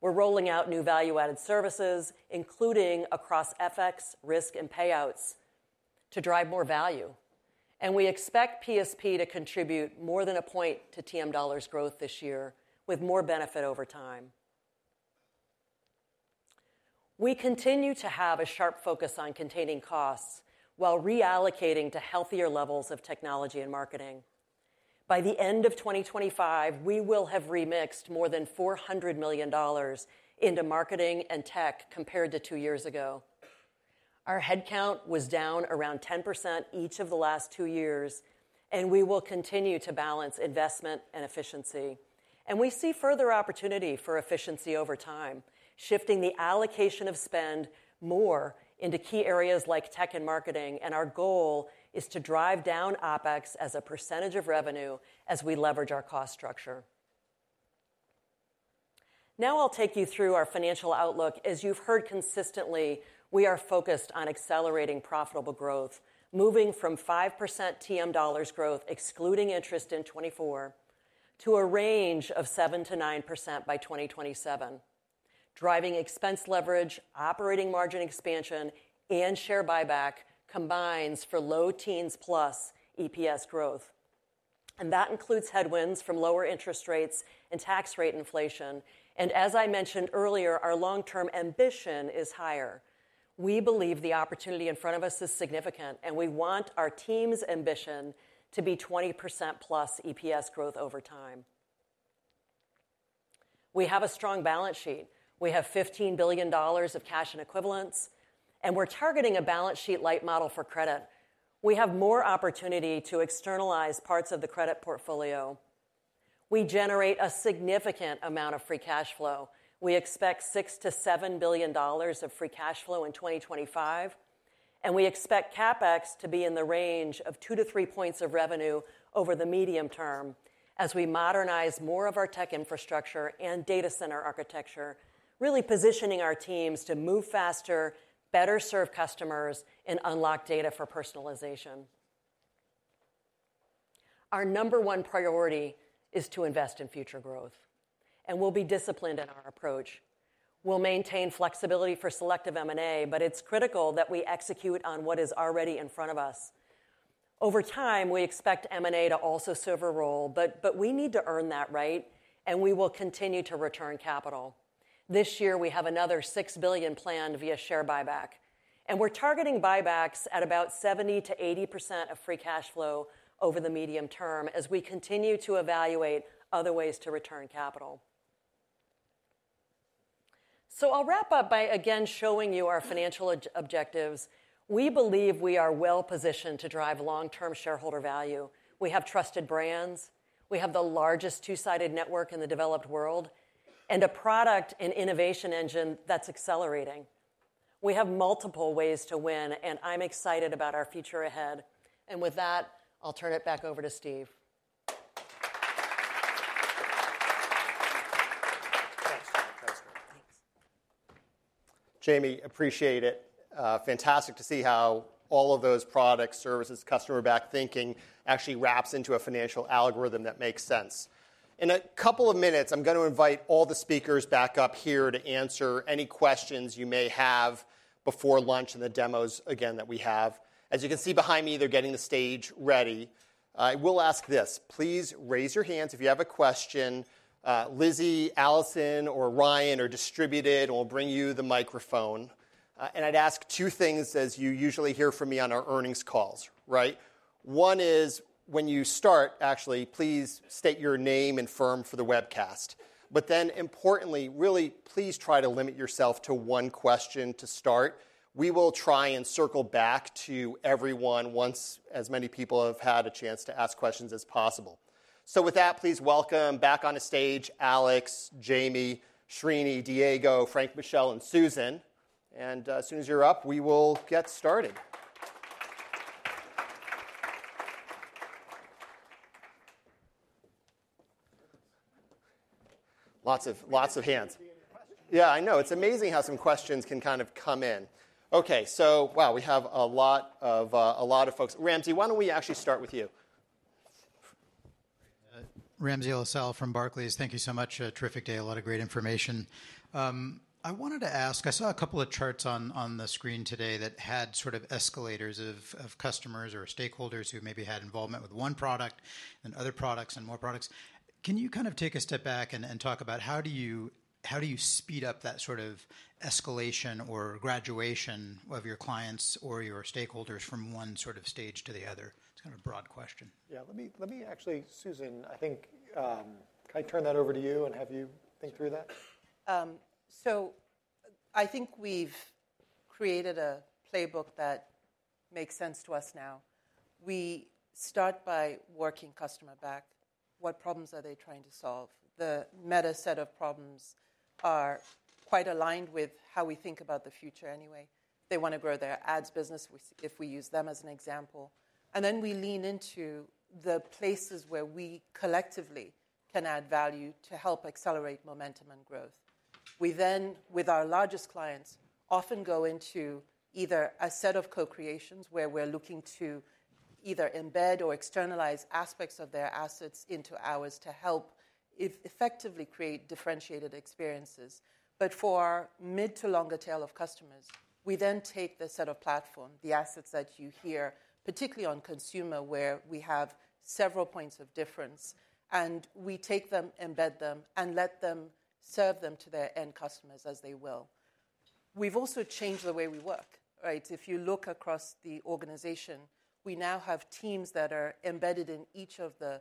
We're rolling out new value-added services, including across FX, risk, and payouts, to drive more value. We expect PSP to contribute more than a point to TM dollars growth this year, with more benefit over time. We continue to have a sharp focus on containing costs while reallocating to healthier levels of technology and marketing. By the end of 2025, we will have remixed more than $400 million into marketing and tech compared to two years ago. Our headcount was down around 10% each of the last two years, and we will continue to balance investment and efficiency. And we see further opportunity for efficiency over time, shifting the allocation of spend more into key areas like tech and marketing. And our goal is to drive down OpEx as a percentage of revenue as we leverage our cost structure. Now I'll take you through our financial outlook. As you've heard consistently, we are focused on accelerating profitable growth, moving from 5% TM dollars growth, excluding interest in 2024, to a range of 7% to 9% by 2027. Driving expense leverage, operating margin expansion, and share buyback combines for low teens plus EPS growth. And that includes headwinds from lower interest rates and tax rate inflation. As I mentioned earlier, our long-term ambition is higher. We believe the opportunity in front of us is significant, and we want our team's ambition to be 20%+ EPS growth over time. We have a strong balance sheet. We have $15 billion of cash and equivalents, and we're targeting a balance sheet light model for credit. We have more opportunity to externalize parts of the credit portfolio. We generate a significant amount of free cash flow. We expect $6 to $7 billion of free cash flow in 2025, and we expect CapEx to be in the range of 2-3 points of revenue over the medium term as we modernize more of our tech infrastructure and data center architecture, really positioning our teams to move faster, better serve customers, and unlock data for personalization. Our number one priority is to invest in future growth, and we'll be disciplined in our approach. We'll maintain flexibility for selective M&A, but it's critical that we execute on what is already in front of us. Over time, we expect M&A to also serve a role, but we need to earn that right, and we will continue to return capital. This year, we have another $6 billion planned via share buyback, and we're targeting buybacks at about 70% to 80% of free cash flow over the medium term as we continue to evaluate other ways to return capital, so I'll wrap up by again showing you our financial objectives. We believe we are well-positioned to drive long-term shareholder value. We have trusted brands. We have the largest two-sided network in the developed world and a product and innovation engine that's accelerating. We have multiple ways to win, and I'm excited about our future ahead, and with that, I'll turn it back over to Steve. Thanks, Jamie. Appreciate it. Fantastic to see how all of those products, services, customer-backed thinking actually wraps into a financial algorithm that makes sense. In a couple of minutes, I'm going to invite all the speakers back up here to answer any questions you may have before lunch and the demos again that we have. As you can see behind me, they're getting the stage ready. I will ask this: please raise your hands if you have a question. Lizzie, Allison, or Ryan are distributed and will bring you the microphone, and I'd ask two things as you usually hear from me on our earnings calls, right? One is when you start, actually, please state your name and firm for the webcast. But then, importantly, really please try to limit yourself to one question to start. We will try and circle back to everyone once as many people have had a chance to ask questions as possible. So with that, please welcome back on the stage Alex, Jamie, Srini, Diego, Frank, Michelle, and Suzan. And as soon as you're up, we will get started. Lots of hands. Yeah, I know. It's amazing how some questions can kind of come in. Okay, so wow, we have a lot of folks. Ramsey, why don't we actually start with you? Ramsey El-Assal from Barclays. Thank you so much. Terrific day. A lot of great information. I wanted to ask. I saw a couple of charts on the screen today that had sort of escalators of customers or stakeholders who maybe had involvement with one product and other products and more products. Can you kind of take a step back and talk about how do you speed up that sort of escalation or graduation of your clients or your stakeholders from one sort of stage to the other? It's kind of a broad question. Yeah, let me actually, Suzan, I think can I turn that over to you and have you think through that? So I think we've created a playbook that makes sense to us now. We start by working customer back. What problems are they trying to solve? The Meta set of problems are quite aligned with how we think about the future anyway. They want to grow their ads business if we use them as an example. And then we lean into the places where we collectively can add value to help accelerate momentum and growth. We then, with our largest clients, often go into either a set of co-creations where we're looking to either embed or externalize aspects of their assets into ours to help effectively create differentiated experiences. But for our mid to longer tail of customers, we then take the set of platform, the assets that you hear, particularly on consumer, where we have several points of difference, and we take them, embed them, and let them serve them to their end customers as they will. We've also changed the way we work, right? If you look across the organization, we now have teams that are embedded in each of the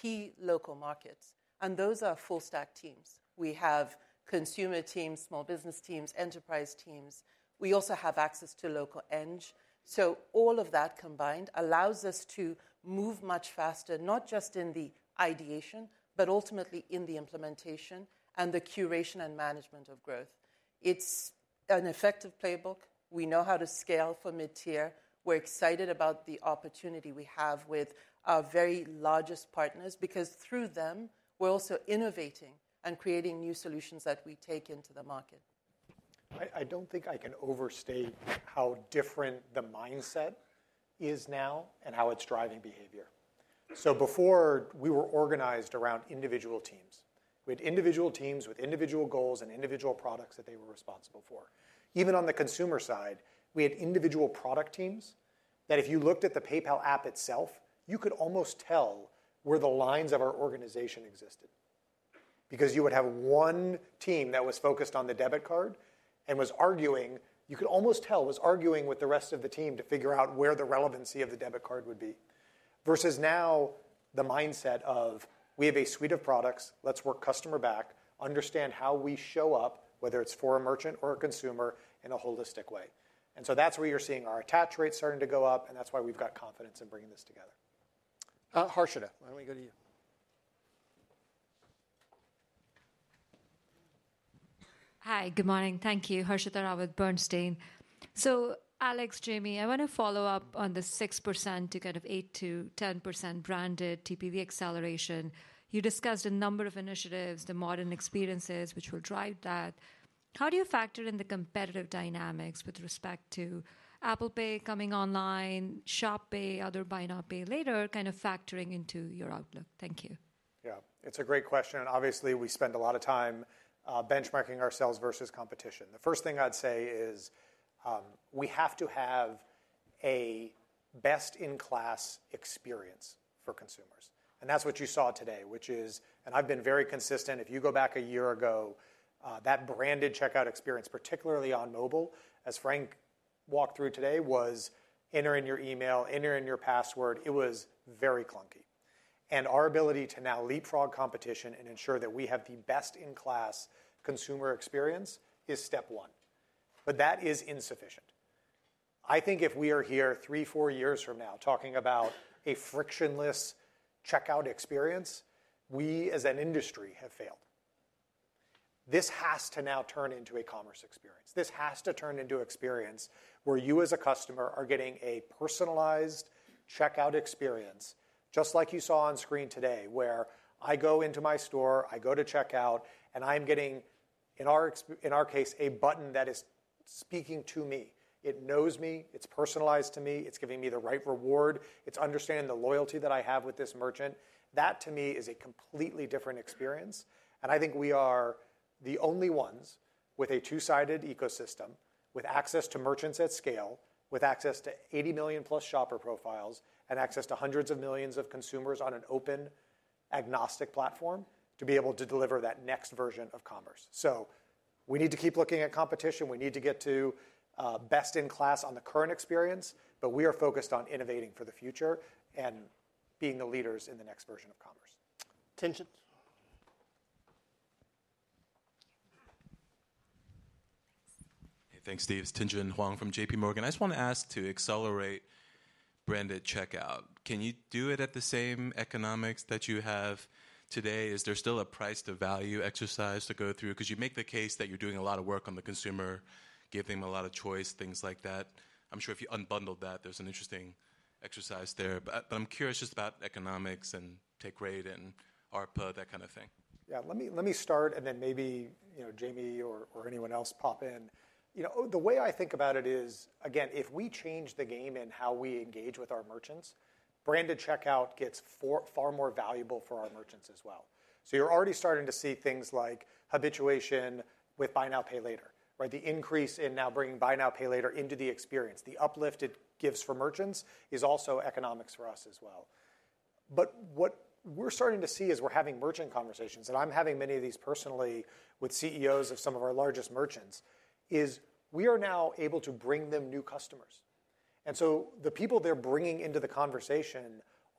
key local markets, and those are full-stack teams. We have consumer teams, small business teams, enterprise teams. We also have access to local edge. So all of that combined allows us to move much faster, not just in the ideation, but ultimately in the implementation and the curation and management of growth. It's an effective playbook. We know how to scale for mid-tier. We're excited about the opportunity we have with our very largest partners because through them, we're also innovating and creating new solutions that we take into the market. I don't think I can overstate how different the mindset is now and how it's driving behavior. So before, we were organized around individual teams. We had individual teams with individual goals and individual products that they were responsible for. Even on the consumer side, we had individual product teams that if you looked at the PayPal app itself, you could almost tell where the lines of our organization existed because you would have one team that was focused on the debit card and, you could almost tell, was arguing with the rest of the team to figure out where the relevancy of the debit card would be versus now the mindset of, "We have a suite of products. Let's work customer back, understand how we show up, whether it's for a merchant or a consumer, in a holistic way." And so that's where you're seeing our attach rate starting to go up, and that's why we've got confidence in bringing this together. Harshita, why don't we go to you? Hi, good morning. Thank you, Harshita Rawat Bernstein. So, Alex, Jamie, I want to follow up on the 6% to kind of 8% to 10% branded TPV acceleration. You discussed a number of initiatives, the modern experiences which will drive that. How do you factor in the competitive dynamics with respect to Apple Pay coming online, Shop Pay, other Buy Now, Pay Later kind of factoring into your outlook? Thank you. Yeah, it's a great question. Obviously, we spend a lot of time benchmarking ourselves versus competition. The first thing I'd say is we have to have a best-in-class experience for consumers. And that's what you saw today, which is, and I've been very consistent. If you go back a year ago, that branded checkout experience, particularly on mobile, as Frank walked through today, was enter in your email, enter in your password. It was very clunky. And our ability to now leapfrog competition and ensure that we have the best-in-class consumer experience is step one. But that is insufficient. I think if we are here three, four years from now talking about a frictionless checkout experience, we as an industry have failed. This has to now turn into a commerce experience. This has to turn into an experience where you as a customer are getting a personalized checkout experience, just like you saw on screen today, where I go into my store, I go to checkout, and I'm getting, in our case, a button that is speaking to me. It knows me. It's personalized to me. It's giving me the right reward. It's understanding the loyalty that I have with this merchant. That, to me, is a completely different experience. And I think we are the only ones with a two-sided ecosystem, with access to merchants at scale, with access to 80 million+ shopper profiles, and access to hundreds of millions of consumers on an open agnostic platform to be able to deliver that next version of commerce. So we need to keep looking at competition. We need to get to best-in-class on the current experience, but we are focused on innovating for the future and being the leaders in the next version of commerce. Tien-Tsin Huang. Thanks, Steve. It's Tien-Tsin Huang from J.P. Morgan. I just want to ask to accelerate branded checkout. Can you do it at the same economics that you have today? Is there still a price-to-value exercise to go through? Because you make the case that you're doing a lot of work on the consumer, giving them a lot of choice, things like that. I'm sure if you unbundled that, there's an interesting exercise there. But I'm curious just about economics and take rate and ARPA, that kind of thing. Yeah, let me start and then maybe Jamie or anyone else pop in. The way I think about it is, again, if we change the game in how we engage with our merchants, branded checkout gets far more valuable for our merchants as well. So you're already starting to see things like habituation with Buy Now, Pay Later, right? The increase in now bringing Buy Now, Pay Later into the experience. The uplift it gives for merchants is also economics for us as well. But what we're starting to see is we're having merchant conversations, and I'm having many of these personally with CEOs of some of our largest merchants, is we are now able to bring them new customers. And so the people they're bringing into the conversation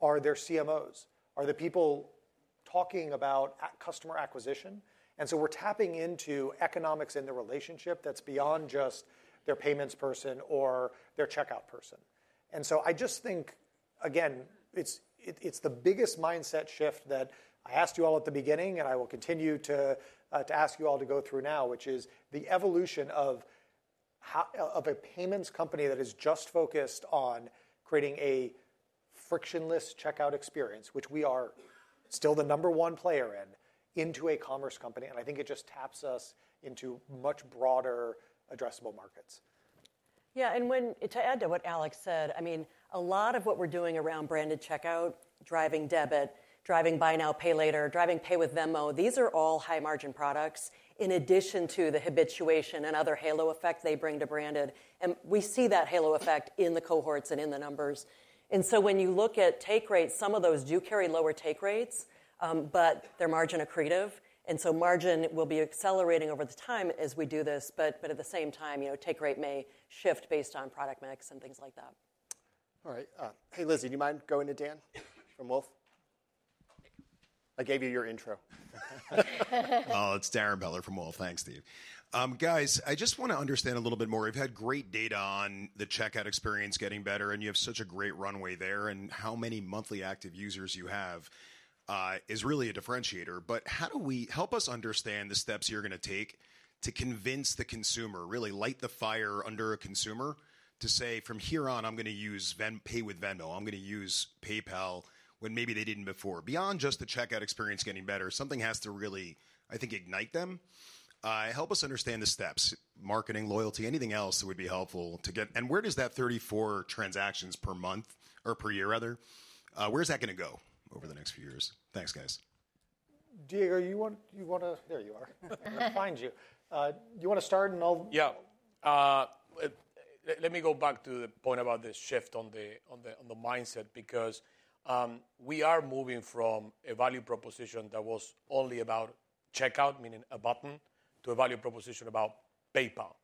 are their CMOs, are the people talking about customer acquisition. And so we're tapping into economics in the relationship that's beyond just their payments person or their checkout person. And so I just think, again, it's the biggest mindset shift that I asked you all at the beginning, and I will continue to ask you all to go through now, which is the evolution of a payments company that is just focused on creating a frictionless checkout experience, which we are still the number one player in, into a commerce company. And I think it just taps us into much broader addressable markets. Yeah, and to add to what Alex said, I mean, a lot of what we're doing around branded checkout, driving debit, driving Buy Now, Pay Later, driving Pay with Venmo, these are all high-margin products in addition to the habituation and other halo effect they bring to branded. And we see that halo effect in the cohorts and in the numbers. And so when you look at take rates, some of those do carry lower take rates, but they're margin accretive. And so margin will be accelerating over the time as we do this. But at the same time, take rate may shift based on product mix and things like that. All right. Hey, Lizzie, do you mind going to Darrin from Wolfe? I gave you your intro. Oh, it's Darrin Peller from Wolfe. Thanks, Steve. Guys, I just want to understand a little bit more. We've had great data on the checkout experience getting better, and you have such a great runway there. And how many monthly active users you have is really a differentiator. But how do we help us understand the steps you're going to take to convince the consumer, really light the fire under a consumer to say, "From here on, I'm going to use Pay with Venmo. I'm going to use PayPal when maybe they didn't before?" Beyond just the checkout experience getting better, something has to really, I think, ignite them. Help us understand the steps: marketing, loyalty, anything else that would be helpful to get. And where does that 34 transactions per month or per year, rather, where is that going to go over the next few years? Thanks, guys. Diego, you want to, there you are. I'll find you. Do you want to start? Yeah. Let me go back to the point about the shift on the mindset because we are moving from a value proposition that was only about checkout, meaning a button, to a value proposition about PayPal,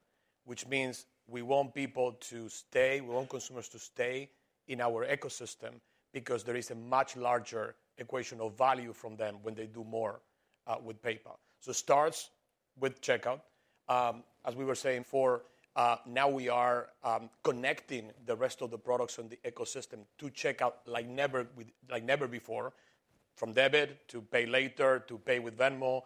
which means we want people to stay. We want consumers to stay in our ecosystem because there is a much larger equation of value from them when they do more with PayPal. So it starts with checkout. As we were saying before, now we are connecting the rest of the products on the ecosystem to checkout like never before, from debit to Pay Later to Pay with Venmo,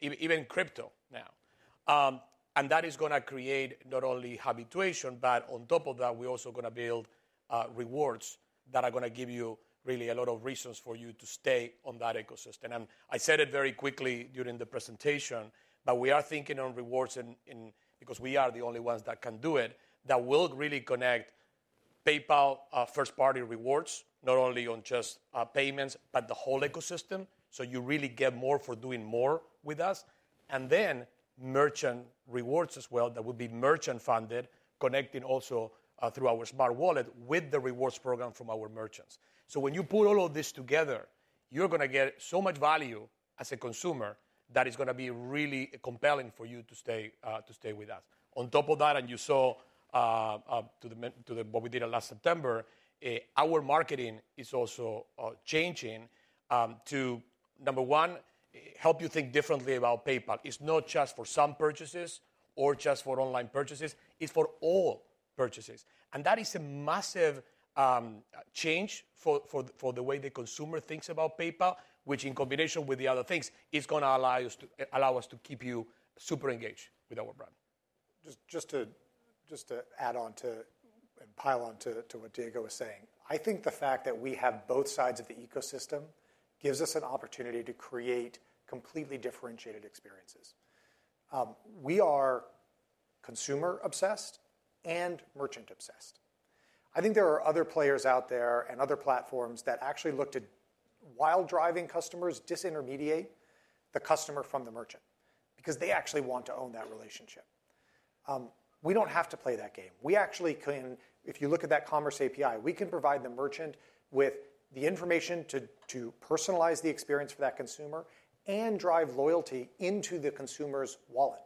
even crypto now. And that is going to create not only habituation, but on top of that, we're also going to build rewards that are going to give you really a lot of reasons for you to stay on that ecosystem. I said it very quickly during the presentation, but we are thinking on rewards because we are the only ones that can do it, that will really connect PayPal first-party rewards, not only on just payments, but the whole ecosystem. So you really get more for doing more with us. And then merchant rewards as well that will be merchant-funded, connecting also through our smart wallet with the rewards program from our merchants. So when you put all of this together, you're going to get so much value as a consumer that is going to be really compelling for you to stay with us. On top of that, and you saw what we did last September, our marketing is also changing to, number one, help you think differently about PayPal. It's not just for some purchases or just for online purchases. It's for all purchases. and that is a massive change for the way the consumer thinks about PayPal, which in combination with the other things, is going to allow us to keep you super engaged with our brand. Just to add on to and pile on to what Diego was saying, I think the fact that we have both sides of the ecosystem gives us an opportunity to create completely differentiated experiences. We are consumer-obsessed and merchant-obsessed. I think there are other players out there and other platforms that actually look to, while driving customers, disintermediate the customer from the merchant because they actually want to own that relationship. We don't hav e to play that game. We actually can, if you look at that Commerce API, we can provide the merchant with the information to personalize the experience for that consumer and drive loyalty into the consumer's wallet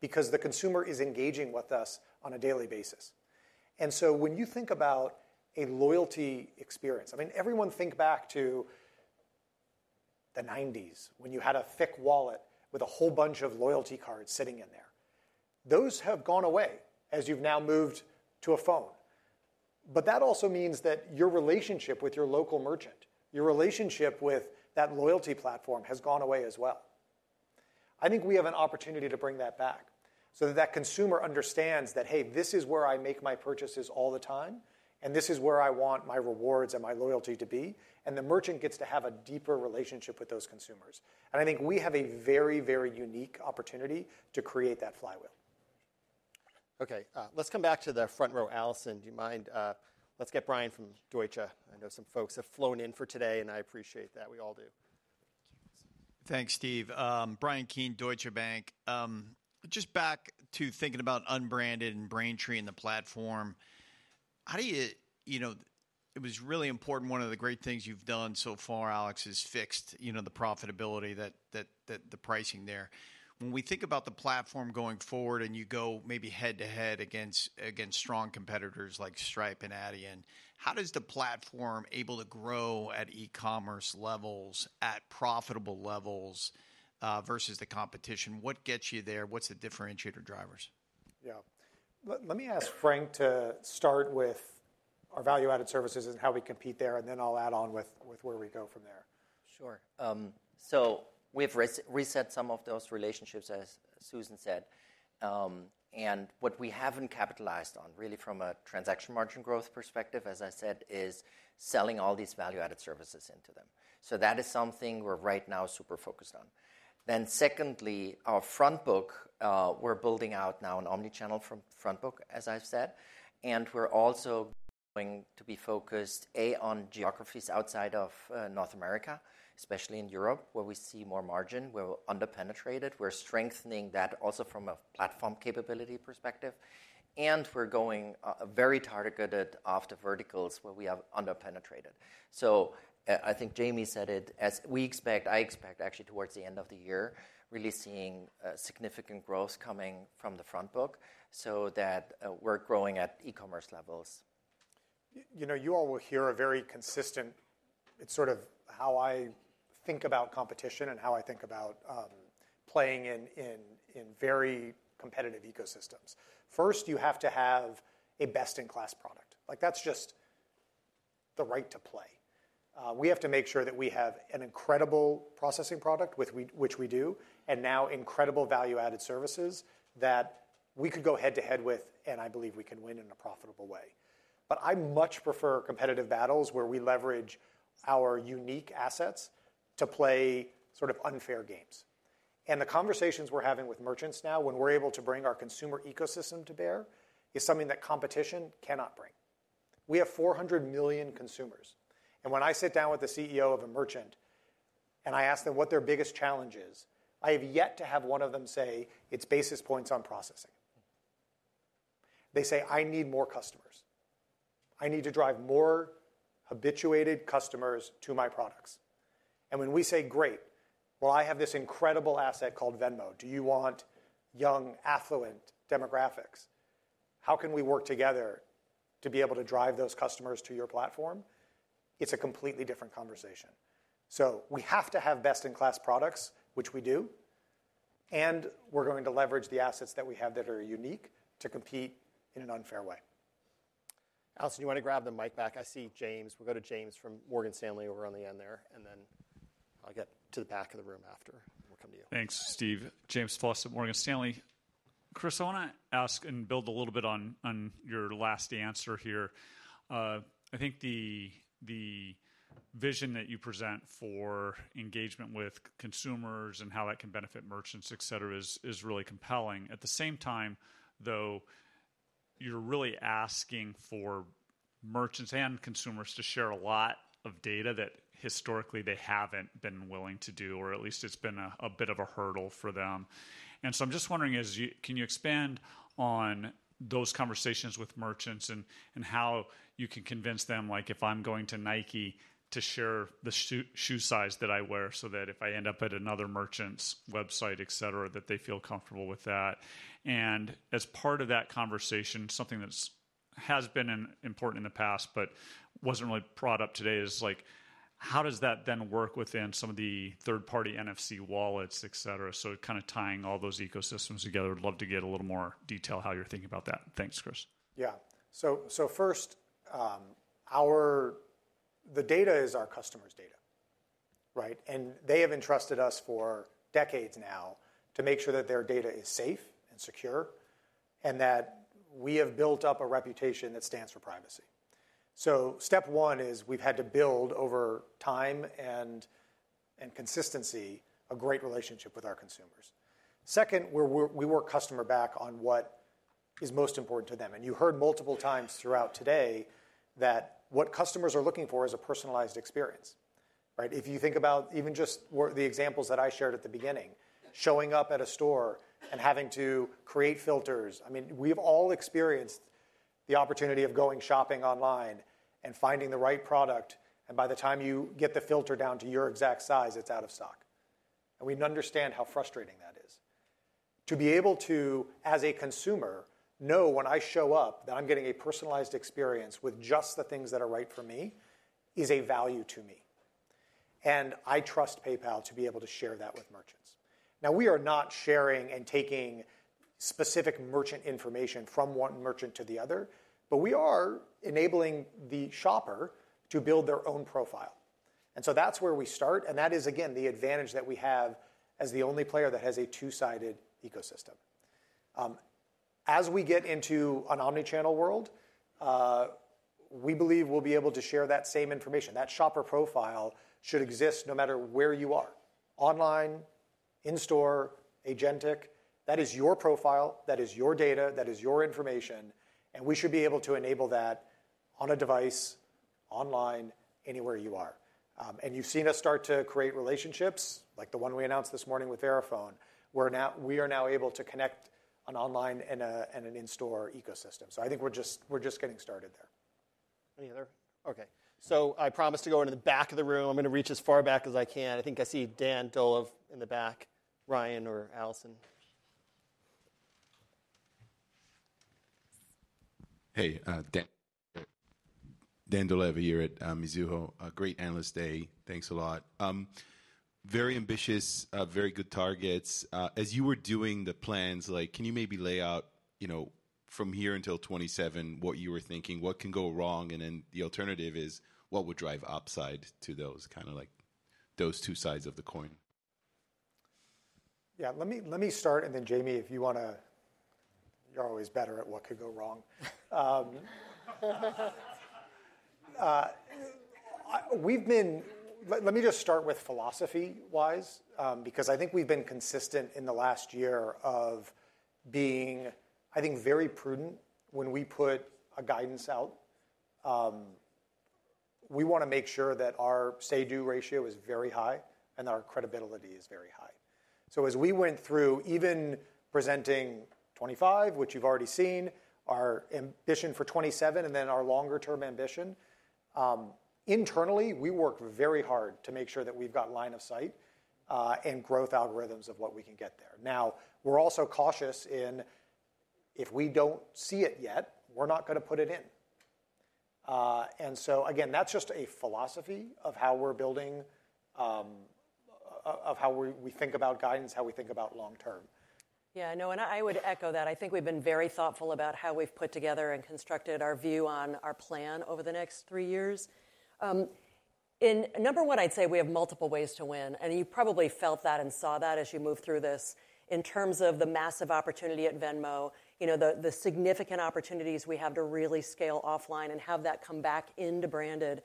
because the consumer is engaging with us on a daily basis, and so when you think about a loyalty experience, I mean, everyone think back to the '90s when you had a thick wallet with a whole bunch of loyalty cards sitting in there. Those have gone away as you've now moved to a phone, but that also means that your relationship with your local merchant, your relationship with that loyalty platform has gone away as well. I think we have an opportunity to bring that back so that that consumer understands that, "Hey, this is where I make my purchases all the time, and this is where I want my rewards and my loyalty to be." and the merchant gets to have a deeper relationship with those consumers. and I think we have a very, very unique opportunity to create that flywheel. Okay, let's come back to the front row, Alison. Do you mind? Let's get Brian from Deutsche Bank. I know some folks have flown in for today, and I appreciate that. We all do. Thanks, Steve. Brian Keane, Deutsche Bank. Just back to thinking about unbranded and Braintree in the platform, how do you - it was really important. One of the great things you've done so far, Alex, is fixed the profitability, the pricing there. When we think about the platform going forward and you go maybe head-to-head against strong competitors like Stripe and Adyen, how is the platform able to grow at e-commerce levels, at profitable levels versus the competition? What gets you there? What's the differentiator drivers? Yeah. Let me ask Frank to start with our value-added services and how we compete there, and then I'll add on with where we go from there. Sure. So we have reset some of those relationships, as Suzan said. And what we haven't capitalized on, really from a transaction margin growth perspective, as I said, is selling all these value-added services into them. So that is something we're right now super focused on. Then secondly, our front book, we're building out now an omnichannel front book, as I've said. We're also going to be focused, A, on geographies outside of North America, especially in Europe, where we see more margin, where we're underpenetrated. We're strengthening that also from a platform capability perspective. We're going very targeted after verticals where we have underpenetrated. So I think Jamie said it as we expect, I expect actually towards the end of the year, really seeing significant growth coming from the front book so that we're growing at e-commerce levels. You all will hear a very consistent. It's sort of how I think about competition and how I think about playing in very competitive ecosystems. First, you have to have a best-in-class product. That's just the right to play. We have to make sure that we have an incredible processing product, which we do, and now incredible value-added services that we could go head-to-head with, and I believe we can win in a profitable way. But I much prefer competitive battles where we leverage our unique assets to play sort of unfair games. And the conversations we're having with merchants now, when we're able to bring our consumer ecosystem to bear, is something that competition cannot bring. We have 400 million consumers. And when I sit down with the CEO of a merchant and I ask them what their biggest challenge is, I have yet to have one of them say, "It's basis points on processing." They say, "I need more customers. I need to drive more habituated customers to my products." And when we say, "Great, well, I have this incredible asset called Venmo. Do you want young, affluent demographics? How can we work together to be able to drive those customers to your platform? It's a completely different conversation. We have to have best-in-class products, which we do. We're going to leverage the assets that we have that are unique to compete in an unfair way. Alison, do you want to grab the mic back? I see James. We'll go to James from Morgan Stanley over on the end there. Then I'll get to the back of the room after. We'll come to you. Thanks, Steve. James Faucette at Morgan Stanley. Chris, I want to ask and build a little bit on your last answer here. I think the vision that you present for engagement with consumers and how that can benefit merchants, etc., is really compelling. At the same time, though, you're really asking for merchants and consumers to share a lot of data that historically they haven't been willing to do, or at least it's been a bit of a hurdle for them, and so I'm just wondering, can you expand on those conversations with merchants and how you can convince them, like, "If I'm going to Nike to share the shoe size that I wear so that if I end up at another merchant's website, etc., that they feel comfortable with that?", and as part of that conversation, something that has been important in the past but wasn't really brought up today is like, "How does that then work within some of the third-party NFC wallets, etc.?", so kind of tying all those ecosystems together. Would love to get a little more detail how you're thinking about that. Thanks, Chriss. Yeah. So first, the data is our customer's data, right? And they have entrusted us for decades now to make sure that their data is safe and secure and that we have built up a reputation that stands for privacy. So step one is we've had to build over time and consistency a great relationship with our consumers. Second, we work customer back on what is most important to them. And you heard multiple times throughout today that what customers are looking for is a personalized experience, right? If you think about even just the examples that I shared at the beginning, showing up at a store and having to create filters, I mean, we've all experienced the opportunity of going shopping online and finding the right product. And by the time you get the filter down to your exact size, it's out of stock. We understand how frustrating that is. To be able to, as a consumer, know when I show up that I'm getting a personalized experience with just the things that are right for me is a value to me. I trust PayPal to be able to share that with merchants. Now, we are not sharing and taking specific merchant information from one merchant to the other, but we are enabling the shopper to build their own profile. So that's where we start. That is, again, the advantage that we have as the only player that has a two-sided ecosystem. As we get into an omnichannel world, we believe we'll be able to share that same information. That shopper profile should exist no matter where you are: online, in-store, agentic. That is your profile. That is your data. That is your information. And we should be able to enable that on a device, online, anywhere you are. And you've seen us start to create relationships, like the one we announced this morning with Verifone, where we are now able to connect an online and an in-store ecosystem. So I think we're just getting started there. Any other? Okay. So I promised to go into the back of the room. I'm going to reach as far back as I can. I think I see Dan Dolev in the back. Ryan or Alison? Hey, Dan Dolev here at Mizuho. Great Analyst Day. Thanks a lot. Very ambitious, very good targets. As you were doing the plans, can you maybe lay out from here until 2027 what you were thinking, what can go wrong, and then the alternative is what would drive upside to those kind of like those two sides of the coin? Yeah, let me start, and then Jamie, if you want to, you're always better at what could go wrong. Let me just start with philosophy-wise because I think we've been consistent in the last year of being, I think, very prudent when we put a guidance out. We want to make sure that our say-do ratio is very high and our credibility is very high. So as we went through, even presenting 2025, which you've already seen, our ambition for 2027, and then our longer-term ambition, internally, we work very hard to make sure that we've got line of sight and growth algorithms of what we can get there. Now, we're also cautious in if we don't see it yet, we're not going to put it in. And so, again, that's just a philosophy of how we're building, of how we think about guidance, how we think about long-term. Yeah, no, and I would echo that. I think we've been very thoughtful about how we've put together and constructed our view on our plan over the next three years. In number one, I'd say we have multiple ways to win, and you probably felt that and saw that as you moved through this. In terms of the massive opportunity at Venmo, the significant opportunities we have to really scale offline and have that come back into branded,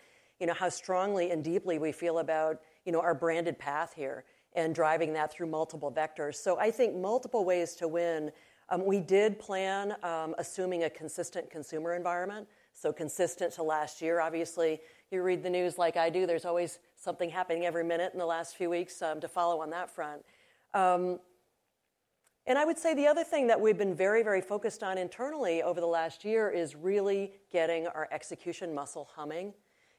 how strongly and deeply we feel about our branded path here and driving that through multiple vectors, so I think multiple ways to win. We did plan assuming a consistent consumer environment, so consistent to last year, obviously. You read the news like I do. There's always something happening every minute in the last few weeks to follow on that front. I would say the other thing that we've been very, very focused on internally over the last year is really getting our execution muscle humming.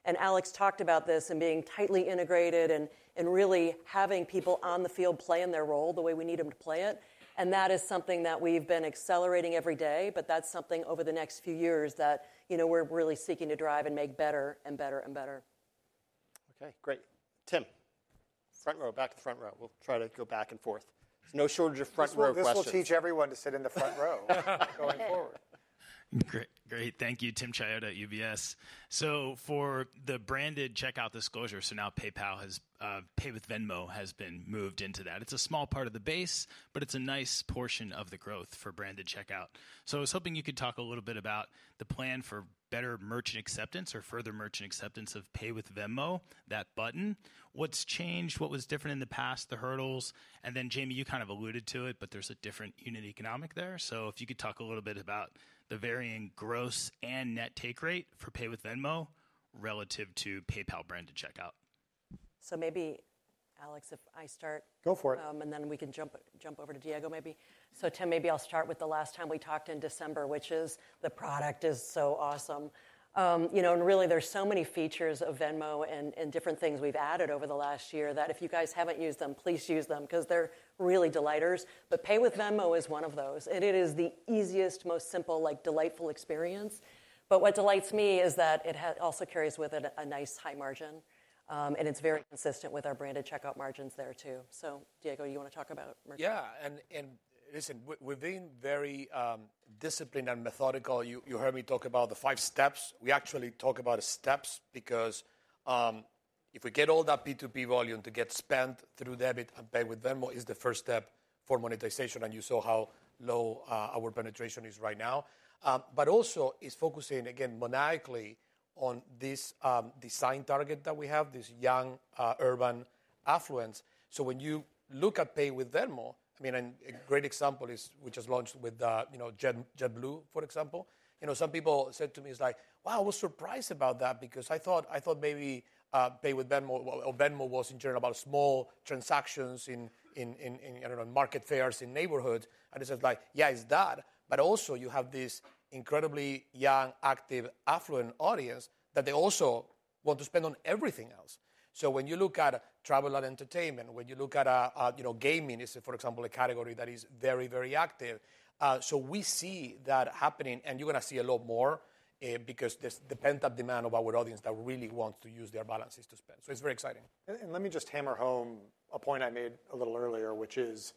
And Alex talked about this and being tightly integrated and really having people on the field play in their role the way we need them to play it. And that is something that we've been accelerating every day. That's something over the next few years that we're really seeking to drive and make better and better and better. Okay, great. Tim, front row, back to the front row. We'll try to go back and forth. There's no shortage of front row questions. We'll teach everyone to sit in the front row going forward. Great. Thank you, Tim Chiodo at UBS. For the branded checkout disclosure, now PayPal has Pay with Venmo has been moved into that. It's a small part of the base, but it's a nice portion of the growth for branded checkout. So I was hoping you could talk a little bit about the plan for better merchant acceptance or further merchant acceptance of Pay with Venmo, that button. What's changed? What was different in the past? The hurdles. And then Jamie, you kind of alluded to it, but there's a different unit economics there. So if you could talk a little bit about the varying gross and net take rate for Pay with Venmo relative to PayPal branded checkout. So maybe, Alex, if I start. Go for it. And then we can jump over to Diego maybe. So Tim, maybe I'll start with the last time we talked in December, which is the product is so awesome. And really, there's so many features of Venmo and different things we've added over the last year that if you guys haven't used them, please use them because they're really delighters. But Pay with Venmo is one of those. And it is the easiest, most simple, delightful experience. But what delights me is that it also carries with it a nice high margin. And it's very consistent with our branded checkout margins there too. So Diego, you want to talk about merchant? Yeah. And listen, we've been very disciplined and methodical. You heard me talk about the five steps. We actually talk about steps because if we get all that P2P volume to get spent through debit and Pay with Venmo is the first step for monetization. And you saw how low our penetration is right now. But also it's focusing, again, maniacally on this design target that we have, this young urban affluence. So when you look at Pay with Venmo, I mean, a great example is we just launched with JetBlue, for example. Some people said to me, it's like, "Wow, I was surprised about that because I thought maybe Pay with Venmo or Venmo was in general about small transactions in, I don't know, market fairs in neighborhoods." And it's just like, "Yeah, it's that." But also you have this incredibly young, active, affluent audience that they also want to spend on everything else. So when you look at travel and entertainment, when you look at gaming, it's, for example, a category that is very, very active. So we see that happening. You're going to see a lot more because there's the pent-up demand of our audience that really wants to use their balances to spend. So it's very exciting. And let me just hammer home a point I made a little earlier, which is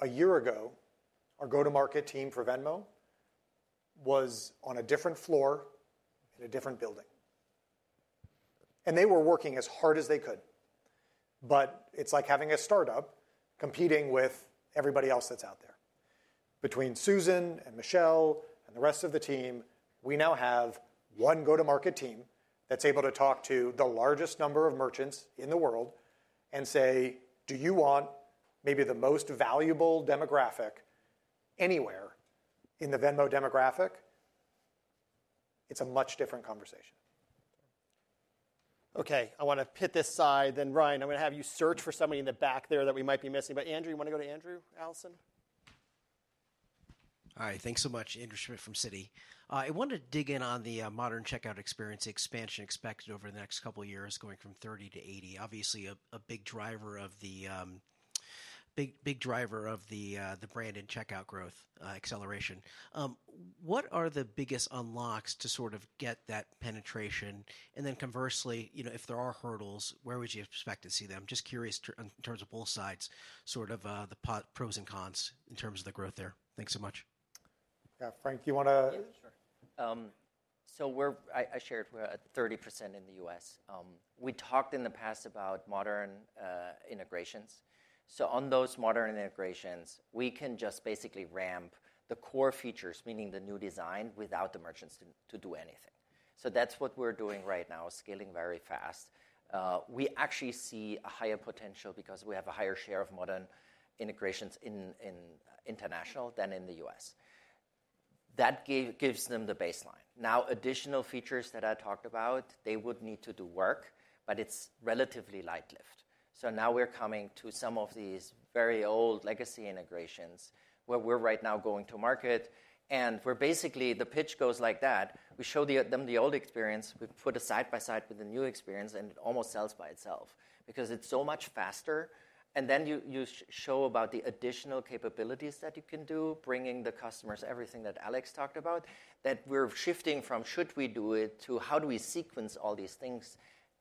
a year ago, our go-to-market team for Venmo was on a different floor in a different building. And they were working as hard as they could. But it's like having a startup competing with everybody else that's out there. Between Suzan and Michelle and the rest of the team, we now have one go-to-market team that's able to talk to the largest number of merchants in the world and say, "Do you want maybe the most valuable demographic anywhere in the Venmo demographic?" It's a much different conversation. Okay, I want to pivot this side. Then Ryan, I'm going to have you search for somebody in the back there that we might be missing. But Andrew, you want to go to Andrew, Alison? Hi, thanks so much, Andrew Schmidt from Citi. I wanted to dig in on the modern checkout experience expansion expected over the next couple of years going from 30% to 80%. Obviously, a big driver of the branded checkout growth acceleration. What are the biggest unlocks to sort of get that penetration? And then conversely, if there are hurdles, where would you expect to see them? Just curious in terms of both sides, sort of the pros and cons in terms of the growth there. Thanks so much. Yeah, Frank, do you want to? Sure. So I shared we're at 30% in the U.S. We talked in the past about modern integrations. So on those modern integrations, we can just basically ramp the core features, meaning the new design, without the merchants to do anything. That's what we're doing right now, scaling very fast. We actually see a higher potential because we have a higher share of modern integrations in international than in the U.S. That gives them the baseline. Now, additional features that I talked about, they would need to do work, but it's relatively light lift. Now we're coming to some of these very old legacy integrations where we're right now going to market. Basically, the pitch goes like that. We show them the old experience. We put it side by side with the new experience, and it almost sells by itself because it's so much faster. And then you show about the additional capabilities that you can do, bringing the customers everything that Alex talked about, that we're shifting from should we do it to how do we sequence all these things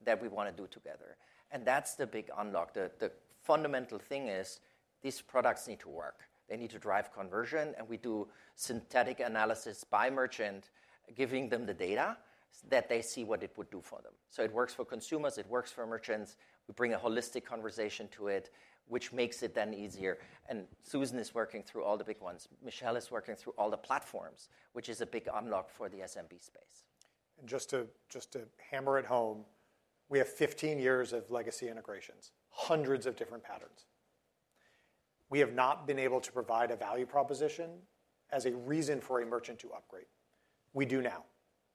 that we want to do together. And that's the big unlock. The fundamental thing is these products need to work. They need to drive conversion. And we do synthetic analysis by merchant, giving them the data that they see what it would do for them. So it works for consumers. It works for merchants. We bring a holistic conversation to it, which makes it then easier. And Suzan is working through all the big ones. Michelle is working through all the platforms, which is a big unlock for the SMB space. And just to hammer it home, we have 15 years of legacy integrations, hundreds of different patterns. We have not been able to provide a value proposition as a reason for a merchant to upgrade. We do now.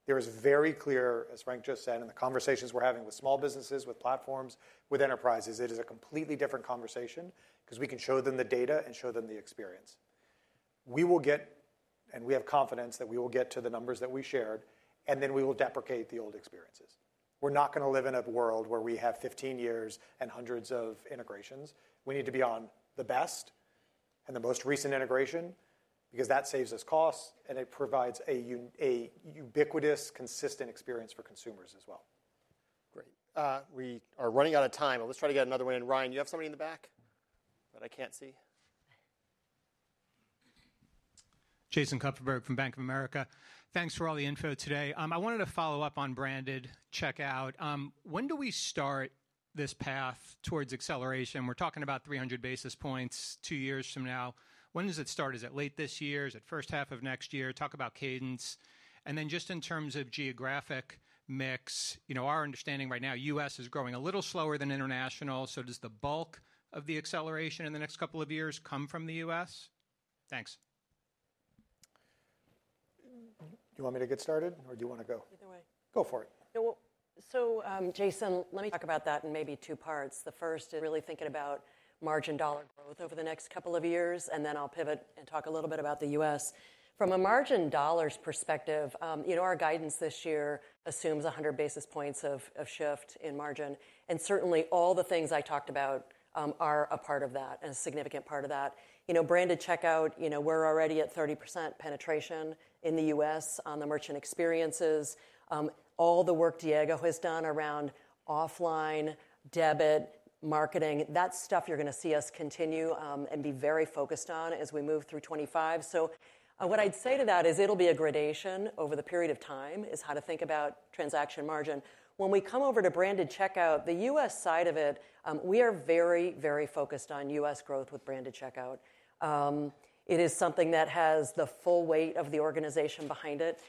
There is very clear, as Frank just said, in the conversations we're having with small businesses, with platforms, with enterprises, it is a completely different conversation because we can show them the data and show them the experience. We will get, and we have confidence that we will get to the numbers that we shared, and then we will deprecate the old experiences. We're not going to live in a world where we have 15 years and hundreds of integrations. We need to be on the best and the most recent integration because that saves us costs and it provides a ubiquitous, consistent experience for consumers as well. Great. We are running out of time. Let's try to get another one in. Ryan, you have somebody in the back that I can't see? Jason Kupferberg from Bank of America. Thanks for all the info today. I wanted to follow up on branded checkout. When do we start this path towards acceleration? We're talking about 300 bps two years from now. When does it start? Is it late this year? Is it first half of next year? Talk about cadence. And then just in terms of geographic mix, our understanding right now, U.S. is growing a little slower than international. So does the bulk of the acceleration in the next couple of years come from the U.S.? Thanks. Do you want me to get started, or do you want to go? Either way. Go for it. So Jason, let me talk about that in maybe two parts. The first is really thinking about margin dollar growth over the next couple of years, and then I'll pivot and talk a little bit about the U.S. From a margin dollars perspective, our guidance this year assumes 100 bps of shift in margin. And certainly, all the things I talked about are a part of that, a significant part of that. Branded checkout, we're already at 30% penetration in the U.S. on the merchant experiences. All the work Diego has done around offline, debit, marketing, that stuff you're going to see us continue and be very focused on as we move through 2025. So what I'd say to that is it'll be a gradation over the period of time is how to think about transaction margin. When we come over to branded checkout, the U.S. side of it, we are very, very focused on U.S. growth with branded checkout. It is something that has the full weight of the organization behind it.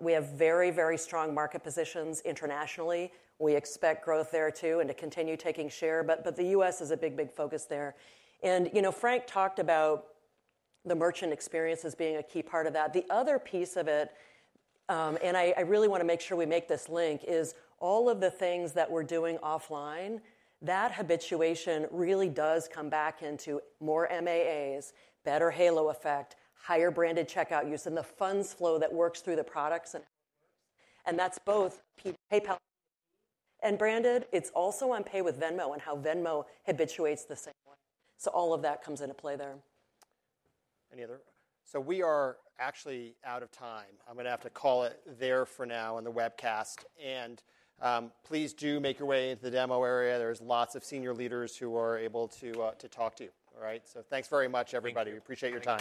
We have very, very strong market positions internationally. We expect growth there too and to continue taking share. But the U.S. is a big, big focus there. And Frank talked about the merchant experience as being a key part of that. The other piece of it, and I really want to make sure we make this link, is all of the things that we're doing offline, that habituation really does come back into more MAAs, better halo effect, higher branded checkout use, and the funds flow that works through the products and how it works. And that's both PayPal and branded. It's also on Pay with Venmo and how Venmo habituates the same way. So all of that comes into play there. Any other? So we are actually out of time. I'm going to have to call it there for now on the webcast. And please do make your way into the demo area. There's lots of senior leaders who are able to talk to you. All right? So thanks very much, everybody. We appreciate your time.